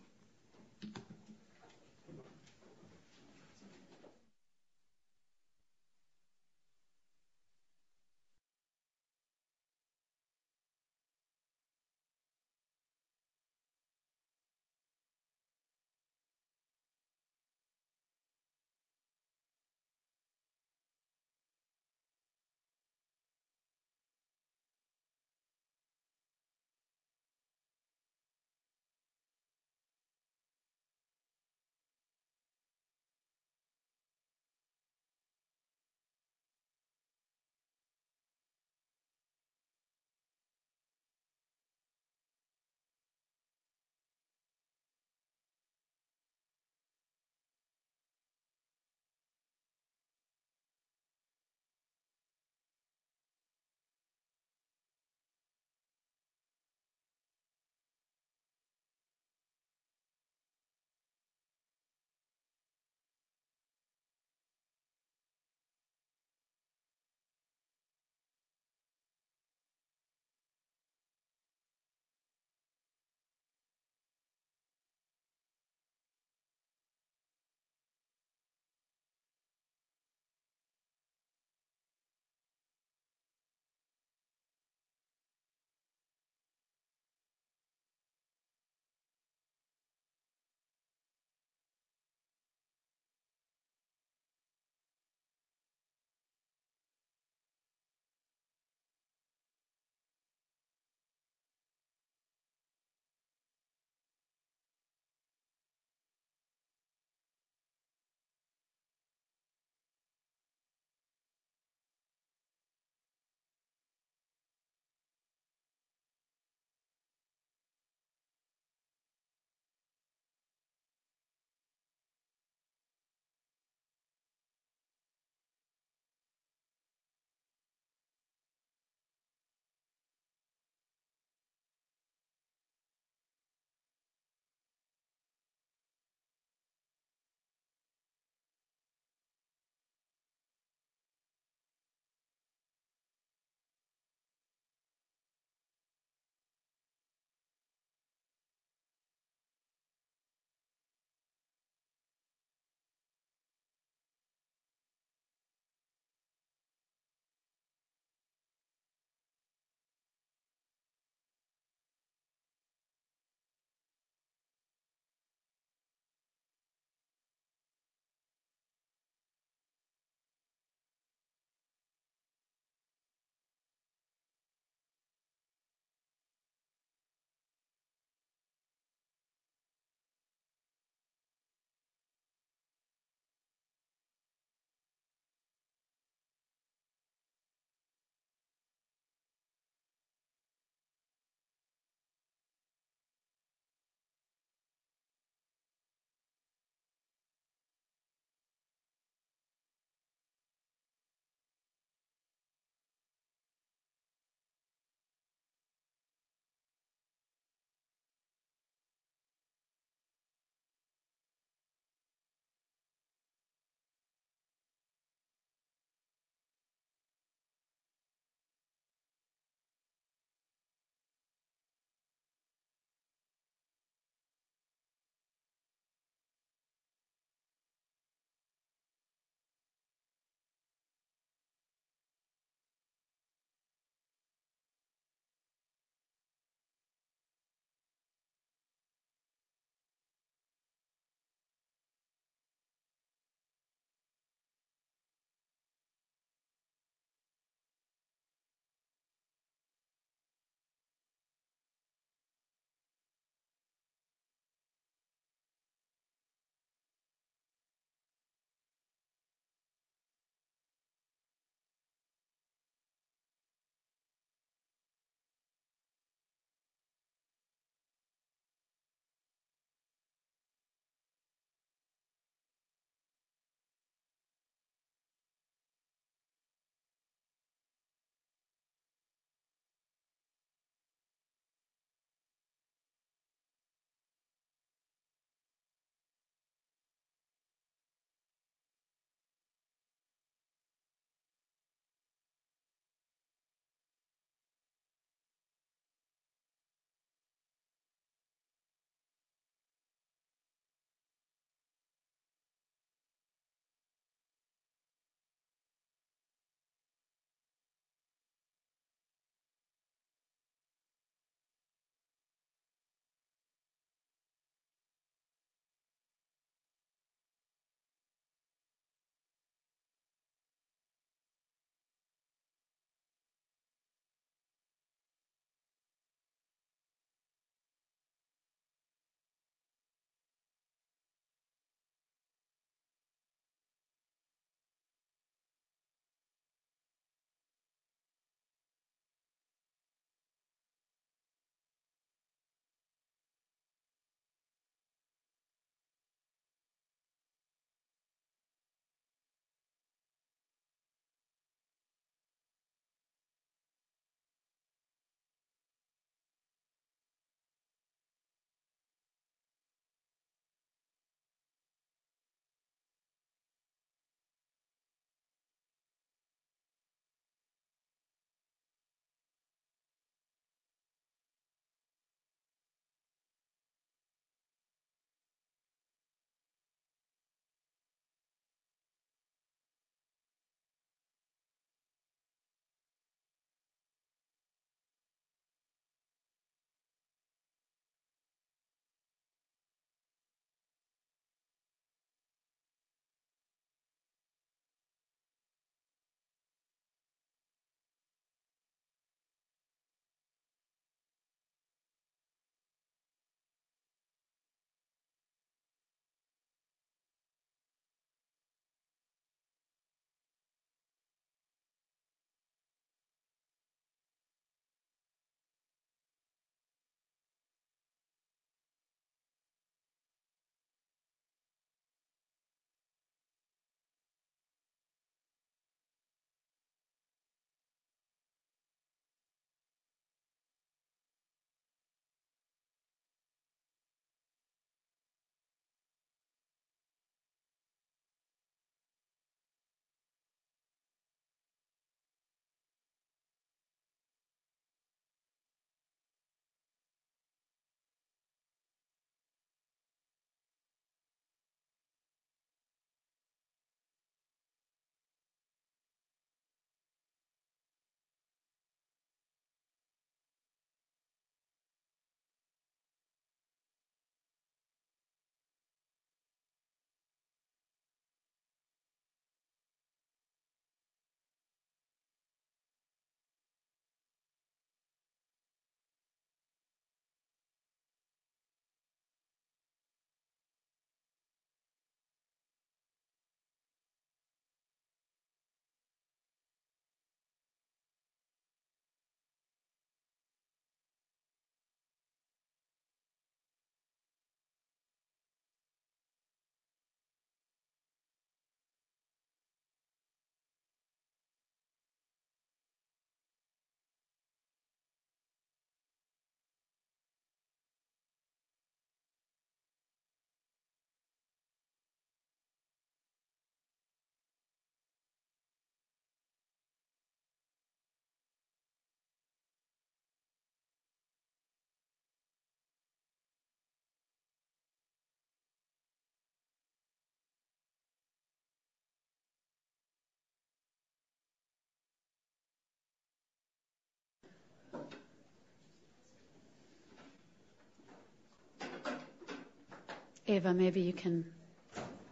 Ava, maybe you can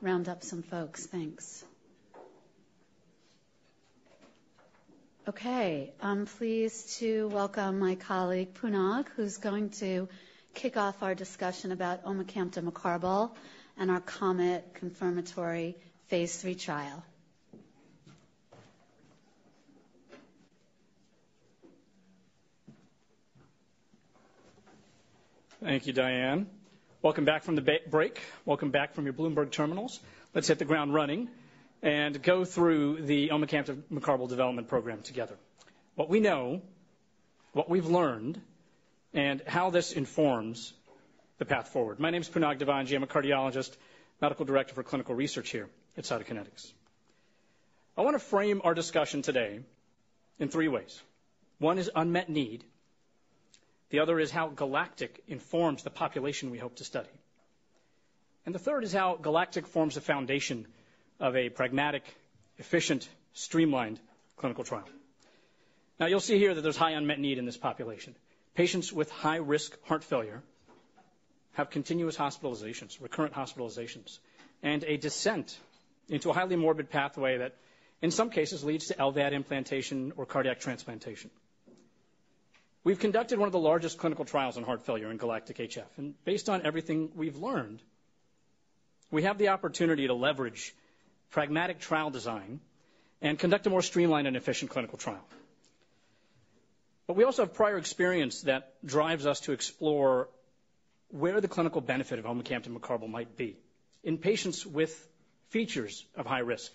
round up some folks. Thanks. Okay, I'm pleased to welcome my colleague, Punag, who's going to kick off our discussion about omecamtiv mecarbil and our COMET-HF confirmatory phase III trial. Thank you, Diane. Welcome back from the break. Welcome back from your Bloomberg terminals. Let's hit the ground running and go through the omecamtiv mecarbil development program together. What we know, what we've learned, and how this informs the path forward. My name is Punag Divanji. I'm a cardiologist, Medical Director for Clinical Research here at Cytokinetics. I wanna frame our discussion today in three ways. One is unmet need, the other is how GALACTIC informs the population we hope to study, and the third is how GALACTIC forms a foundation of a pragmatic, efficient, streamlined clinical trial. Now, you'll see here that there's high unmet need in this population. Patients with high-risk heart failure have continuous hospitalizations, recurrent hospitalizations, and a descent into a highly morbid pathway that, in some cases, leads to LVAD implantation or cardiac transplantation. We've conducted one of the largest clinical trials on heart failure in GALACTIC-HF, and based on everything we've learned, we have the opportunity to leverage pragmatic trial design and conduct a more streamlined and efficient clinical trial. But we also have prior experience that drives us to explore where the clinical benefit of omecamtiv mecarbil might be in patients with features of high risk.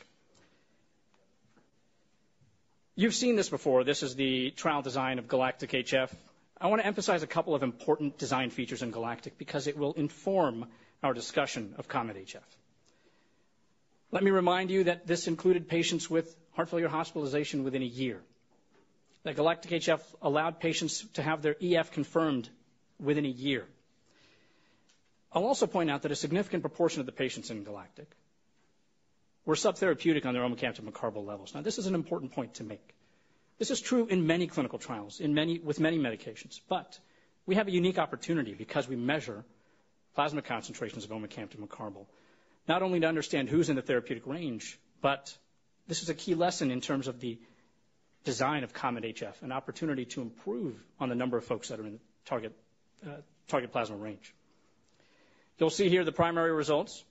You've seen this before. This is the trial design of GALACTIC-HF. I wanna emphasize a couple of important design features in GALACTIC because it will inform our discussion of COMET-HF. Let me remind you that this included patients with heart failure hospitalization within a year, that GALACTIC-HF allowed patients to have their EF confirmed within a year. I'll also point out that a significant proportion of the patients in GALACTIC were subtherapeutic on their omecamtiv mecarbil levels. Now, this is an important point to make. This is true in many clinical trials with many medications, but we have a unique opportunity because we measure plasma concentrations of omecamtiv mecarbil, not only to understand who's in the therapeutic range, but this is a key lesson in terms of the design of COMET-HF, an opportunity to improve on the number of folks that are in target, target plasma range. You'll see here the primary results,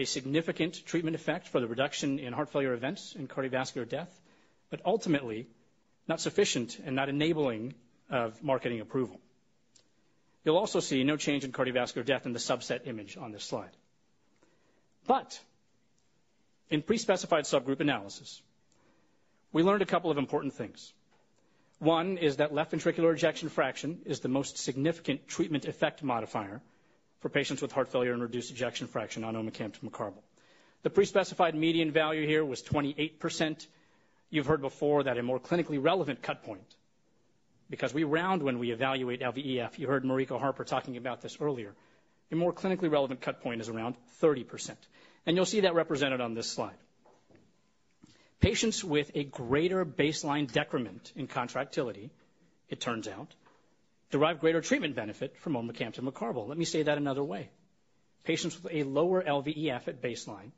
a significant treatment effect for the reduction in heart failure events and cardiovascular death, but ultimately, not sufficient and not enabling of marketing approval. You'll also see no change in cardiovascular death in the subset in age on this slide. But in pre-specified subgroup analysis, we learned a couple of important things. One is that left ventricular ejection fraction is the most significant treatment effect modifier for patients with heart failure and reduced ejection fraction on omecamtiv mecarbil. The pre-specified median value here was 28%. You've heard before that a more clinically relevant cut point, because we round when we evaluate LVEF, you heard Mariko Harper talking about this earlier. A more clinically relevant cut point is around 30%, and you'll see that represented on this slide. Patients with a greater baseline decrement in contractility, it turns out, derive greater treatment benefit from omecamtiv mecarbil. Let me say that another way. Patients with a lower LVEF at baseline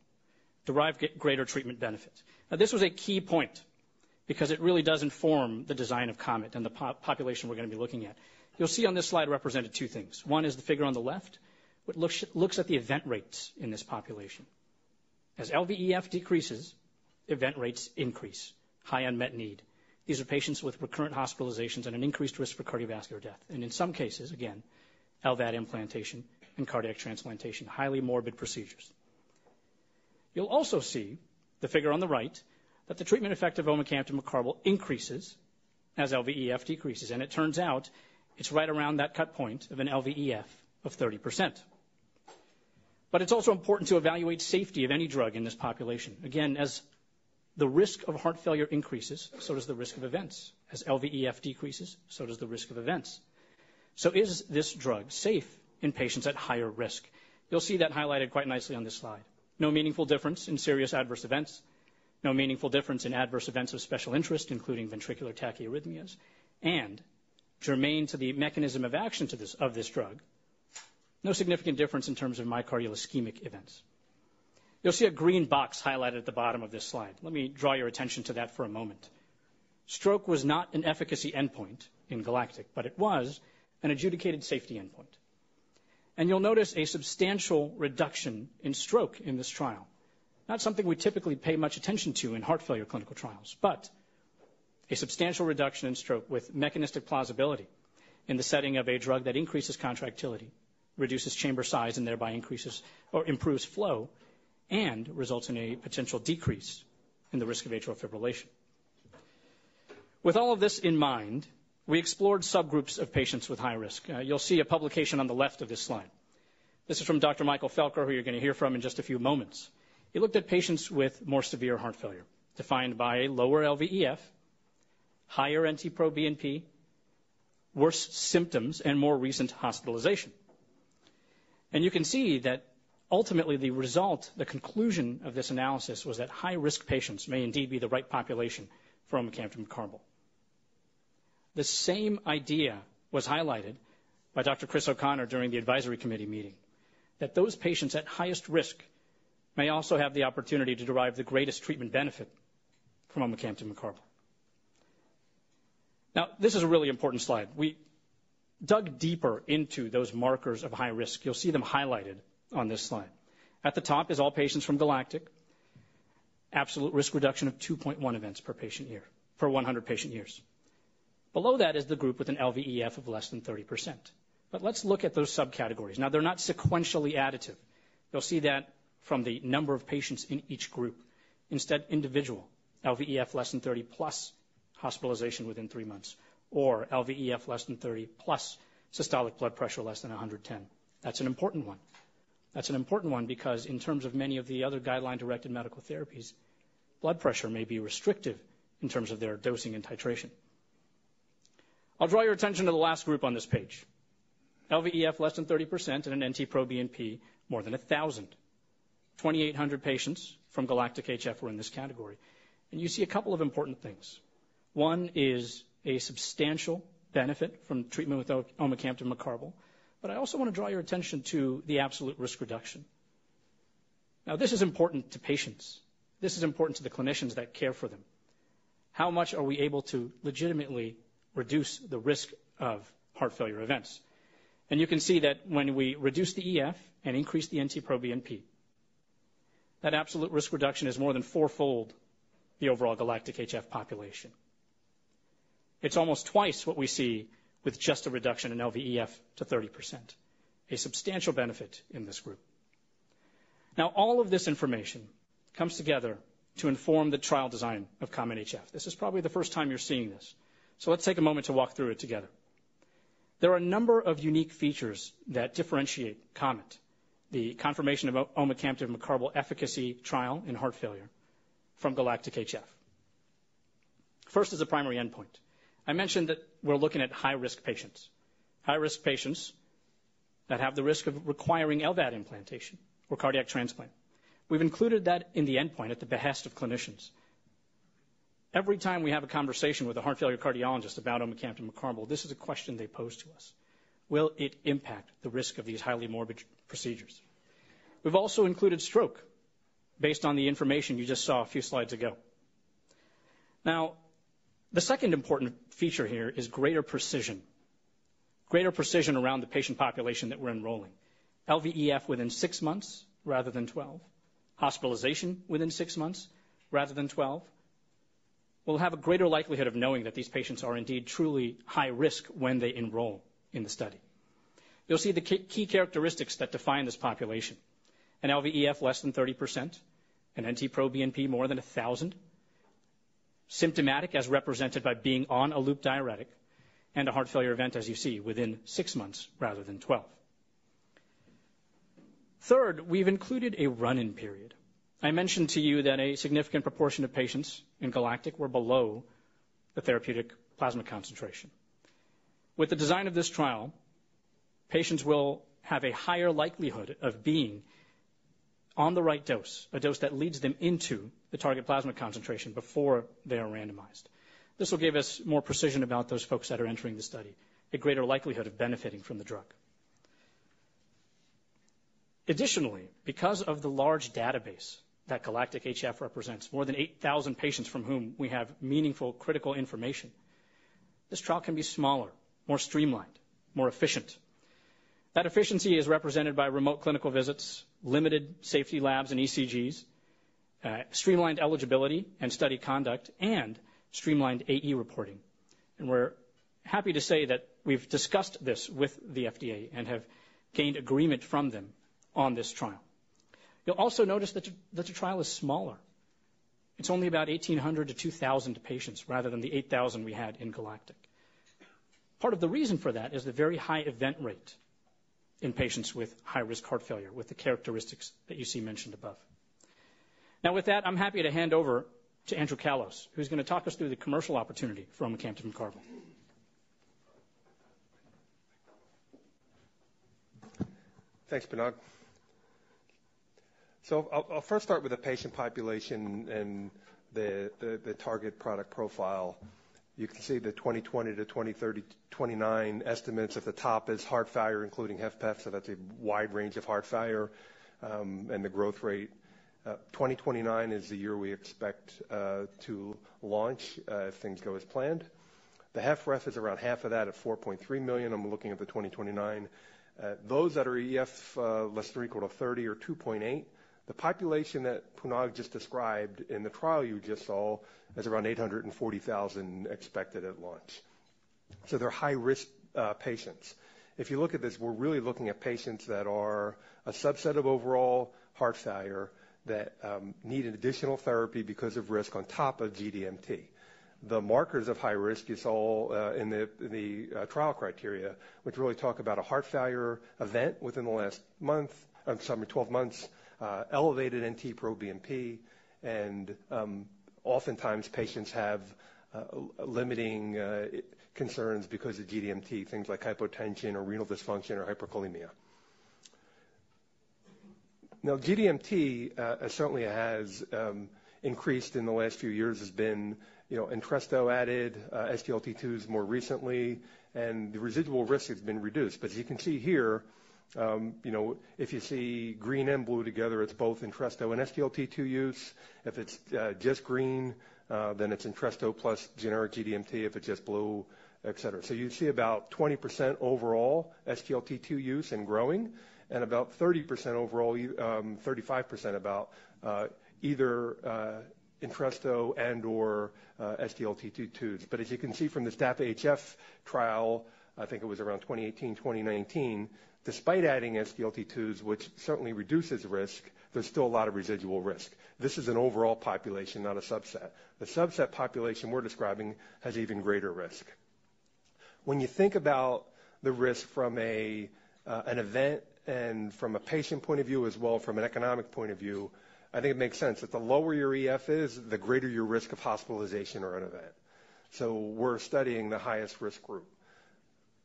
derive greater treatment benefit. Now, this was a key point because it really does inform the design of COMET and the population we're gonna be looking at. You'll see on this slide represented two things. One is the figure on the left, which looks at the event rates in this population. As LVEF decreases, event rates increase, high unmet need. These are patients with recurrent hospitalizations and an increased risk for cardiovascular death, and in some cases, again, LVAD implantation and cardiac transplantation, highly morbid procedures. You'll also see the figure on the right, that the treatment effect of omecamtiv mecarbil increases as LVEF decreases, and it turns out it's right around that cut point of an LVEF of 30%. But it's also important to evaluate safety of any drug in this population. Again, as the risk of heart failure increases, so does the risk of events. As LVEF decreases, so does the risk of events. So is this drug safe in patients at higher risk? You'll see that highlighted quite nicely on this slide. No meaningful difference in serious adverse events, no meaningful difference in adverse events of special interest, including ventricular tachyarrhythmias, and germane to the mechanism of action of this drug, no significant difference in terms of myocardial ischemic events. You'll see a green box highlighted at the bottom of this slide. Let me draw your attention to that for a moment. Stroke was not an efficacy endpoint in GALACTIC, but it was an adjudicated safety endpoint. You'll notice a substantial reduction in stroke in this trial. Not something we typically pay much attention to in heart failure clinical trials, but a substantial reduction in stroke with mechanistic plausibility in the setting of a drug that increases contractility, reduces chamber size, and thereby increases or improves flow, and results in a potential decrease in the risk of atrial fibrillation. With all of this in mind, we explored subgroups of patients with high risk. You'll see a publication on the left of this slide. This is from Dr. Michael Felker, who you're going to hear from in just a few moments. He looked at patients with more severe heart failure, defined by a lower LVEF, higher NT-proBNP, worse symptoms, and more recent hospitalization. And you can see that ultimately, the result, the conclusion of this analysis was that high-risk patients may indeed be the right population for omecamtiv mecarbil. The same idea was highlighted by Dr. Chris O'Connor during the advisory committee meeting, that those patients at highest risk may also have the opportunity to derive the greatest treatment benefit from omecamtiv mecarbil. Now, this is a really important slide. We dug deeper into those markers of high risk. You'll see them highlighted on this slide. At the top is all patients from GALACTIC. Absolute risk reduction of 2.1 events per patient year, per 100 patient years. Below that is the group with an LVEF of less than 30%. But let's look at those subcategories. Now, they're not sequentially additive. You'll see that from the number of patients in each group. Instead, individual LVEF less than 30%, plus hospitalization within three months, or LVEF less than 30%, plus systolic blood pressure less than 110. That's an important one. That's an important one because in terms of many of the other guideline-directed medical therapies, blood pressure may be restrictive in terms of their dosing and titration. I'll draw your attention to the last group on this page. LVEF less than 30% and an NT-proBNP more than 1,000. 2,800 patients from GALACTIC-HF were in this category, and you see a couple of important things. One is a substantial benefit from treatment with omecamtiv mecarbil, but I also want to draw your attention to the absolute risk reduction. Now, this is important to patients. This is important to the clinicians that care for them. How much are we able to legitimately reduce the risk of heart failure events, and you can see that when we reduce the EF and increase the NT-proBNP, that absolute risk reduction is more than fourfold the overall GALACTIC-HF population. It's almost twice what we see with just a reduction in LVEF to 30%, a substantial benefit in this group. Now, all of this information comes together to inform the trial design of COMET-HF. This is probably the first time you're seeing this, so let's take a moment to walk through it together. There are a number of unique features that differentiate COMET, the confirmation of omecamtiv mecarbil efficacy trial in heart failure, from GALACTIC-HF. First is the primary endpoint. I mentioned that we're looking at high-risk patients, high-risk patients that have the risk of requiring LVAD implantation or cardiac transplant. We've included that in the endpoint at the behest of clinicians. Every time we have a conversation with a heart failure cardiologist about omecamtiv mecarbil, this is a question they pose to us: Will it impact the risk of these highly morbid procedures? We've also included stroke based on the information you just saw a few slides ago. Now, the second important feature here is greater precision, greater precision around the patient population that we're enrolling. LVEF within 6 months rather than 12, hospitalization within 6 months rather than 12. We'll have a greater likelihood of knowing that these patients are indeed truly high risk when they enroll in the study. You'll see the key, key characteristics that define this population. An LVEF less than 30%, an NT-proBNP more than 1000, symptomatic as represented by being on a loop diuretic, and a heart failure event, as you see, within 6 months rather than 12. Third, we've included a run-in period. I mentioned to you that a significant proportion of patients in GALACTIC were below the therapeutic plasma concentration. With the design of this trial, patients will have a higher likelihood of being on the right dose, a dose that leads them into the target plasma concentration before they are randomized. This will give us more precision about those folks that are entering the study, a greater likelihood of benefiting from the drug. Additionally, because of the large database that GALACTIC-HF represents, more than 8,000 patients from whom we have meaningful, critical information, this trial can be smaller, more streamlined, more efficient. That efficiency is represented by remote clinical visits, limited safety labs and ECGs, streamlined eligibility and study conduct, and streamlined AE reporting. And we're happy to say that we've discussed this with the FDA and have gained agreement from them on this trial. You'll also notice that the trial is smaller. It's only about 1,800-2,000 patients rather than the 8,000 we had in GALACTIC. Part of the reason for that is the very high event rate in patients with high-risk heart failure, with the characteristics that you see mentioned above. Now, with that, I'm happy to hand over to Andrew Callos, who's going to talk us through the commercial opportunity for omecamtiv mecarbil. Thanks, Punag. I'll first start with the patient population and the target product profile. You can see the 2020 to 2029 estimates at the top is heart failure, including HFpEF, so that's a wide range of heart failure, and the growth rate. 2029 is the year we expect to launch, if things go as planned. The HFpEF is around half of that at 4.3 million. I'm looking at the 2029. Those that are EF less than or equal to 30 or 2.8. The population that Punag just described in the trial you just saw is around 840,000 expected at launch. So they're high-risk patients. If you look at this, we're really looking at patients that are a subset of overall heart failure, that need an additional therapy because of risk on top of GDMT. The markers of high risk, you saw in the trial criteria, which really talk about a heart failure event within the last twelve months, elevated NT-proBNP, and oftentimes patients have limiting concerns because of GDMT, things like hypotension or renal dysfunction or hyperkalemia. Now, GDMT certainly has increased in the last few years, has been, you know, Entresto added, SGLT2s more recently, and the residual risk has been reduced. But as you can see here, you know, if you see green and blue together, it's both Entresto and SGLT2 use. If it's just green, then it's Entresto plus generic GDMT, if it's just blue, et cetera, so you see about 20% overall SGLT2 use and growing, and about 30% overall, 35% about either Entresto and/or SGLT2s. But as you can see from the DAPA-HF trial, I think it was around 2018, 2019, despite adding SGLT2s, which certainly reduces risk, there's still a lot of residual risk. This is an overall population, not a subset. The subset population we're describing has even greater risk. When you think about the risk from an event and from a patient point of view, as well, from an economic point of view, I think it makes sense that the lower your EF is, the greater your risk of hospitalization or an event, so we're studying the highest risk group.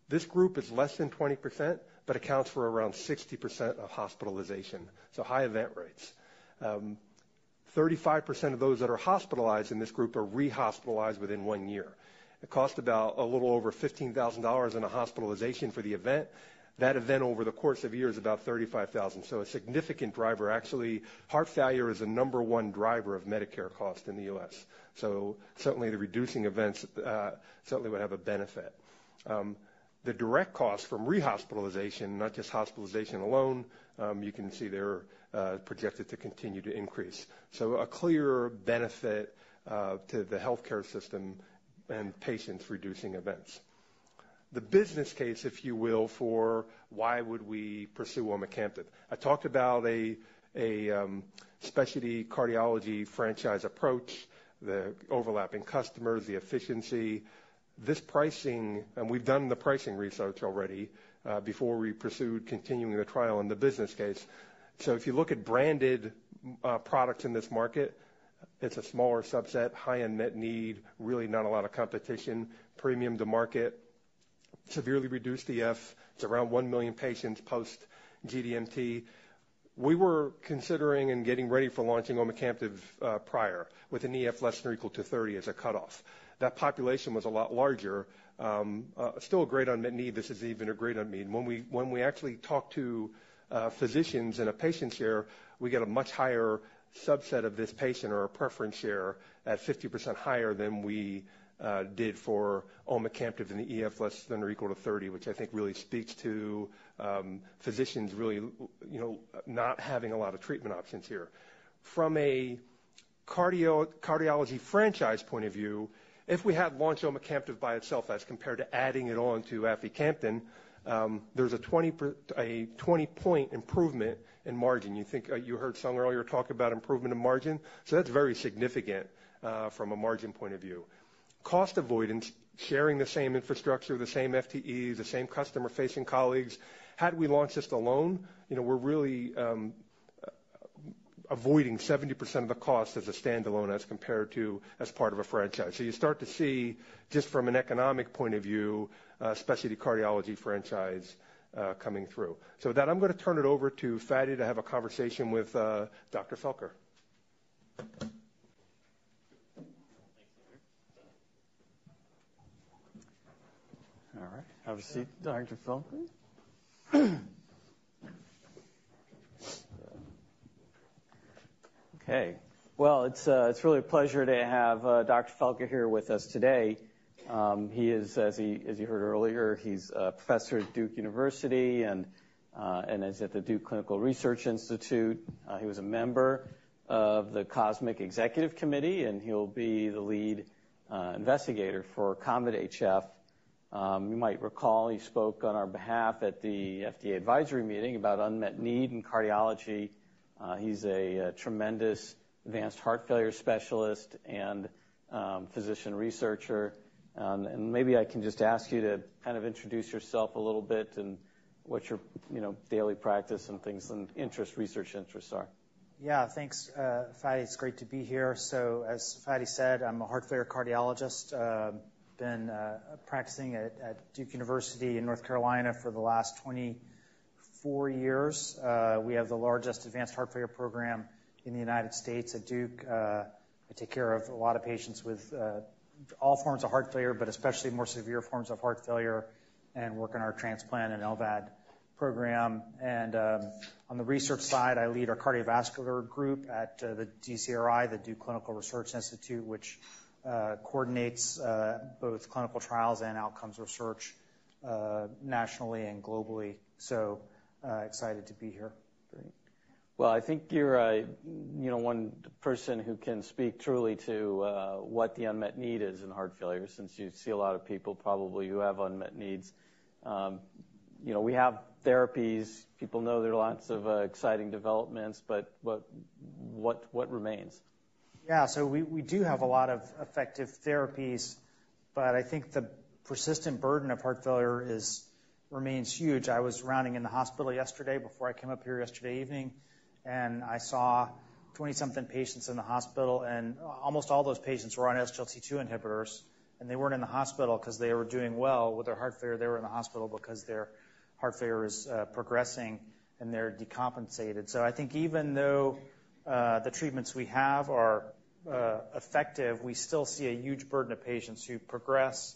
This group is less than 20%, but accounts for around 60% of hospitalization, so high event rates. 35 percent of those that are hospitalized in this group are rehospitalized within one year. It cost about a little over $15,000 in a hospitalization for the event. That event, over the course of a year, is about $35,000. So a significant driver, actually, heart failure is the number one driver of Medicare cost in the U.S. So certainly, the reducing events, certainly would have a benefit. The direct cost from rehospitalization, not just hospitalization alone, you can see they're projected to continue to increase. So a clear benefit, to the healthcare system and patients reducing events. The business case, if you will, for why would we pursue omecamtiv. I talked about a specialty cardiology franchise approach, the overlapping customers, the efficiency. This pricing, and we've done the pricing research already, before we pursued continuing the trial in the business case. So if you look at branded products in this market, it's a smaller subset, high unmet need, really not a lot of competition, premium to market, severely reduced EF. It's around one million patients post-GDMT. We were considering and getting ready for launching omecamtiv, prior, with an EF less than or equal to thirty as a cutoff. That population was a lot larger, still a great unmet need. This is even a greater unmet. When we actually talk to physicians in a patient share, we get a much higher subset of this patient or a preference share at 50% higher than we did for omecamtiv in the EF less than or equal to 30, which I think really speaks to physicians really, you know, not having a lot of treatment options here. From a cardiology franchise point of view, if we had launched omecamtiv by itself as compared to adding it on to aficamten, there's a 20-point improvement in margin. You think you heard somewhere earlier talk about improvement in margin? So that's very significant from a margin point of view. Cost avoidance, sharing the same infrastructure, the same FTEs, the same customer-facing colleagues. Had we launched this alone, you know, we're really avoiding 70% of the cost as a standalone, as compared to as part of a franchise. So you start to see, just from an economic point of view, specialty cardiology franchise coming through. So with that, I'm gonna turn it over to Fady to have a conversation with Dr. Felker. All right. Have a seat, Dr. Felker. Okay, well, it's really a pleasure to have Dr. Felker here with us today. He is, as you heard earlier, he's a professor at Duke University and is at the Duke Clinical Research Institute. He was a member of the COSMIC Executive Committee, and he'll be the lead investigator for COMET-HF. You might recall, he spoke on our behalf at the FDA advisory meeting about unmet need in cardiology. He's a tremendous advanced heart failure specialist and physician researcher. And maybe I can just ask you to kind of introduce yourself a little bit and what your, you know, daily practice and things and interest, research interests are. Yeah, thanks, Fady. It's great to be here. So, as Fady said, I'm a heart failure cardiologist. Been practicing at Duke University in North Carolina for the last 24 years. We have the largest advanced heart failure program in the United States at Duke. I take care of a lot of patients with all forms of heart failure, but especially more severe forms of heart failure, and work in our transplant and LVAD program. And, on the research side, I lead our cardiovascular group at the DCRI, the Duke Clinical Research Institute, which coordinates both clinical trials and outcomes research, nationally and globally. So, excited to be here. Well, I think you're a, you know, one person who can speak truly to what the unmet need is in heart failure, since you see a lot of people, probably, who have unmet needs. You know, we have therapies. People know there are lots of exciting developments, but what remains? Yeah. So we do have a lot of effective therapies, but I think the persistent burden of heart failure is remains huge. I was rounding in the hospital yesterday before I came up here yesterday evening, and I saw twenty-something patients in the hospital, and almost all those patients were on SGLT2 inhibitors, and they weren't in the hospital because they were doing well with their heart failure. They were in the hospital because their heart failure is progressing, and they're decompensated. So I think even though the treatments we have are effective, we still see a huge burden of patients who progress.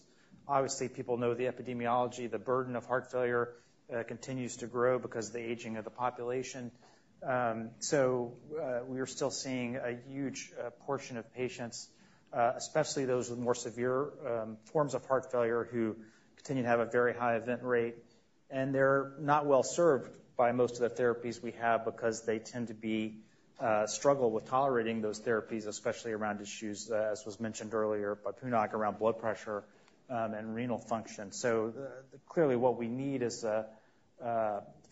Obviously, people know the epidemiology, the burden of heart failure continues to grow because of the aging of the population. So, we are still seeing a huge portion of patients, especially those with more severe forms of heart failure, who continue to have a very high event rate, and they're not well served by most of the therapies we have because they tend to struggle with tolerating those therapies, especially around issues, as was mentioned earlier by Punag, around blood pressure, and renal function. So, clearly, what we need is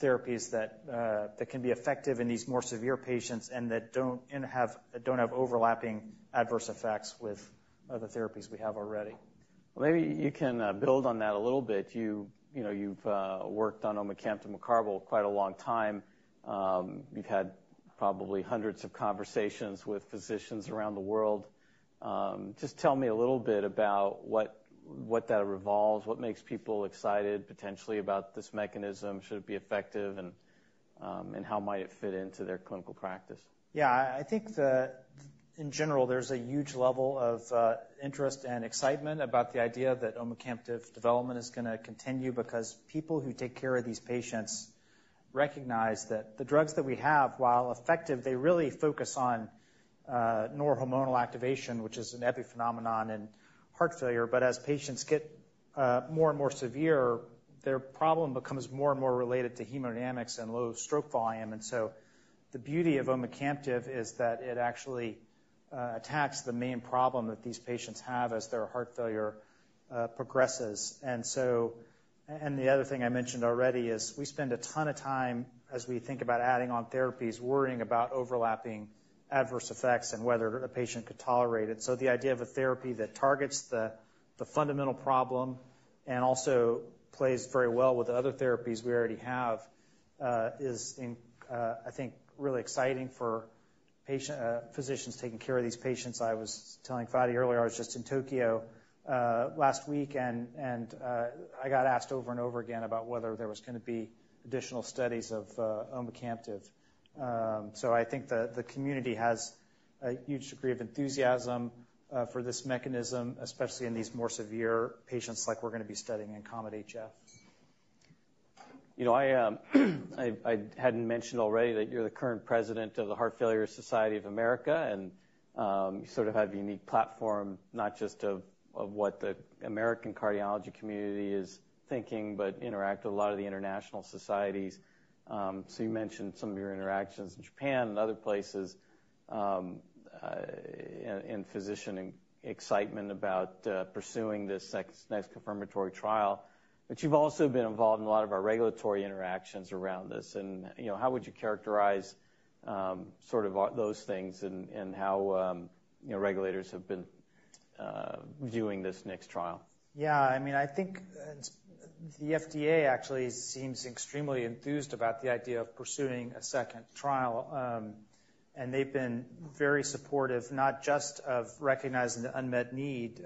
therapies that can be effective in these more severe patients and that don't have overlapping adverse effects with other therapies we have already. Maybe you can build on that a little bit. You know, you've worked on omecamtiv mecarbil quite a long time. You've had probably hundreds of conversations with physicians around the world. Just tell me a little bit about what that revolves, what makes people excited, potentially, about this mechanism, should it be effective, and how might it fit into their clinical practice? Yeah, I think the... In general, there's a huge level of interest and excitement about the idea that omecamtiv development is gonna continue because people who take care of these patients recognize that the drugs that we have, while effective, they really focus on neurohormonal activation, which is an epiphenomenon in heart failure. But as patients get more and more severe, their problem becomes more and more related to hemodynamics and low stroke volume. And so the beauty of omecamtiv is that it actually attacks the main problem that these patients have as their heart failure progresses. And so, and the other thing I mentioned already is we spend a ton of time, as we think about adding on therapies, worrying about overlapping adverse effects and whether a patient could tolerate it. So the idea of a therapy that targets the fundamental problem and also plays very well with the other therapies we already have is, I think, really exciting for patients, physicians taking care of these patients. I was telling Fady earlier, I was just in Tokyo last week, and I got asked over and over again about whether there was gonna be additional studies of omecamtiv, so I think the community has a huge degree of enthusiasm for this mechanism, especially in these more severe patients like we're gonna be studying in COMET-HF. You know, I hadn't mentioned already that you're the current president of the Heart Failure Society of America, and you sort of have a unique platform, not just of what the American cardiology community is thinking, but interact with a lot of the international societies. So you mentioned some of your interactions in Japan and other places, in physician excitement about pursuing this next confirmatory trial. But you've also been involved in a lot of our regulatory interactions around this, and you know, how would you characterize sort of those things and how you know regulators have been viewing this next trial? Yeah, I mean, I think the FDA actually seems extremely enthused about the idea of pursuing a second trial. And they've been very supportive, not just of recognizing the unmet need,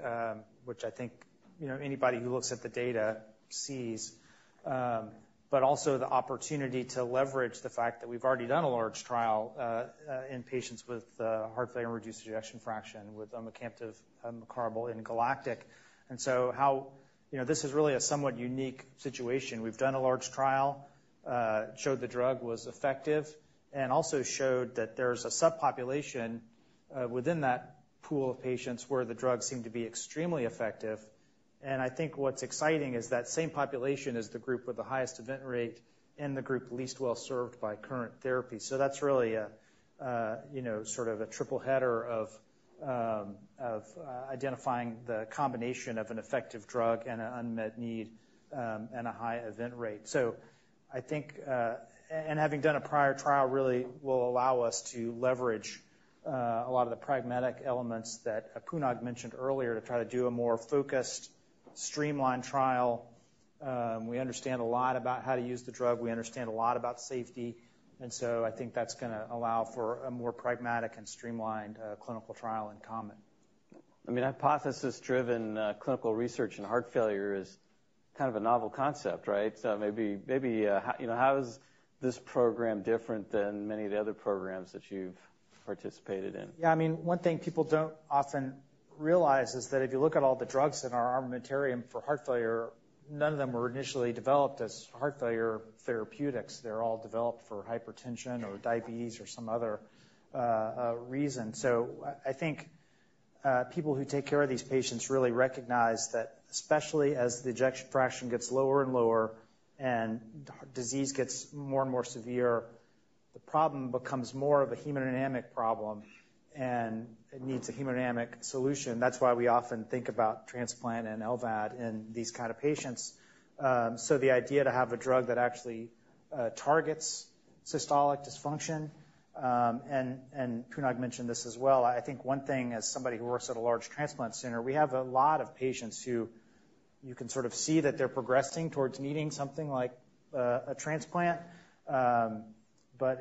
which I think, you know, anybody who looks at the data sees, but also the opportunity to leverage the fact that we've already done a large trial, in patients with heart failure, reduced ejection fraction, with omecamtiv mecarbil in GALACTIC. And so how... You know, this is really a somewhat unique situation. We've done a large trial, showed the drug was effective, and also showed that there's a subpopulation, within that pool of patients where the drug seemed to be extremely effective. And I think what's exciting is that same population is the group with the highest event rate and the group least well served by current therapy. That's really a you know sort of a triple header of identifying the combination of an effective drug and an unmet need and a high event rate. I think and having done a prior trial really will allow us to leverage a lot of the pragmatic elements that Punag mentioned earlier to try to do a more focused streamlined trial. We understand a lot about how to use the drug. We understand a lot about safety, and so I think that's gonna allow for a more pragmatic and streamlined clinical trial in common. I mean, hypothesis-driven, clinical research in heart failure is kind of a novel concept, right? So maybe, maybe, how, you know, how is this program different than many of the other programs that you've participated in? Yeah, I mean, one thing people don't often realize is that if you look at all the drugs in our armamentarium for heart failure, none of them were initially developed as heart failure therapeutics. They're all developed for hypertension or diabetes or some other reason. So people who take care of these patients really recognize that, especially as the ejection fraction gets lower and lower and heart disease gets more and more severe, the problem becomes more of a hemodynamic problem, and it needs a hemodynamic solution. That's why we often think about transplant and LVAD in these kind of patients. So the idea to have a drug that actually targets systolic dysfunction, and Punag mentioned this as well. I think one thing, as somebody who works at a large transplant center, we have a lot of patients who you can sort of see that they're progressing towards needing something like a transplant. But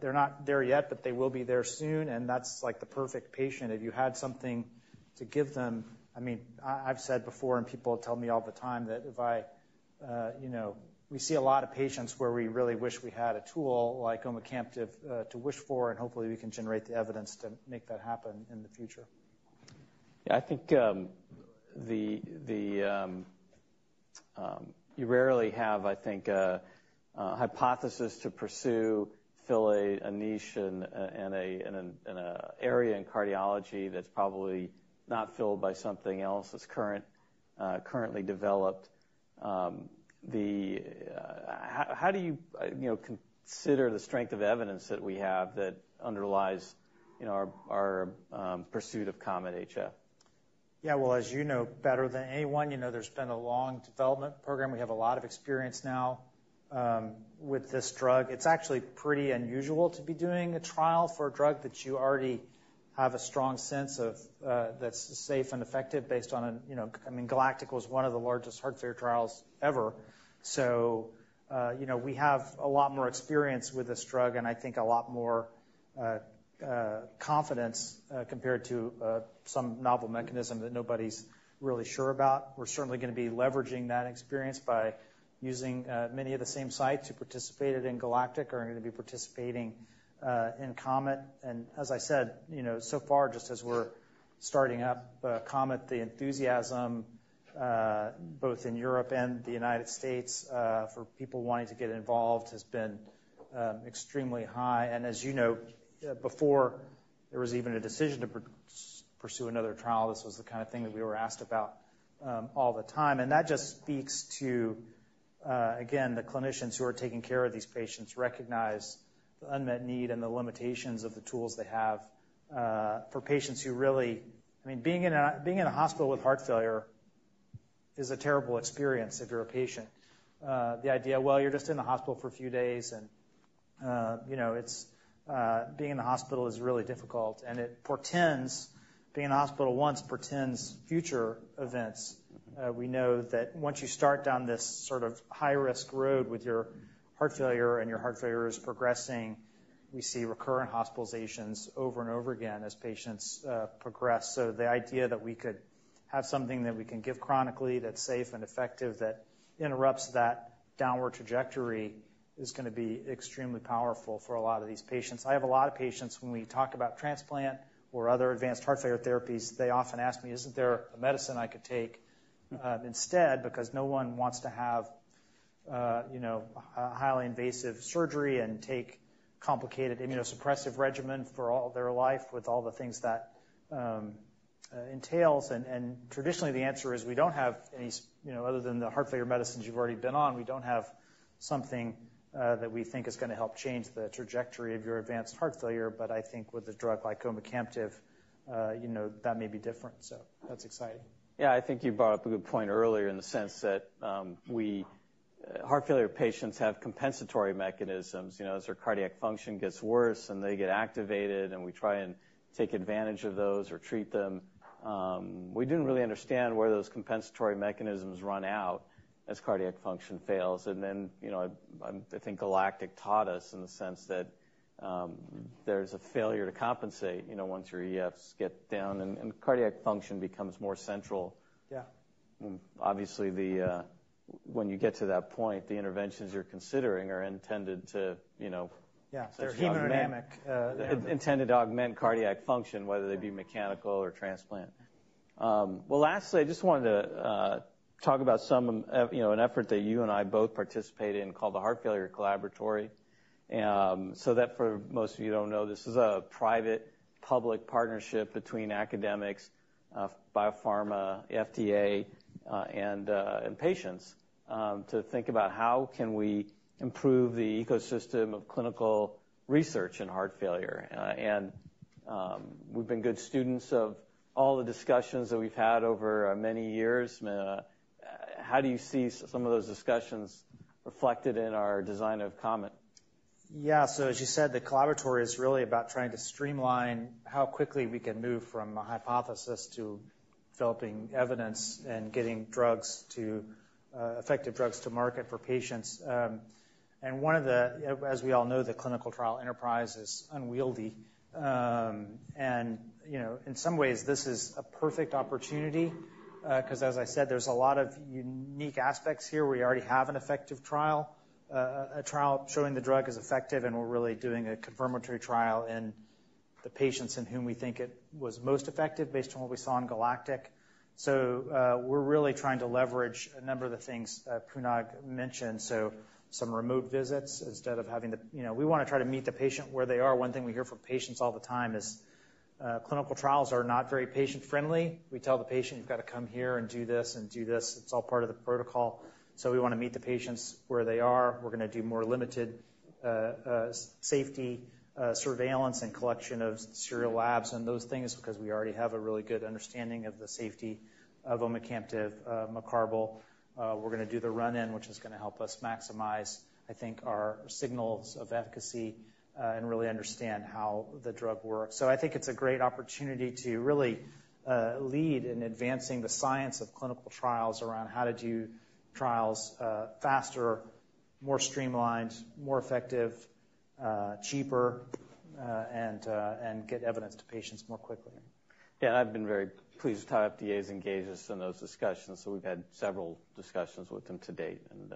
they're not there yet, but they will be there soon, and that's like the perfect patient. If you had something to give them. I mean, I've said before, and people tell me all the time, that you know we see a lot of patients where we really wish we had a tool like omecamtiv to wish for, and hopefully we can generate the evidence to make that happen in the future. Yeah, I think you rarely have, I think, a hypothesis to pursue, fill a niche in an area in cardiology that's probably not filled by something else that's currently developed. How do you, you know, consider the strength of evidence that we have that underlies, you know, our pursuit of COMET-HF? Yeah, well, as you know better than anyone, you know, there's been a long development program. We have a lot of experience now with this drug. It's actually pretty unusual to be doing a trial for a drug that you already have a strong sense of that's safe and effective, based on, you know, I mean, GALACTIC was one of the largest heart failure trials ever. So, you know, we have a lot more experience with this drug, and I think a lot more confidence compared to some novel mechanism that nobody's really sure about. We're certainly gonna be leveraging that experience by using many of the same sites who participated in GALACTIC are gonna be participating in COMET. As I said, you know, so far, just as we're starting up COMET, the enthusiasm both in Europe and the United States for people wanting to get involved has been extremely high. As you know, before there was even a decision to pursue another trial, this was the kind of thing that we were asked about all the time. That just speaks to, again, the clinicians who are taking care of these patients recognize the unmet need and the limitations of the tools they have for patients who really I mean, being in a hospital with heart failure is a terrible experience if you're a patient. The idea, well, you're just in the hospital for a few days and, you know, it's being in the hospital is really difficult, and being in the hospital once portends future events. We know that once you start down this sort of high-risk road with your heart failure, and your heart failure is progressing, we see recurrent hospitalizations over and over again as patients progress. The idea that we could have something that we can give chronically, that's safe and effective, that interrupts that downward trajectory, is gonna be extremely powerful for a lot of these patients. I have a lot of patients, when we talk about transplant or other advanced heart failure therapies, they often ask me, "Isn't there a medicine I could take, instead?" Because no one wants to have, you know, a highly invasive surgery and take complicated immunosuppressive regimen for all their life, with all the things that, entails. And traditionally, the answer is we don't have any, you know, other than the heart failure medicines you've already been on, we don't have something, that we think is gonna help change the trajectory of your advanced heart failure. But I think with a drug like omecamtiv, you know, that may be different, so that's exciting. Yeah, I think you brought up a good point earlier in the sense that heart failure patients have compensatory mechanisms. You know, as their cardiac function gets worse, and they get activated, and we try and take advantage of those or treat them, we didn't really understand where those compensatory mechanisms run out as cardiac function fails. And then, you know, I think GALACTIC taught us, in the sense that there's a failure to compensate, you know, once your EFs get down, and cardiac function becomes more central. Yeah. Obviously, when you get to that point, the interventions you're considering are intended to, you know. Yeah, they're hemodynamic. Intended to augment cardiac function, whether they be mechanical or transplant. Well, lastly, I just wanted to talk about some, you know, an effort that you and I both participate in, called the Heart Failure Collaboratory. So that for most of you don't know, this is a private-public partnership between academics, biopharma, FDA, and patients, to think about how can we improve the ecosystem of clinical research in heart failure. And, we've been good students of all the discussions that we've had over many years. How do you see some of those discussions reflected in our design of COMET? Yeah. So as you said, the Collaboratory is really about trying to streamline how quickly we can move from a hypothesis to developing evidence and getting drugs to, effective drugs to market for patients. And one of the... as we all know, the clinical trial enterprise is unwieldy. And, you know, in some ways, this is a perfect opportunity, 'cause as I said, there's a lot of unique aspects here. We already have an effective trial, a trial showing the drug is effective, and we're really doing a confirmatory trial in the patients in whom we think it was most effective, based on what we saw in GALACTIC. So, we're really trying to leverage a number of the things, Punag mentioned, so some remote visits, instead of having to... You know, we wanna try to meet the patient where they are. One thing we hear from patients all the time is clinical trials are not very patient-friendly. We tell the patient, "You've got to come here and do this and do this. It's all part of the protocol." So we want to meet the patients where they are. We're gonna do more limited safety surveillance and collection of serial labs and those things, because we already have a really good understanding of the safety of omecamtiv mecarbil. We're gonna do the run-in, which is gonna help us maximize, I think, our signals of efficacy and really understand how the drug works. So I think it's a great opportunity to really lead in advancing the science of clinical trials around how to do trials faster, more streamlined, more effective, cheaper and get evidence to patients more quickly. Yeah, and I've been very pleased how FDA has engaged us in those discussions, so we've had several discussions with them to date, and,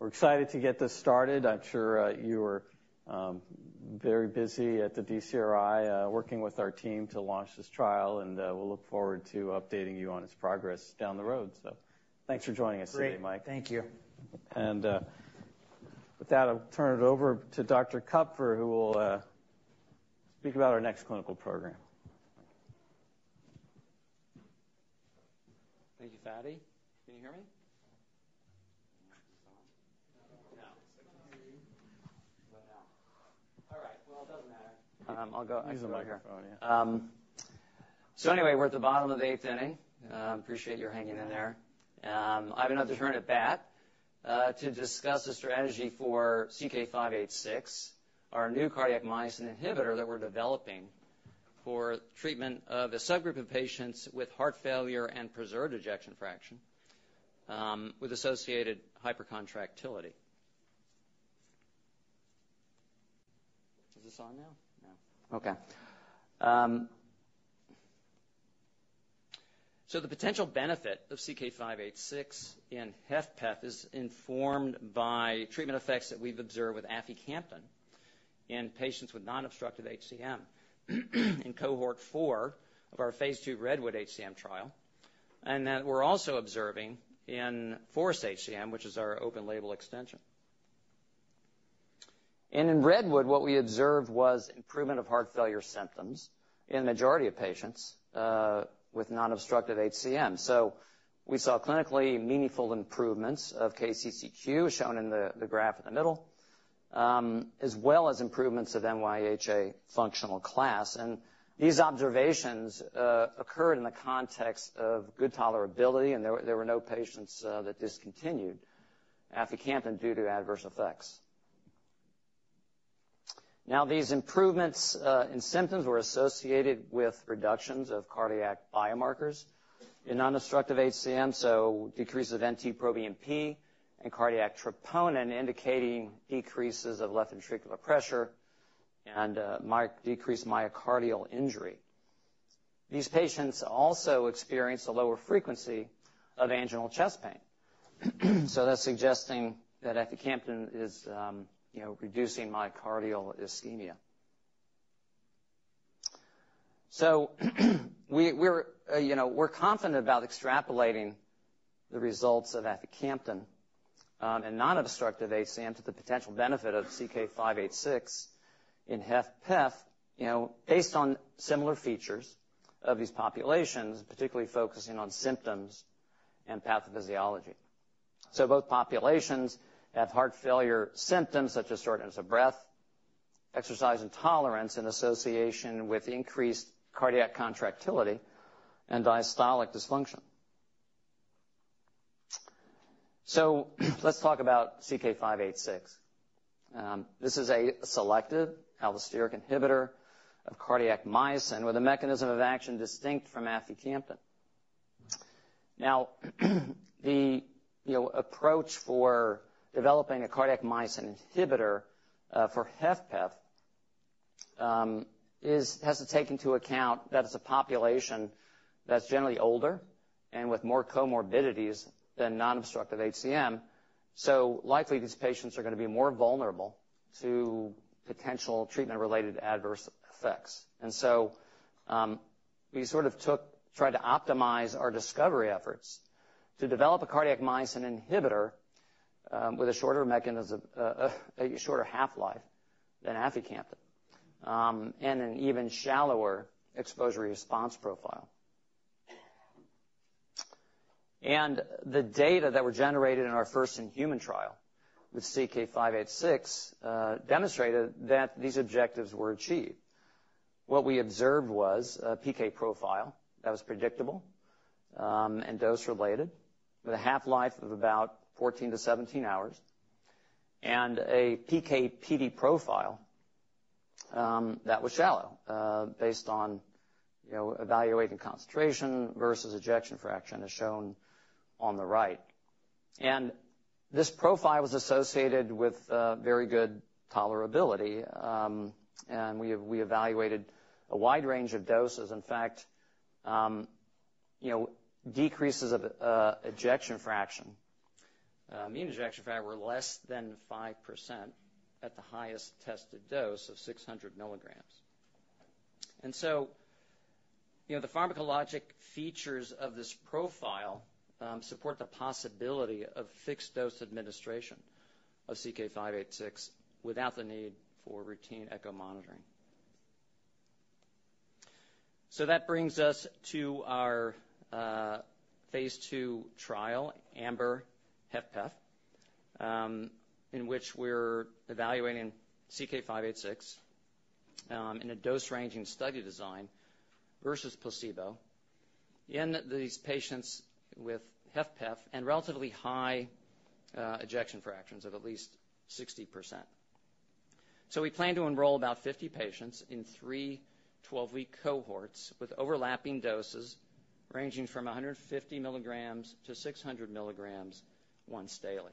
we're excited to get this started. I'm sure, you are, very busy at the DCRI, working with our team to launch this trial, and, we'll look forward to updating you on its progress down the road. So thanks for joining us today, Mike. Great. Thank you. With that, I'll turn it over to Dr. Kupfer, who will speak about our next clinical program. Thank you, Fady. Can you hear me? No. What now? All right. Well, it doesn't matter. I'll go back here. So anyway, we're at the bottom of the eighth inning. Appreciate your hanging in there. I have another turn at bat to discuss the strategy for CK-586, our new cardiac myosin inhibitor that we're developing for treatment of a subgroup of patients with heart failure and preserved ejection fraction with associated hypercontractility. Is this on now? No. Okay. So the potential benefit of CK-586 in HFpEF is informed by treatment effects that we've observed with aficamten in patients with non-obstructive HCM, in cohort 4 of our phase 2 REDWOOD-HCM trial, and that we're also observing in FOREST-HCM, which is our open-label extension. In Redwood, what we observed was improvement of heart failure symptoms in the majority of patients with non-obstructive HCM. We saw clinically meaningful improvements of KCCQ, shown in the graph in the middle, as well as improvements of NYHA functional class. These observations occurred in the context of good tolerability, and there were no patients that discontinued aficamten due to adverse effects. Now, these improvements in symptoms were associated with reductions of cardiac biomarkers in non-obstructive HCM, so decrease of NT-proBNP and cardiac troponin, indicating decreases of left ventricular pressure and decreased myocardial injury. These patients also experienced a lower frequency of anginal chest pain. That's suggesting that aficamten is, you know, reducing myocardial ischemia. So, we're, you know, we're confident about extrapolating the results of aficamten in non-obstructive HCM to the potential benefit of CK-586 in HFpEF, you know, based on similar features of these populations, particularly focusing on symptoms and pathophysiology. So both populations have heart failure symptoms, such as shortness of breath, exercise intolerance in association with increased cardiac contractility and diastolic dysfunction. So let's talk about CK-586. This is a selective allosteric inhibitor of cardiac myosin, with a mechanism of action distinct from aficamten. Now, you know, approach for developing a cardiac myosin inhibitor for HFpEF has to take into account that it's a population that's generally older and with more comorbidities than non-obstructive HCM, so likely, these patients are gonna be more vulnerable to potential treatment-related adverse effects. And so, we sort of took... Tried to optimize our discovery efforts to develop a cardiac myosin inhibitor with a shorter half-life than aficamten and an even shallower exposure-response profile. The data that were generated in our first-in-human trial with CK-586 demonstrated that these objectives were achieved. What we observed was a PK profile that was predictable and dose-related, with a half-life of about 14-17 hours, and a PK/PD profile that was shallow based on, you know, evaluating concentration versus ejection fraction, as shown on the right. This profile was associated with very good tolerability. We evaluated a wide range of doses. In fact, you know, decreases of ejection fraction, mean ejection fraction, were less than 5% at the highest tested dose of 600 milligrams. And so... You know, the pharmacologic features of this profile support the possibility of fixed-dose administration of CK-586 without the need for routine echo monitoring. So that brings us to our phase 2 trial, AMBER-HFpEF, in which we're evaluating CK-586 in a dose-ranging study design versus placebo in these patients with HFpEF and relatively high ejection fractions of at least 60%. So we plan to enroll about 50 patients in three 12-week cohorts with overlapping doses ranging from 150 milligrams to 600 milligrams once daily.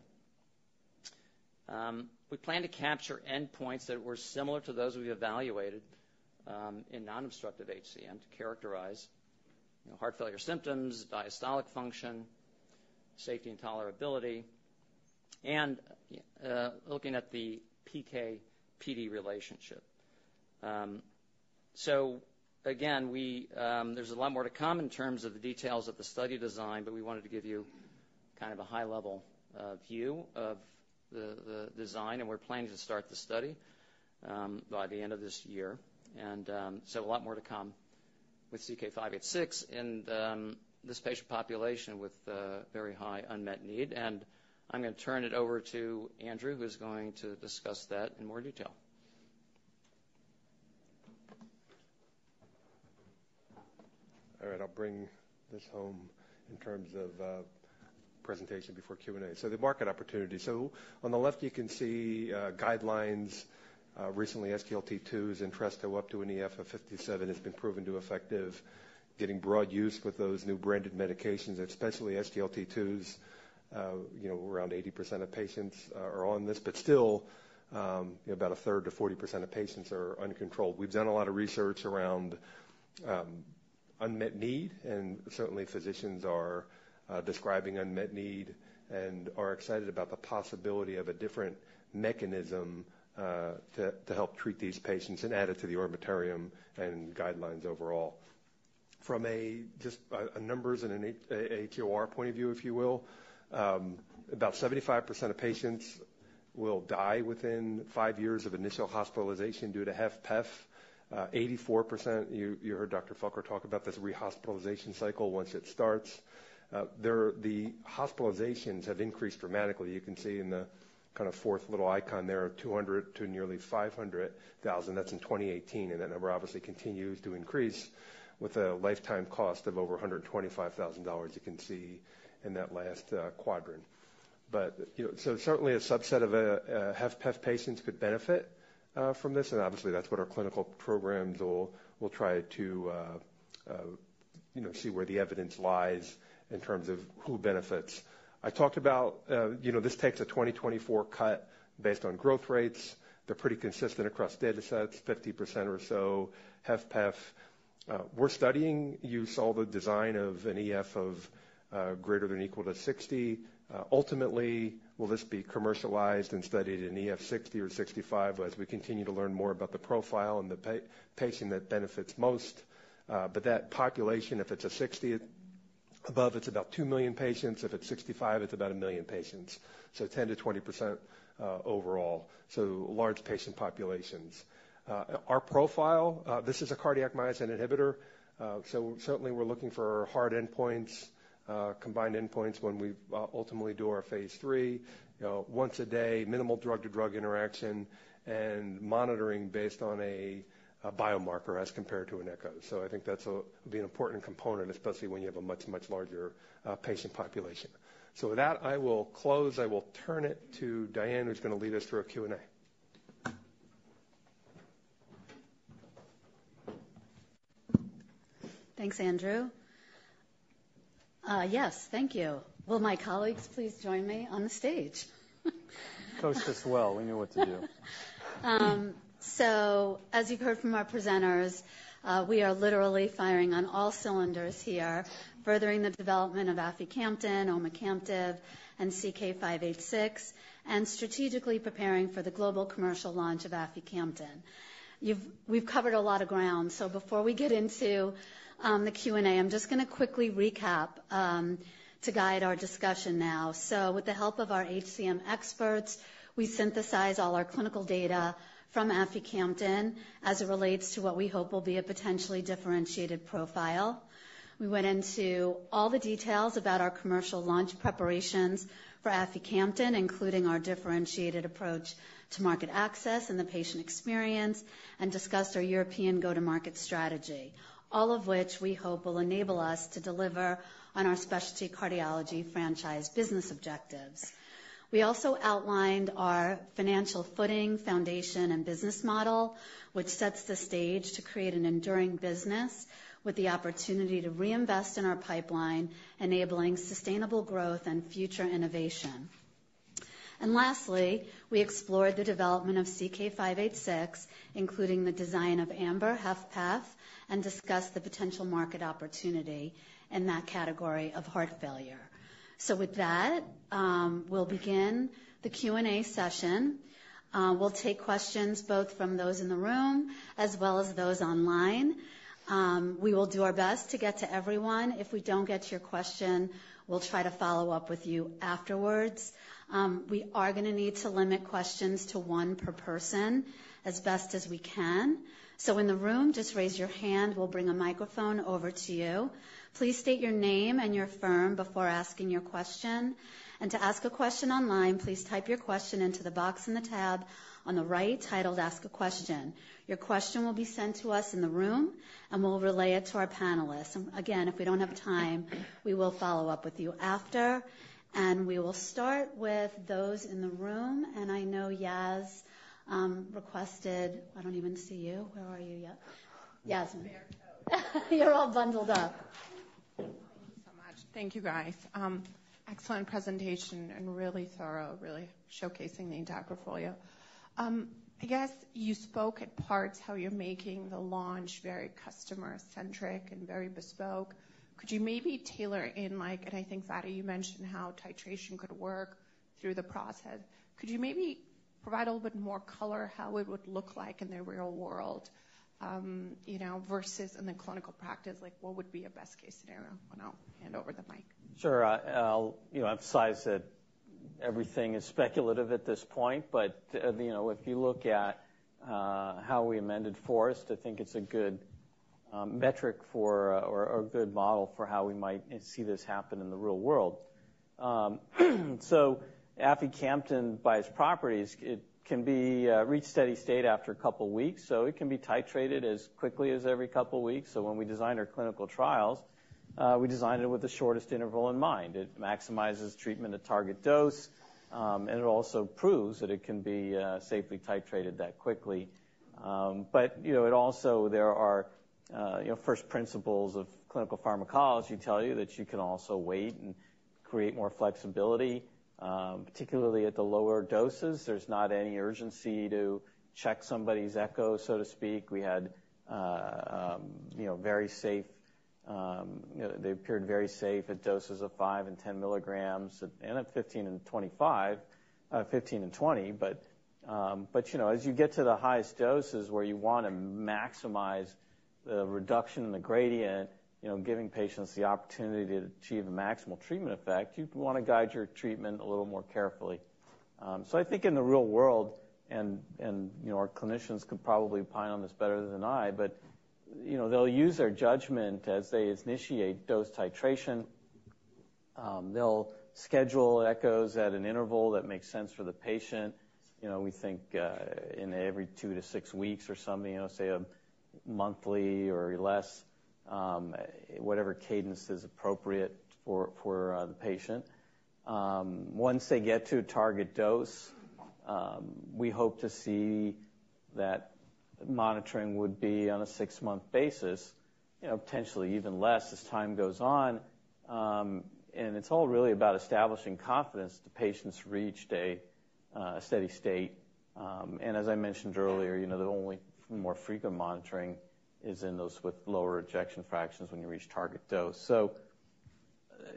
We plan to capture endpoints that were similar to those we evaluated in non-obstructive HCM to characterize, you know, heart failure symptoms, diastolic function, safety and tolerability, and looking at the PK/PD relationship. So again, we There's a lot more to come in terms of the details of the study design, but we wanted to give you kind of a high-level view of the design, and we're planning to start the study by the end of this year. And so a lot more to come with CK-586 and this patient population with a very high unmet need. And I'm going to turn it over to Andrew, who's going to discuss that in more detail. All right, I'll bring this home in terms of presentation before Q&A. The market opportunity. On the left, you can see guidelines. Recently, SGLT2s, Entresto, up to an EF of 57, has been proven to effective, getting broad use with those new branded medications, especially SGLT2s. You know, around 80% of patients are on this, but still, about a third to 40% of patients are uncontrolled. We've done a lot of research around unmet need, and certainly, physicians are describing unmet need and are excited about the possibility of a different mechanism to help treat these patients and add it to the armamentarium and guidelines overall. From just a numbers and an HR point of view, if you will, about 75% of patients will die within five years of initial hospitalization due to HFpEF. Eighty-four percent, you heard Dr. Felker talk about this rehospitalization cycle once it starts. The hospitalizations have increased dramatically. You can see in the kind of fourth little icon, there are 200 to nearly 500,000. That's in 2018, and that number obviously continues to increase with a lifetime cost of over $125,000, you can see in that last quadrant. But, you know, so certainly a subset of HFpEF patients could benefit from this, and obviously, that's what our clinical programs will try to you know, see where the evidence lies in terms of who benefits. I talked about, you know, this takes a 2024 cut based on growth rates. They're pretty consistent across datasets, 50% or so, HFpEF. We're studying, you saw the design of an EF of, greater than or equal to 60. Ultimately, will this be commercialized and studied in EF 60 or 65 as we continue to learn more about the profile and the patient that benefits most? But that population, if it's a 60 above, it's about 2 million patients. If it's 65, it's about 1 million patients, so 10% to 20%, overall, so large patient populations. Our profile, this is a cardiac myosin inhibitor, so certainly, we're looking for hard endpoints, combined endpoints when we, ultimately do our phase 3. You know, once a day, minimal drug-to-drug interaction, and monitoring based on a biomarker as compared to an echo. So I think that's be an important component, especially when you have a much, much larger patient population. So with that, I will close. I will turn it to Diane, who's going to lead us through our Q&A. Thanks, Andrew. Yes, thank you. Will my colleagues please join me on the stage? Coached us well. We knew what to do. So as you've heard from our presenters, we are literally firing on all cylinders here, furthering the development of aficamten, omecamtiv, and CK-586, and strategically preparing for the global commercial launch of aficamten. We've covered a lot of ground, so before we get into the Q&A, I'm just going to quickly recap to guide our discussion now. So with the help of our HCM experts, we synthesize all our clinical data from aficamten as it relates to what we hope will be a potentially differentiated profile. We went into all the details about our commercial launch preparations for aficamten, including our differentiated approach to market access and the patient experience, and discussed our European go-to-market strategy, all of which we hope will enable us to deliver on our specialty cardiology franchise business objectives. We also outlined our financial footing, foundation, and business model, which sets the stage to create an enduring business with the opportunity to reinvest in our pipeline, enabling sustainable growth and future innovation. And lastly, we explored the development of CK-586, including the design of AMBER-HFpEF, and discussed the potential market opportunity in that category of heart failure. So with that, we'll begin the Q&A session. We'll take questions both from those in the room as well as those online. We will do our best to get to everyone. If we don't get to your question, we'll try to follow up with you afterwards. We are gonna need to limit questions to one per person as best as we can. So in the room, just raise your hand, we'll bring a microphone over to you. Please state your name and your firm before asking your question. And to ask a question online, please type your question into the box in the tab on the right, titled Ask a Question. Your question will be sent to us in the room, and we'll relay it to our panelists. Again, if we don't have time, we will follow up with you after. And we will start with those in the room. And I know Yas requested... I don't even see you. Where are you, Yas? Yasmeen. I'm wearing a coat. You're all bundled up. Thank you so much. Thank you, guys. Excellent presentation and really thorough, really showcasing the entire portfolio. I guess you spoke at parts, how you're making the launch very customer-centric and very bespoke. Could you maybe tailor in, like, and I think, Fady, you mentioned how titration could work through the process. Could you maybe provide a little bit more color, how it would look like in the real world, you know, versus in the clinical practice? Like, what would be a best-case scenario? And I'll hand over the mic. Sure. I'll, you know, emphasize that everything is speculative at this point, but, you know, if you look at how we amended FOREST-HCM, I think it's a good metric for, or a good model for how we might see this happen in the real world, so aficamten, by its properties, it can be reach steady state after a couple weeks, so it can be titrated as quickly as every couple weeks, so when we designed our clinical trials, we designed it with the shortest interval in mind. It maximizes treatment to target dose, and it also proves that it can be safely titrated that quickly, but, you know, it also there are first principles of clinical pharmacology tell you that you can also wait and create more flexibility, particularly at the lower doses. There's not any urgency to check somebody's echo, so to speak. We had, you know, very safe, they appeared very safe at doses of 5 and 10 milligrams, and at 15 and 25, 15 and 20. But, you know, as you get to the highest doses where you want to maximize the reduction in the gradient, you know, giving patients the opportunity to achieve a maximal treatment effect, you'd want to guide your treatment a little more carefully. So I think in the real world, and, you know, our clinicians could probably opine on this better than I, but, you know, they'll use their judgment as they initiate dose titration. They'll schedule echoes at an interval that makes sense for the patient. You know, we think in every two to six weeks or something, you know, say, a monthly or less, whatever cadence is appropriate for the patient. Once they get to a target dose, we hope to see that monitoring would be on a six-month basis, you know, potentially even less as time goes on. And it's all really about establishing confidence the patients reached a steady state. And as I mentioned earlier, you know, the only more frequent monitoring is in those with lower ejection fractions when you reach target dose. So,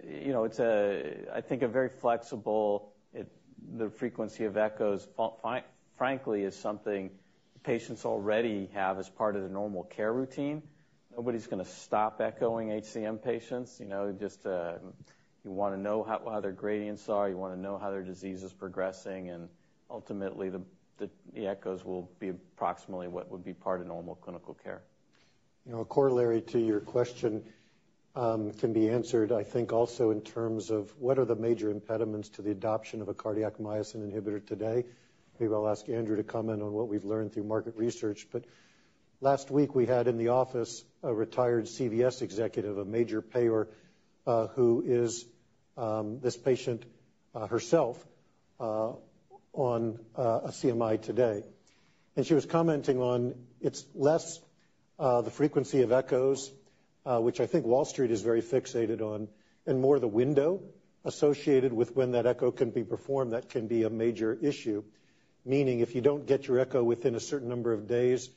you know, it's a, I think, a very flexible. The frequency of echoes, frankly, is something patients already have as part of the normal care routine. Nobody's gonna stop echoing HCM patients. You know, just, you wanna know how their gradients are, you wanna know how their disease is progressing, and ultimately, the echoes will be approximately what would be part of normal clinical care. You know, a corollary to your question can be answered, I think, also in terms of what are the major impediments to the adoption of a cardiac myosin inhibitor today? Maybe I'll ask Andrew to comment on what we've learned through market research, but last week, we had in the office a retired CVS executive, a major payer, who is this patient herself on a Camzyos today. And she was commenting on it's less the frequency of echoes, which I think Wall Street is very fixated on, and more the window associated with when that echo can be performed. That can be a major issue. Meaning, if you don't get your echo within a certain number of days,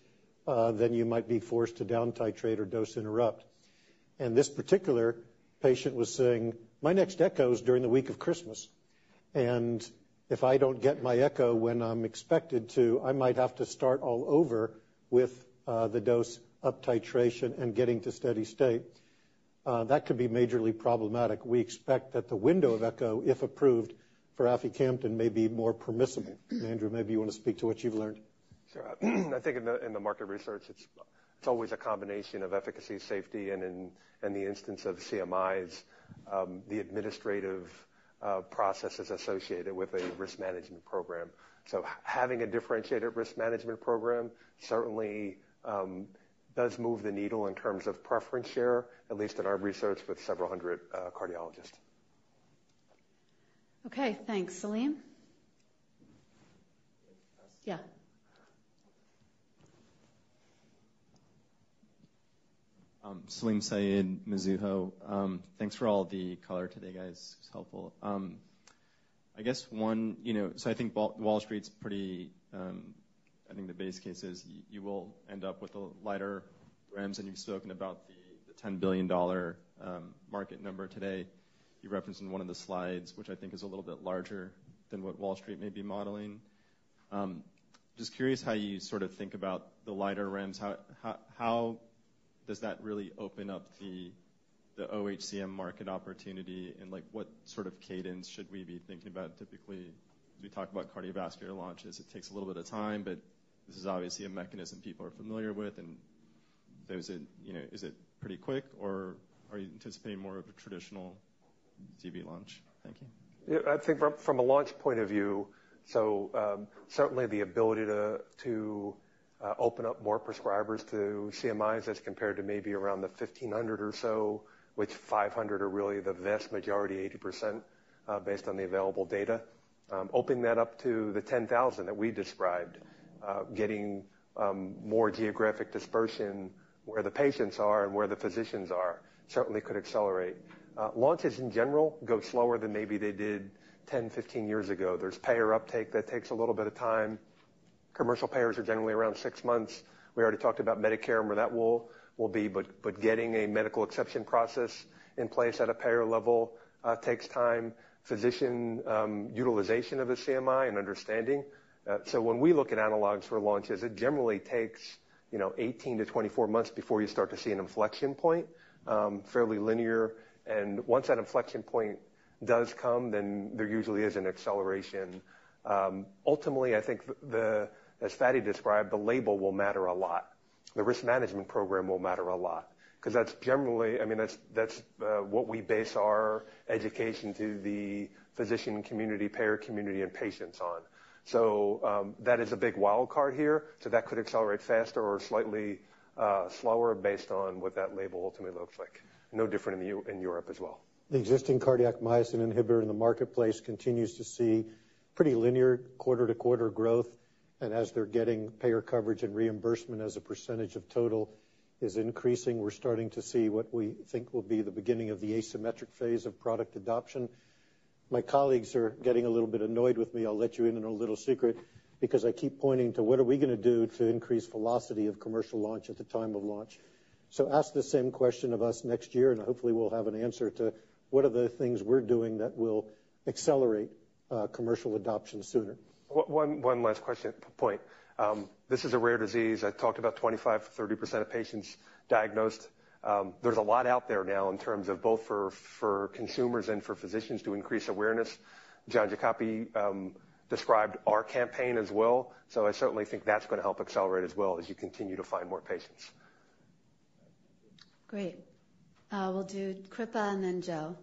then you might be forced to down titrate or dose interrupt. And this particular patient was saying, "My next echo is during the week of Christmas, and if I don't get my echo when I'm expected to, I might have to start all over with the dose up titration and getting to steady state." That could be majorly problematic. We expect that the window of echo, if approved for aficamten, may be more permissible. Andrew, maybe you want to speak to what you've learned. Sure. I think in the market research, it's always a combination of efficacy, safety, and in the instance of Camzyos, the administrative processes associated with a risk management program. So having a differentiated risk management program certainly does move the needle in terms of preference share, at least in our research with several hundred cardiologists. Okay, thanks. Saleem? Yeah.... Saleem Syed, Mizuho. Thanks for all the color today, guys. It's helpful. I guess, one, you know, so I think Wall Street's pretty. I think the base case is you will end up with a lighter REMS, and you've spoken about the $10 billion market number today. You referenced in one of the slides, which I think is a little bit larger than what Wall Street may be modeling. Just curious how you sort of think about the lighter REMS. How does that really open up the OHCM market opportunity? And, like, what sort of cadence should we be thinking about typically, as we talk about cardiovascular launches? It takes a little bit of time, but this is obviously a mechanism people are familiar with, and there's, you know, is it pretty quick, or are you anticipating more of a traditional CV launch? Thank you. Yeah. I think from a launch point of view, so, certainly the ability to open up more prescribers to Camzyos as compared to maybe around the 1,500 or so, which 500 are really the vast majority, 80%, based on the available data. Opening that up to the 10,000 that we described, getting more geographic dispersion where the patients are and where the physicians are, certainly could accelerate. Launches, in general, go slower than maybe they did 10, 15 years ago. There's payer uptake that takes a little bit of time. Commercial payers are generally around 6 months. We already talked about Medicare and where that will be, but getting a medical exception process in place at a payer level takes time. Physician utilization of the Camzyos and understanding. So when we look at analogs for launches, it generally takes, you know, eighteen to twenty-four months before you start to see an inflection point, fairly linear, and once that inflection point does come, then there usually is an acceleration. Ultimately, I think the, as Fady described, the label will matter a lot. The risk management program will matter a lot because that's generally... I mean, that's what we base our education to the physician community, payer community, and patients on. So, that is a big wild card here, so that could accelerate faster or slightly slower based on what that label ultimately looks like. No different in Europe as well. The existing cardiac myosin inhibitor in the marketplace continues to see pretty linear quarter-to-quarter growth, and as they're getting payer coverage and reimbursement, as a percentage of total is increasing, we're starting to see what we think will be the beginning of the asymmetric phase of product adoption. My colleagues are getting a little bit annoyed with me. I'll let you in on a little secret because I keep pointing to what are we gonna do to increase velocity of commercial launch at the time of launch. So ask the same question of us next year, and hopefully, we'll have an answer to what are the things we're doing that will accelerate commercial adoption sooner. One last question, point. This is a rare disease. I talked about 25%-30% of patients diagnosed. There's a lot out there now in terms of both for consumers and for physicians to increase awareness. John Giacoppi described our campaign as well, so I certainly think that's going to help accelerate as well as you continue to find more patients. Great. We'll do Kripa, and then Joe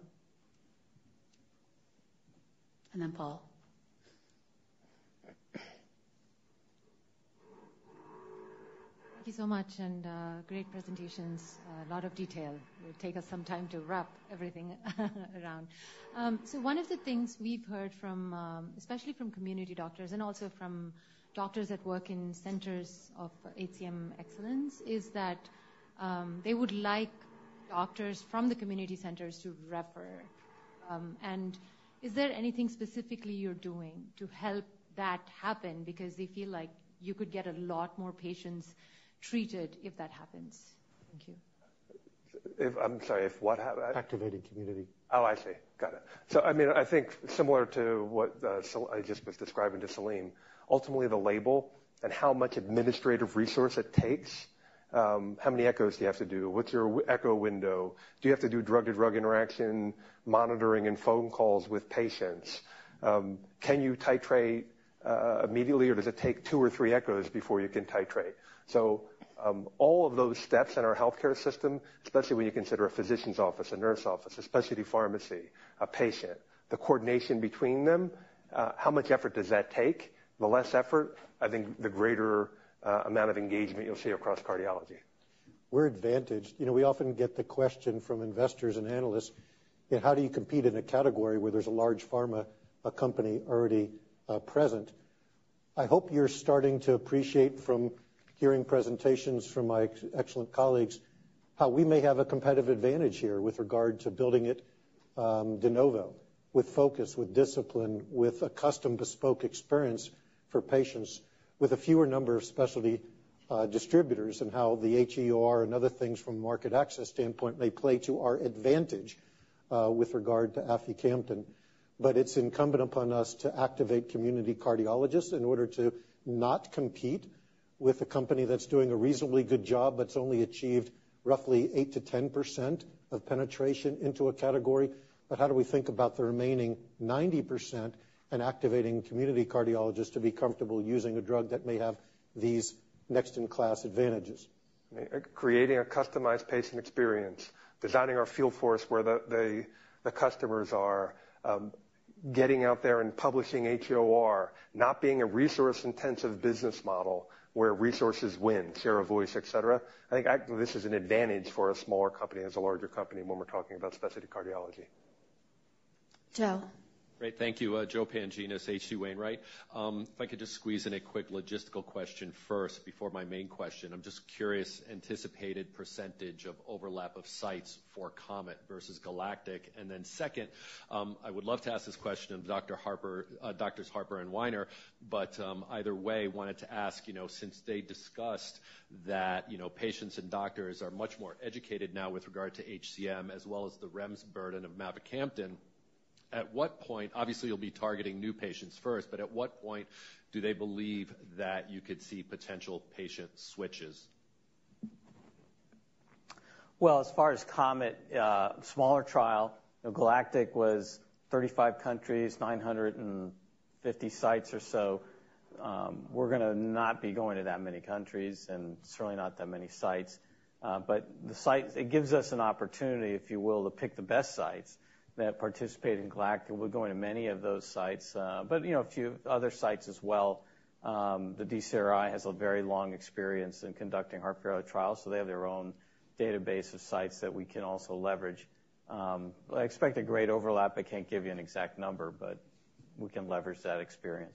and then Paul. Thank you so much, and great presentations, a lot of detail. It will take us some time to wrap everything around. So one of the things we've heard from, especially from community doctors and also from doctors that work in centers of HCM excellence, is that they would like doctors from the community centers to refer, and is there anything specifically you're doing to help that happen? Because we feel like you could get a lot more patients treated if that happens. Thank you. If, I'm sorry, if what happened? Activating community. Oh, I see. Got it. So I mean, I think similar to what I just was describing to Saleem, ultimately, the label and how much administrative resource it takes, how many echos do you have to do? What's your weekly ECHO window? Do you have to do drug-to-drug interaction monitoring and phone calls with patients? Can you titrate immediately, or does it take two or three echos before you can titrate? So, all of those steps in our healthcare system, especially when you consider a physician's office, a nurse office, a specialty pharmacy, a patient, the coordination between them, how much effort does that take? The less effort, I think the greater amount of engagement you'll see across cardiology. We're advantaged. You know, we often get the question from investors and analysts, "How do you compete in a category where there's a large pharma, a company already, present?" I hope you're starting to appreciate, from hearing presentations from my excellent colleagues, how we may have a competitive advantage here with regard to building it, de novo, with focus, with discipline, with a custom bespoke experience for patients, with a fewer number of specialty, distributors, and how the HEOR and other things from a market access standpoint may play to our advantage, with regard to aficamten. But it's incumbent upon us to activate community cardiologists in order to not compete with a company that's doing a reasonably good job, but it's only achieved roughly 8%-10% of penetration into a category. But how do we think about the remaining 90% and activating community cardiologists to be comfortable using a drug that may have these next-in-class advantages? Creating a customized patient experience, designing our field force where the customers are, getting out there and publishing HEOR, not being a resource-intensive business model where resources win, share of voice, et cetera. I think this is an advantage for a smaller company as a larger company, when we're talking about specialty cardiology.... Joe? Great, thank you. Joe Pantginis, H.C. Wainwright. If I could just squeeze in a quick logistical question first before my main question. I'm just curious, anticipated percentage of overlap of sites for COMET versus GALACTIC. And then second, I would love to ask this question of Dr. Harper, doctors Harper and Weiner, but either way, wanted to ask, you know, since they discussed that, you know, patients and doctors are much more educated now with regard to HCM as well as the REMS burden of mavacamten, at what point, obviously, you'll be targeting new patients first, but at what point do they believe that you could see potential patient switches? As far as COMET, smaller trial, you know, GALACTIC was 35 countries, 950 sites or so. We're gonna not be going to that many countries and certainly not that many sites. But the size, it gives us an opportunity, if you will, to pick the best sites that participated in GALACTIC. We're going to many of those sites, but, you know, a few other sites as well. The DCRI has a very long experience in conducting heart failure trials, so they have their own database of sites that we can also leverage. I expect a great overlap. I can't give you an exact number, but we can leverage that experience.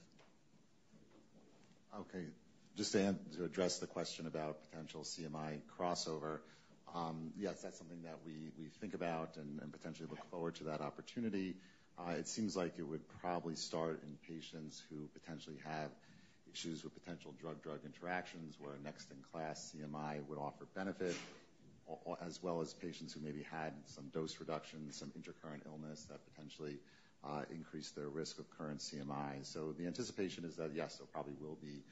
Okay, just to address the question about potential Camzyos crossover. Yes, that's something that we think about and potentially look forward to that opportunity. It seems like it would probably start in patients who potentially have issues with potential drug-drug interactions, where a next-in-class Camzyos would offer benefit, as well as patients who maybe had some dose reductions, some intercurrent illness that potentially increase their risk of current Camzyos. So the anticipation is that yes, there probably will be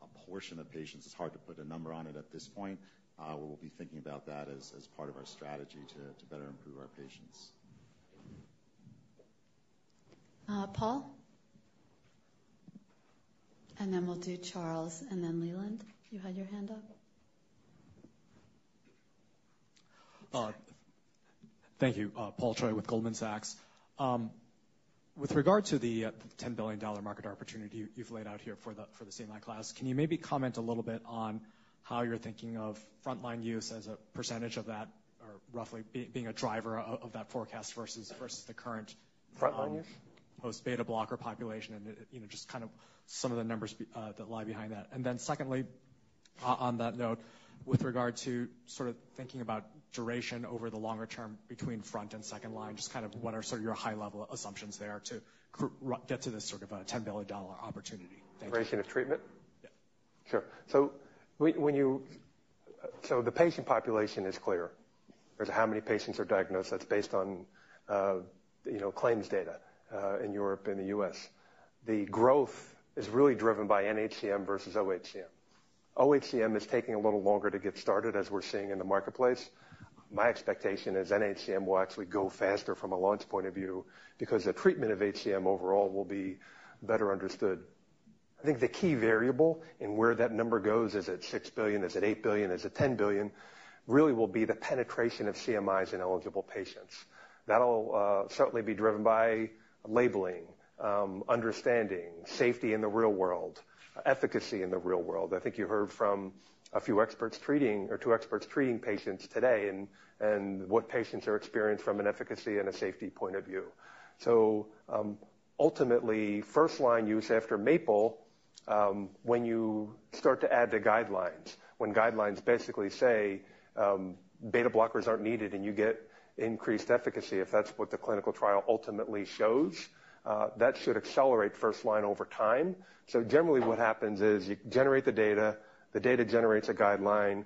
a portion of patients. It's hard to put a number on it at this point. We will be thinking about that as part of our strategy to better improve our patients. Paul? And then we'll do Charles, and then Leland, you had your hand up. Thank you. Paul Choi with Goldman Sachs. With regard to the $10 billion market opportunity you've laid out here for the Camzyos class, can you maybe comment a little bit on how you're thinking of frontline use as a percentage of that, or roughly being a driver of that forecast versus the current- Frontline use? post-beta-blocker population and, you know, just kind of some of the numbers that lie behind that. And then secondly, on that note, with regard to sort of thinking about duration over the longer term between first and second line, just kind of what are sort of your high-level assumptions there to get to this sort of a $10 billion opportunity? Thank you. Duration of treatment? Yeah. Sure. The patient population is clear. There are how many patients are diagnosed, that's based on, you know, claims data, in Europe and the US. The growth is really driven by NHCM versus OHCM. OHCM is taking a little longer to get started, as we're seeing in the marketplace. My expectation is NHCM will actually go faster from a launch point of view because the treatment of HCM overall will be better understood. I think the key variable in where that number goes is at $6 billion, is at $8 billion, is at $10 billion, really will be the penetration of Camzyos in eligible patients. That'll certainly be driven by labeling, understanding, safety in the real world, efficacy in the real world. I think you heard from a few experts treating, or two experts treating patients today and, and what patients are experiencing from an efficacy and a safety point of view. So, ultimately, first line use after MAPLE, when you start to add the guidelines, when guidelines basically say, beta blockers aren't needed and you get increased efficacy, if that's what the clinical trial ultimately shows, that should accelerate first line over time. So generally, what happens is you generate the data, the data generates a guideline,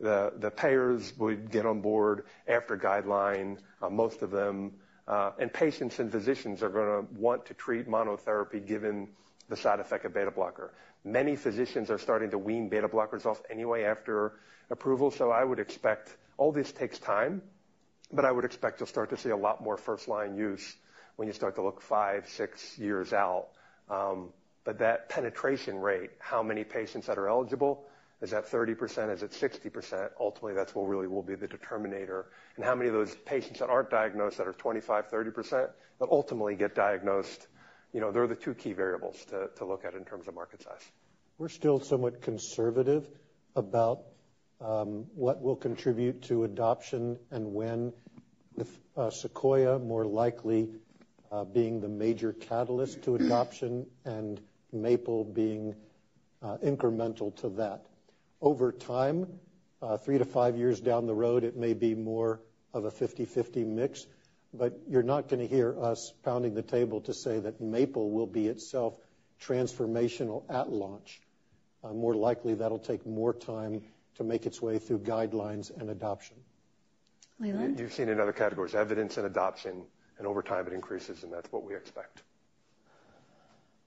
the payers will get on board after guideline, most of them, and patients and physicians are gonna want to treat monotherapy, given the side effect of beta blocker. Many physicians are starting to wean beta blockers off anyway, after approval. So I would expect all this takes time, but I would expect to start to see a lot more first-line use when you start to look five, six years out. But that penetration rate, how many patients that are eligible, is that 30%? Is it 60%? Ultimately, that's what really will be the determinant and how many of those patients that aren't diagnosed that are 25%-30%, but ultimately get diagnosed. You know, they're the two key variables to look at in terms of market size. We're still somewhat conservative about what will contribute to adoption and when, with Sequoia more likely being the major catalyst to adoption and MAPLE being incremental to that. Over time, three to five years down the road, it may be more of a fifty/fifty mix, but you're not gonna hear us pounding the table to say that MAPLE will be itself transformational at launch. More likely, that'll take more time to make its way through guidelines and adoption. Leland? You've seen in other categories, evidence and adoption, and over time it increases, and that's what we expect.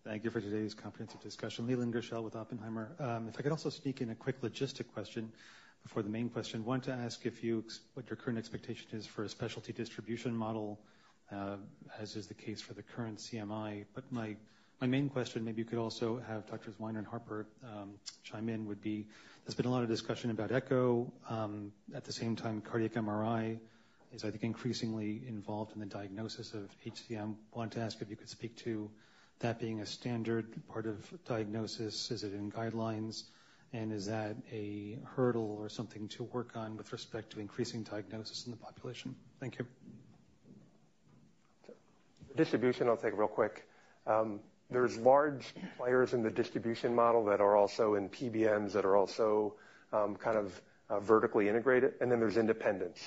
Thank you for today's comprehensive discussion. Leland Gerschel with Oppenheimer. If I could also sneak in a quick logistic question before the main question. I want to ask if you, what your current expectation is for a specialty distribution model, as is the case for the current Camzyos. But my main question, maybe you could also have Doctors Weiner and Harper chime in, would be, there's been a lot of discussion about echo. At the same time, cardiac MRI is, I think, increasingly involved in the diagnosis of HCM. Want to ask if you could speak to that being a standard part of diagnosis, is it in guidelines? And is that a hurdle or something to work on with respect to increasing diagnosis in the population? Thank you.... Distribution, I'll take real quick. There's large players in the distribution model that are also in PBMs, that are also kind of vertically integrated, and then there's independents.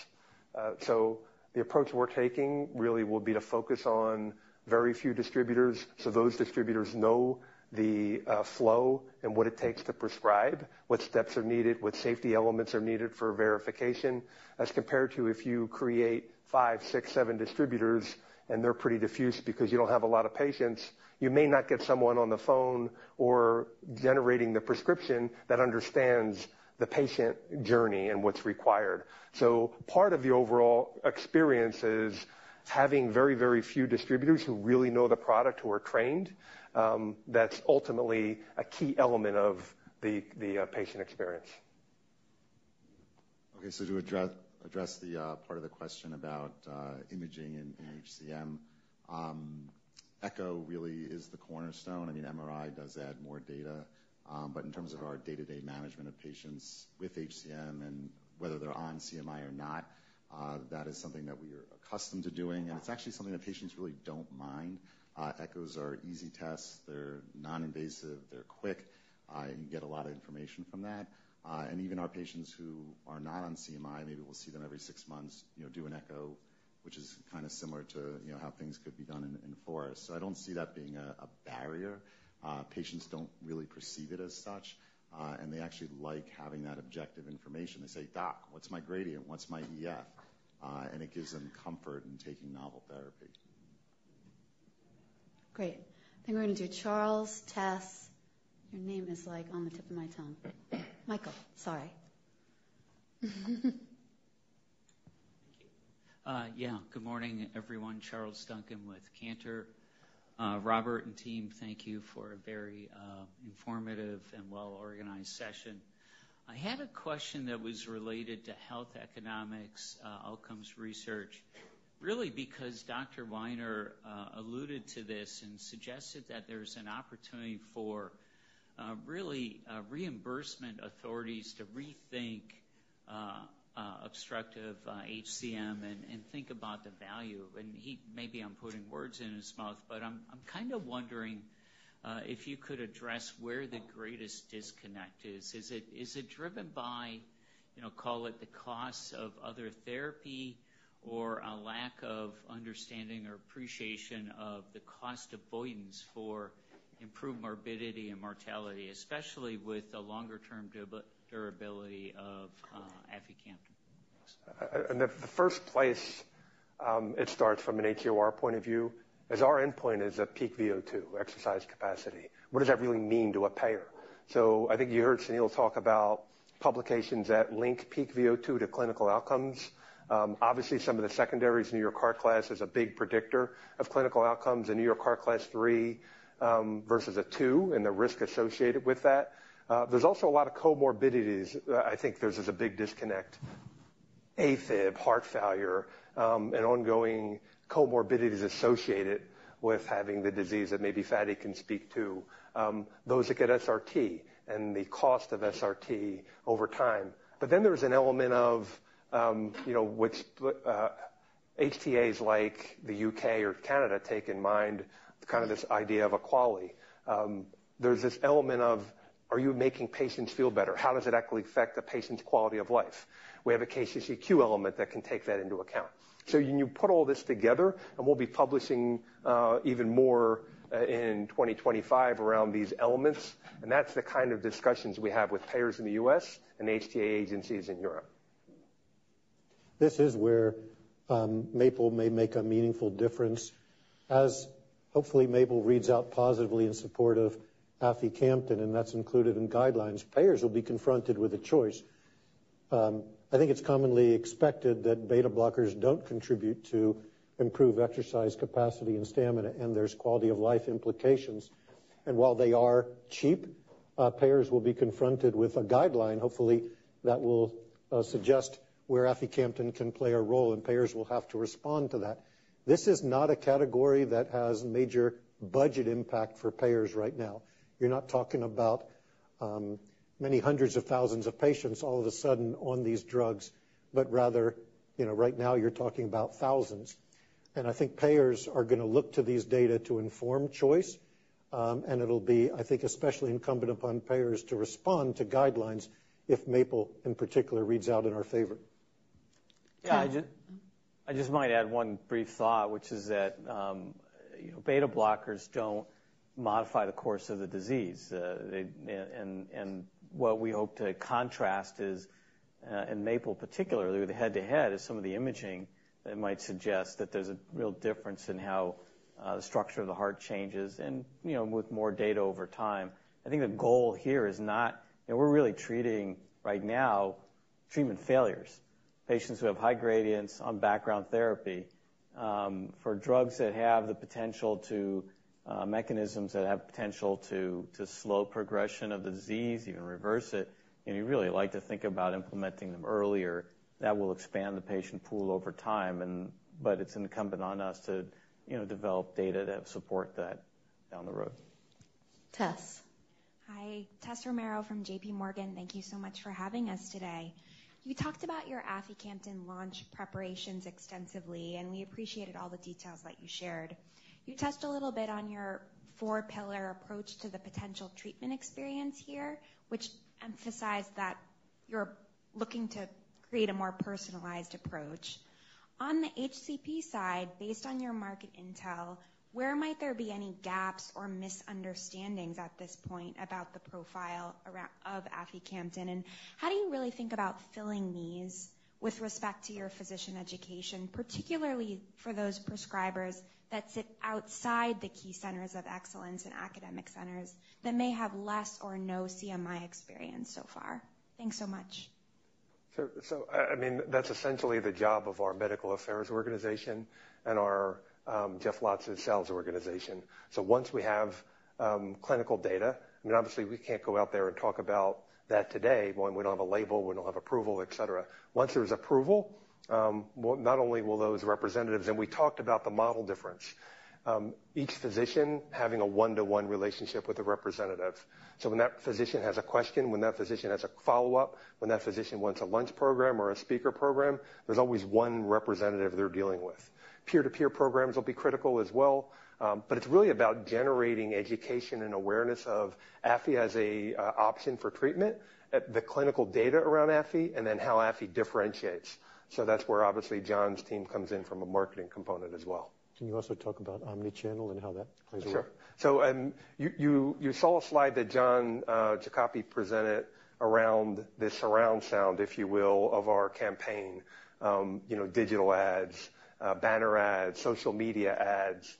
So the approach we're taking really will be to focus on very few distributors, so those distributors know the flow and what it takes to prescribe, what steps are needed, what safety elements are needed for verification, as compared to if you create five, six, seven distributors and they're pretty diffused because you don't have a lot of patients. You may not get someone on the phone or generating the prescription that understands the patient journey and what's required. So part of the overall experience is having very, very few distributors who really know the product, who are trained. That's ultimately a key element of the patient experience. Okay, so to address the part of the question about imaging in HCM. Echo really is the cornerstone. I mean, MRI does add more data, but in terms of our day-to-day management of patients with HCM and whether they're on Camzyos or not, that is something that we are accustomed to doing, and it's actually something that patients really don't mind. Echoes are easy tests. They're non-invasive, they're quick, you can get a lot of information from that. And even our patients who are not on Camzyos, maybe we'll see them every six months, you know, do an echo, which is kind of similar to, you know, how things could be done in FOREST-HCM. I don't see that being a barrier. Patients don't really perceive it as such, and they actually like having that objective information. They say, "Doc, what's my gradient? What's my EF?" and it gives them comfort in taking novel therapy. Great. Then we're going to do Charles, Tess. Your name is, like, on the tip of my tongue. Michael, sorry. Thank you. Yeah. Good morning, everyone. Charles Duncan with Cantor. Robert and team, thank you for a very informative and well-organized session. I had a question that was related to health economics outcomes research, really, because Dr. Weiner alluded to this and suggested that there's an opportunity for really reimbursement authorities to rethink obstructive HCM and think about the value. And he, maybe I'm putting words in his mouth, but I'm kind of wondering if you could address where the greatest disconnect is. Is it driven by, you know, call it, the costs of other therapy or a lack of understanding or appreciation of the cost avoidance for improved morbidity and mortality, especially with the longer-term durability of aficamten? In the first place, it starts from an HEOR point of view, as our endpoint is a peak VO2, exercise capacity. What does that really mean to a payer? So I think you heard Sunil talk about publications that link peak VO2 to clinical outcomes. Obviously, some of the secondaries, New York Heart Association class, is a big predictor of clinical outcomes in New York Heart Association class three, versus a two, and the risk associated with that. There's also a lot of comorbidities. I think there's just a big disconnect. AFib, heart failure, and ongoing comorbidities associated with having the disease that maybe Fady can speak to. Those that get SRT and the cost of SRT over time. But then there's an element of, you know, which HTAs, like the U.K. or Canada, take in mind, kind of this idea of a quality. There's this element of: Are you making patients feel better? How does it actually affect the patient's quality of life? We have a KCCQ element that can take that into account. So when you put all this together, and we'll be publishing, even more, in 2025 around these elements, and that's the kind of discussions we have with payers in the U.S. and HTA agencies in Europe. This is where MAPLE-HCM may make a meaningful difference. As hopefully, MAPLE-HCM reads out positively in support of aficamten, and that's included in guidelines, payers will be confronted with a choice. I think it's commonly expected that beta blockers don't contribute to improved exercise capacity and stamina, and there's quality of life implications. And while they are cheap, payers will be confronted with a guideline, hopefully, that will suggest where aficamten can play a role, and payers will have to respond to that. This is not a category that has major budget impact for payers right now. You're not talking about many hundreds of thousands of patients all of a sudden on these drugs, but rather, you know, right now you're talking about thousands. I think payers are gonna look to these data to inform choice, and it'll be, I think, especially incumbent upon payers to respond to guidelines if MAPLE-HCM, in particular, reads out in our favor. Yeah- Ken. I just, I just might add one brief thought, which is that, you know, beta blockers don't modify the course of the disease. They. And what we hope to contrast is, in Maple, particularly with the head-to-head, some of the imaging that might suggest that there's a real difference in how the structure of the heart changes and, you know, with more data over time. I think the goal here is not. You know, we're really treating, right now, treatment failures, patients who have high gradients on background therapy. For drugs that have the potential to mechanisms that have potential to slow progression of the disease, even reverse it, and you really like to think about implementing them earlier, that will expand the patient pool over time. It's incumbent on us to, you know, develop data that support that down the road.... Tess. Hi, Tess Romero from J.P. Morgan. Thank you so much for having us today. You talked about your aficamten launch preparations extensively, and we appreciated all the details that you shared. You touched a little bit on your four-pillar approach to the potential treatment experience here, which emphasized that you're looking to create a more personalized approach. On the HCP side, based on your market intel, where might there be any gaps or misunderstandings at this point about the profile of aficamten? And how do you really think about filling these with respect to your physician education, particularly for those prescribers that sit outside the key centers of excellence and academic centers that may have less or no Camzyos experience so far? Thanks so much. I mean, that's essentially the job of our medical affairs organization and our Jeff Lotz's sales organization. Once we have clinical data, I mean, obviously, we can't go out there and talk about that today when we don't have a label, we don't have approval, et cetera. Once there's approval, well, not only will those representatives. We talked about the model difference, each physician having a one-to-one relationship with a representative. When that physician has a question, when that physician has a follow-up, when that physician wants a lunch program or a speaker program, there's always one representative they're dealing with. Peer-to-peer programs will be critical as well, but it's really about generating education and awareness of aficamten as an option for treatment, at the clinical data around aficamten, and then how aficamten differentiates. So that's where, obviously, John's team comes in from a marketing component as well. Can you also talk about omni-channel and how that plays a role? Sure. So you saw a slide that John Giacoppi presented around the surround sound, if you will, of our campaign. You know, digital ads, banner ads, social media ads.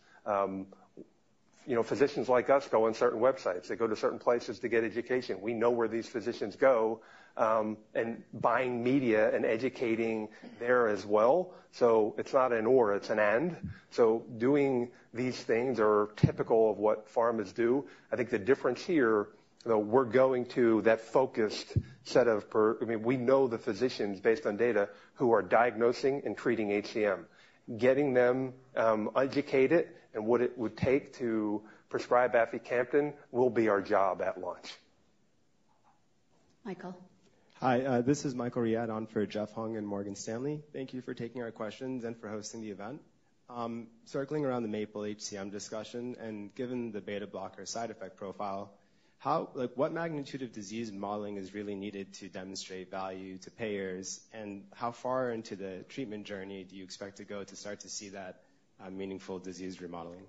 You know, physicians like us go on certain websites. They go to certain places to get education. We know where these physicians go, and buying media and educating there as well. So it's not an or, it's an and. So doing these things are typical of what pharmas do. I think the difference here, though, we're going to that focused set of I mean, we know the physicians, based on data, who are diagnosing and treating HCM. Getting them educated and what it would take to prescribe aficamten will be our job at launch. Michael? Hi, this is Michael Riad on for Jeff Hung and Morgan Stanley. Thank you for taking our questions and for hosting the event. Circling around the MAPLE HCM discussion and given the beta blocker side effect profile, how... Like, what magnitude of disease modeling is really needed to demonstrate value to payers? And how far into the treatment journey do you expect to go to start to see that, meaningful disease remodeling?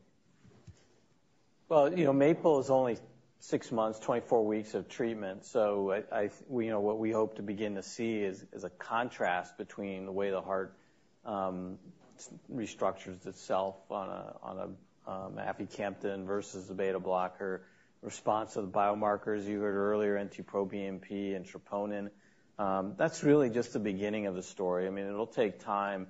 Well, you know, MAPLE is only six months, twenty-four weeks of treatment, so I, you know, what we hope to begin to see is a contrast between the way the heart restructures itself on aficamten versus a beta blocker response to the biomarkers. You heard earlier, NT-proBNP and troponin. That's really just the beginning of the story. I mean, it'll take time.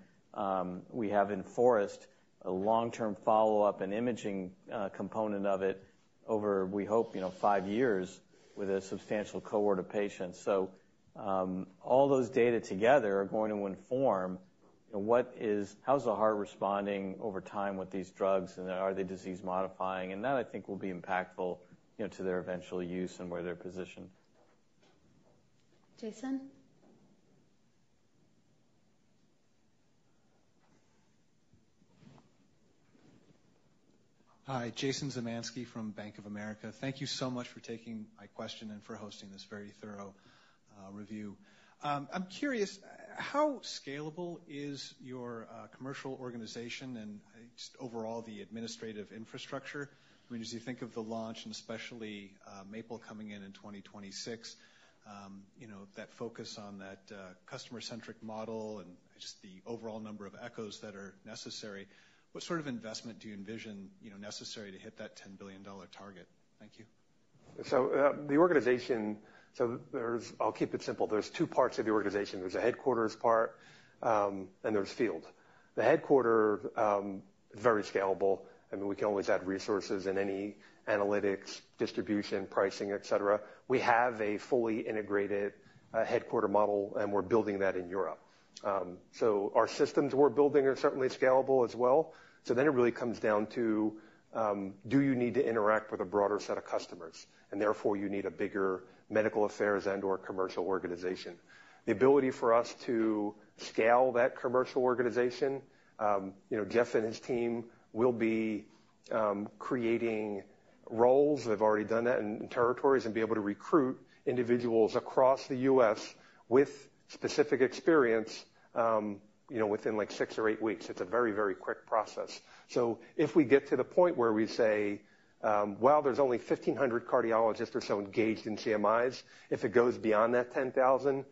We have, in FOREST, a long-term follow-up and imaging component of it over, we hope, you know, five years with a substantial cohort of patients. So, all those data together are going to inform what is, how's the heart responding over time with these drugs, and are they disease-modifying? And that, I think, will be impactful, you know, to their eventual use and where they're positioned. Jason? Hi, Jason Zemansky from Bank of America. Thank you so much for taking my question and for hosting this very thorough, review. I'm curious, how scalable is your, commercial organization and just overall the administrative infrastructure? I mean, as you think of the launch, and especially, MAPLE coming in in 2026, you know, that focus on that, customer-centric model and just the overall number of echos that are necessary, what sort of investment do you envision, you know, necessary to hit that $10 billion target? Thank you. So, the organization. I'll keep it simple. There's two parts of the organization. There's a headquarters part, and there's field. The headquarters, very scalable, and we can always add resources in any analytics, distribution, pricing, et cetera. We have a fully integrated, headquarters model, and we're building that in Europe. So our systems we're building are certainly scalable as well. So then it really comes down to, do you need to interact with a broader set of customers, and therefore, you need a bigger medical affairs and/or commercial organization. The ability for us to scale that commercial organization, you know, Jeff and his team will be creating roles. They've already done that in territories, and be able to recruit individuals across the U.S. with specific experience, you know, within, like, six or eight weeks. It's a very, very quick process. So if we get to the point where we say, well, there's only 1,500 cardiologists or so engaged in Camzyos, if it goes beyond that 10,000,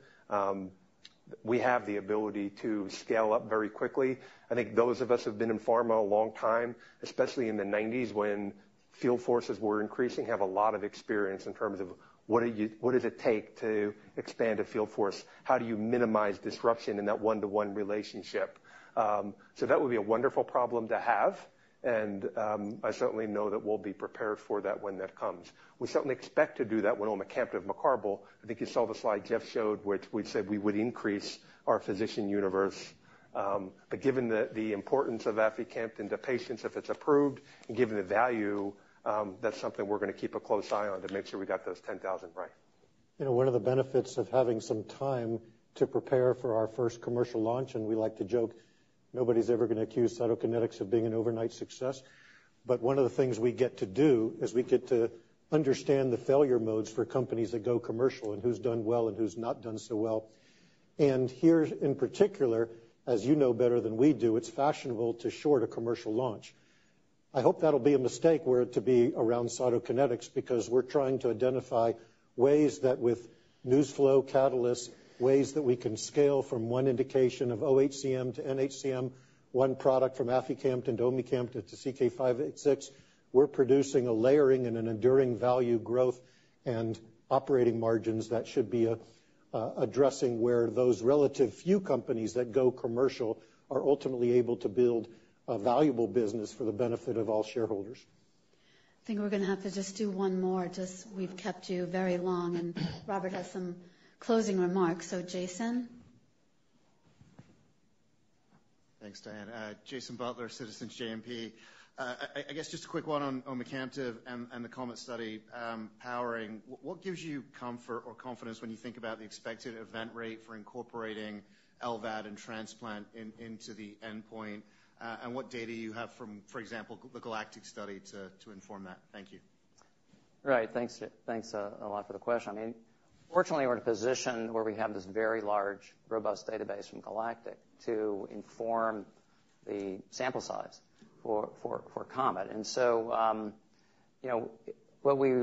we have the ability to scale up very quickly. I think those of us who've been in pharma a long time, especially in the 1990s, when field forces were increasing, have a lot of experience in terms of what does it take to expand a field force? How do you minimize disruption in that one-to-one relationship? So that would be a wonderful problem to have, and I certainly know that we'll be prepared for that when that comes. We certainly expect to do that with omecamtiv mecarbil. I think you saw the slide Jeff showed, which we said we would increase our physician universe.... But given the importance of aficamten to patients, if it's approved, and given the value, that's something we're gonna keep a close eye on to make sure we got those 10,000 right. You know, one of the benefits of having some time to prepare for our first commercial launch, and we like to joke, nobody's ever gonna accuse Cytokinetics of being an overnight success. But one of the things we get to do, is we get to understand the failure modes for companies that go commercial, and who's done well and who's not done so well. And here, in particular, as you know better than we do, it's fashionable to short a commercial launch. I hope that'll be a mistake were it to be around Cytokinetics, because we're trying to identify ways that with news flow catalysts, ways that we can scale from one indication of OHCM to NHCM, one product from aficamten to omecamtiv to CK-586. We're producing a layering and an enduring value growth and operating margins that should be addressing where those relative few companies that go commercial are ultimately able to build a valuable business for the benefit of all shareholders. I think we're gonna have to just do one more, just we've kept you very long, and Robert has some closing remarks. So Jason? Thanks, Diane. Jason Butler, Citizens JMP. I guess just a quick one on omecamtiv and the COMET study powering. What gives you comfort or confidence when you think about the expected event rate for incorporating LVAD and transplant into the endpoint? And what data you have from, for example, the GALACTIC study to inform that? Thank you. Right. Thanks, thanks, a lot for the question. I mean, fortunately, we're in a position where we have this very large, robust database from GALACTIC to inform the sample size for COMET. And so, you know, what we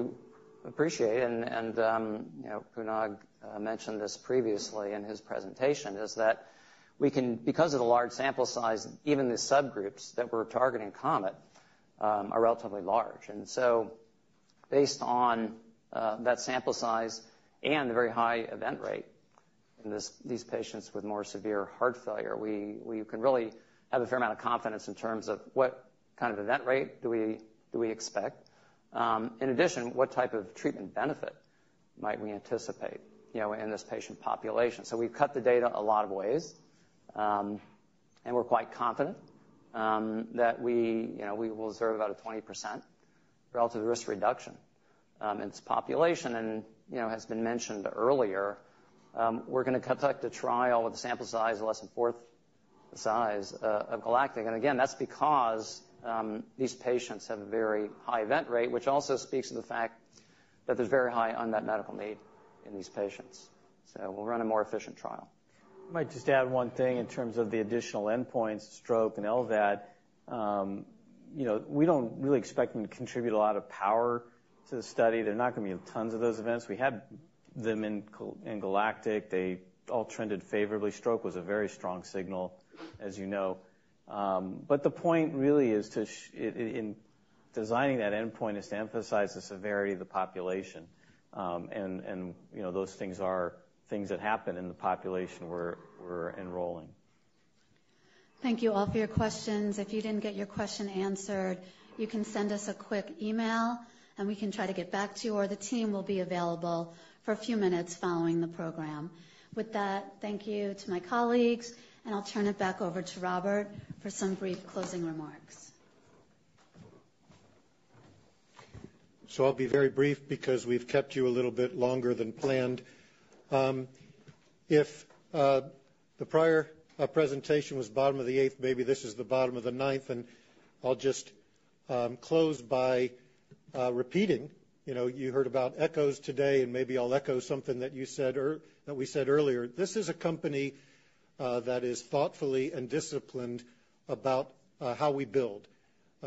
appreciate, and, you know, Punag mentioned this previously in his presentation, is that we can, because of the large sample size, even the subgroups that we're targeting COMET are relatively large. And so based on that sample size and the very high event rate in these patients with more severe heart failure, we can really have a fair amount of confidence in terms of what kind of event rate do we expect. In addition, what type of treatment benefit might we anticipate, you know, in this patient population? So we've cut the data a lot of ways, and we're quite confident, that we, you know, we will observe about a 20% relative risk reduction, in this population. And, you know, has been mentioned earlier, we're gonna conduct a trial with a sample size of less than fourth the size, of GALACTIC. And again, that's because, these patients have a very high event rate, which also speaks to the fact that there's very high unmet medical need in these patients. So we'll run a more efficient trial. I might just add one thing in terms of the additional endpoints, stroke and LVAD. You know, we don't really expect them to contribute a lot of power to the study. They're not gonna be tons of those events. We had them in GALACTIC. They all trended favorably. Stroke was a very strong signal, as you know. But the point really is to show, in designing that endpoint, is to emphasize the severity of the population. And you know, those things are things that happen in the population we're enrolling. Thank you all for your questions. If you didn't get your question answered, you can send us a quick email, and we can try to get back to you, or the team will be available for a few minutes following the program. With that, thank you to my colleagues, and I'll turn it back over to Robert for some brief closing remarks. So I'll be very brief because we've kept you a little bit longer than planned. If the prior presentation was bottom of the eighth, maybe this is the bottom of the ninth, and I'll just close by repeating. You know, you heard about echoes today, and maybe I'll echo something that we said earlier. This is a company that is thoughtfully and disciplined about how we build.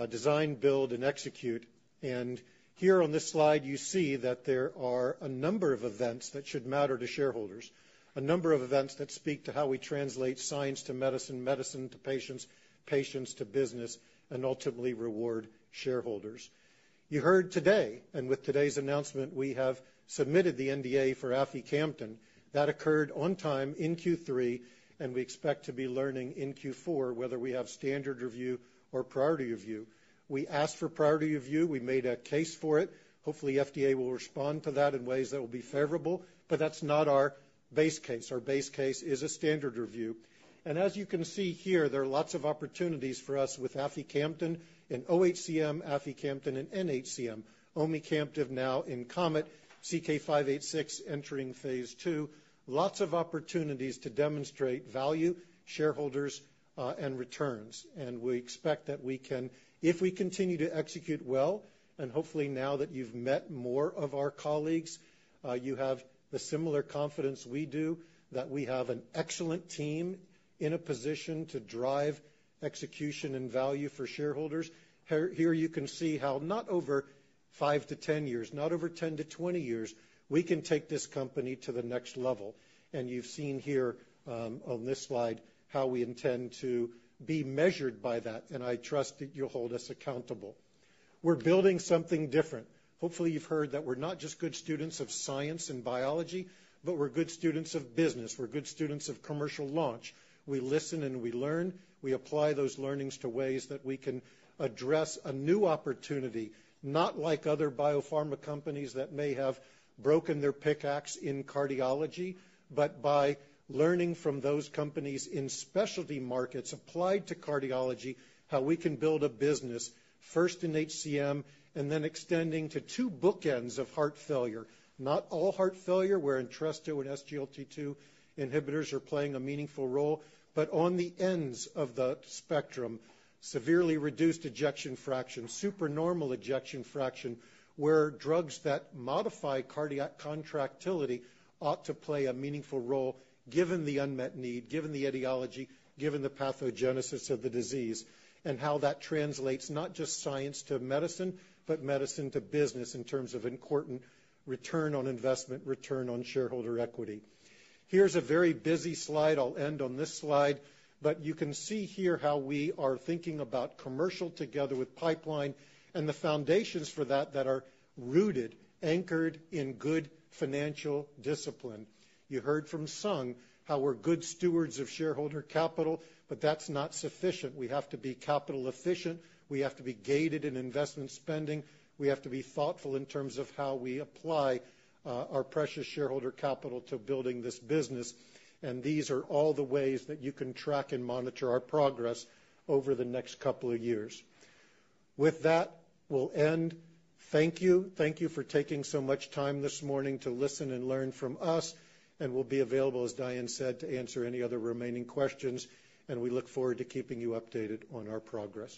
Design, build, and execute. And here on this slide, you see that there are a number of events that should matter to shareholders, a number of events that speak to how we translate science to medicine, medicine to patients, patients to business, and ultimately reward shareholders. You heard today, and with today's announcement, we have submitted the NDA for aficamten. That occurred on time in Q3, and we expect to be learning in Q4 whether we have standard review or priority review. We asked for priority review, we made a case for it. Hopefully, FDA will respond to that in ways that will be favorable, but that's not our base case. Our base case is a standard review, and as you can see here, there are lots of opportunities for us with aficamten in OHCM, aficamten, and NHCM. Omecamtiv now in COMET, CK-586 entering phase II. Lots of opportunities to demonstrate value, shareholders, and returns, and we expect that we can... If we continue to execute well, and hopefully now that you've met more of our colleagues, you have the similar confidence we do, that we have an excellent team in a position to drive execution and value for shareholders. Here, here you can see how not over five to 10 years, not over 10 to 20 years, we can take this company to the next level, and you've seen here, on this slide, how we intend to be measured by that, and I trust that you'll hold us accountable. We're building something different. Hopefully, you've heard that we're not just good students of science and biology, but we're good students of business. We're good students of commercial launch. We listen, and we learn. We apply those learnings to ways that we can address a new opportunity, not like other biopharma companies that may have broken their pickaxe in cardiology, but by learning from those companies in specialty markets applied to cardiology, how we can build a business, first in HCM, and then extending to two bookends of heart failure. Not all heart failure, where Entresto and SGLT2 inhibitors are playing a meaningful role, but on the ends of that spectrum, severely reduced ejection fraction, supernormal ejection fraction, where drugs that modify cardiac contractility ought to play a meaningful role, given the unmet need, given the etiology, given the pathogenesis of the disease, and how that translates, not just science to medicine, but medicine to business in terms of important return on investment, return on shareholder equity. Here's a very busy slide. I'll end on this slide. But you can see here how we are thinking about commercial together with pipeline and the foundations for that, that are rooted, anchored in good financial discipline. You heard from Sung, how we're good stewards of shareholder capital, but that's not sufficient. We have to be capital efficient, we have to be gated in investment spending, we have to be thoughtful in terms of how we apply our precious shareholder capital to building this business. And these are all the ways that you can track and monitor our progress over the next couple of years. With that, we'll end. Thank you. Thank you for taking so much time this morning to listen and learn from us, and we'll be available, as Diane said, to answer any other remaining questions, and we look forward to keeping you updated on our progress.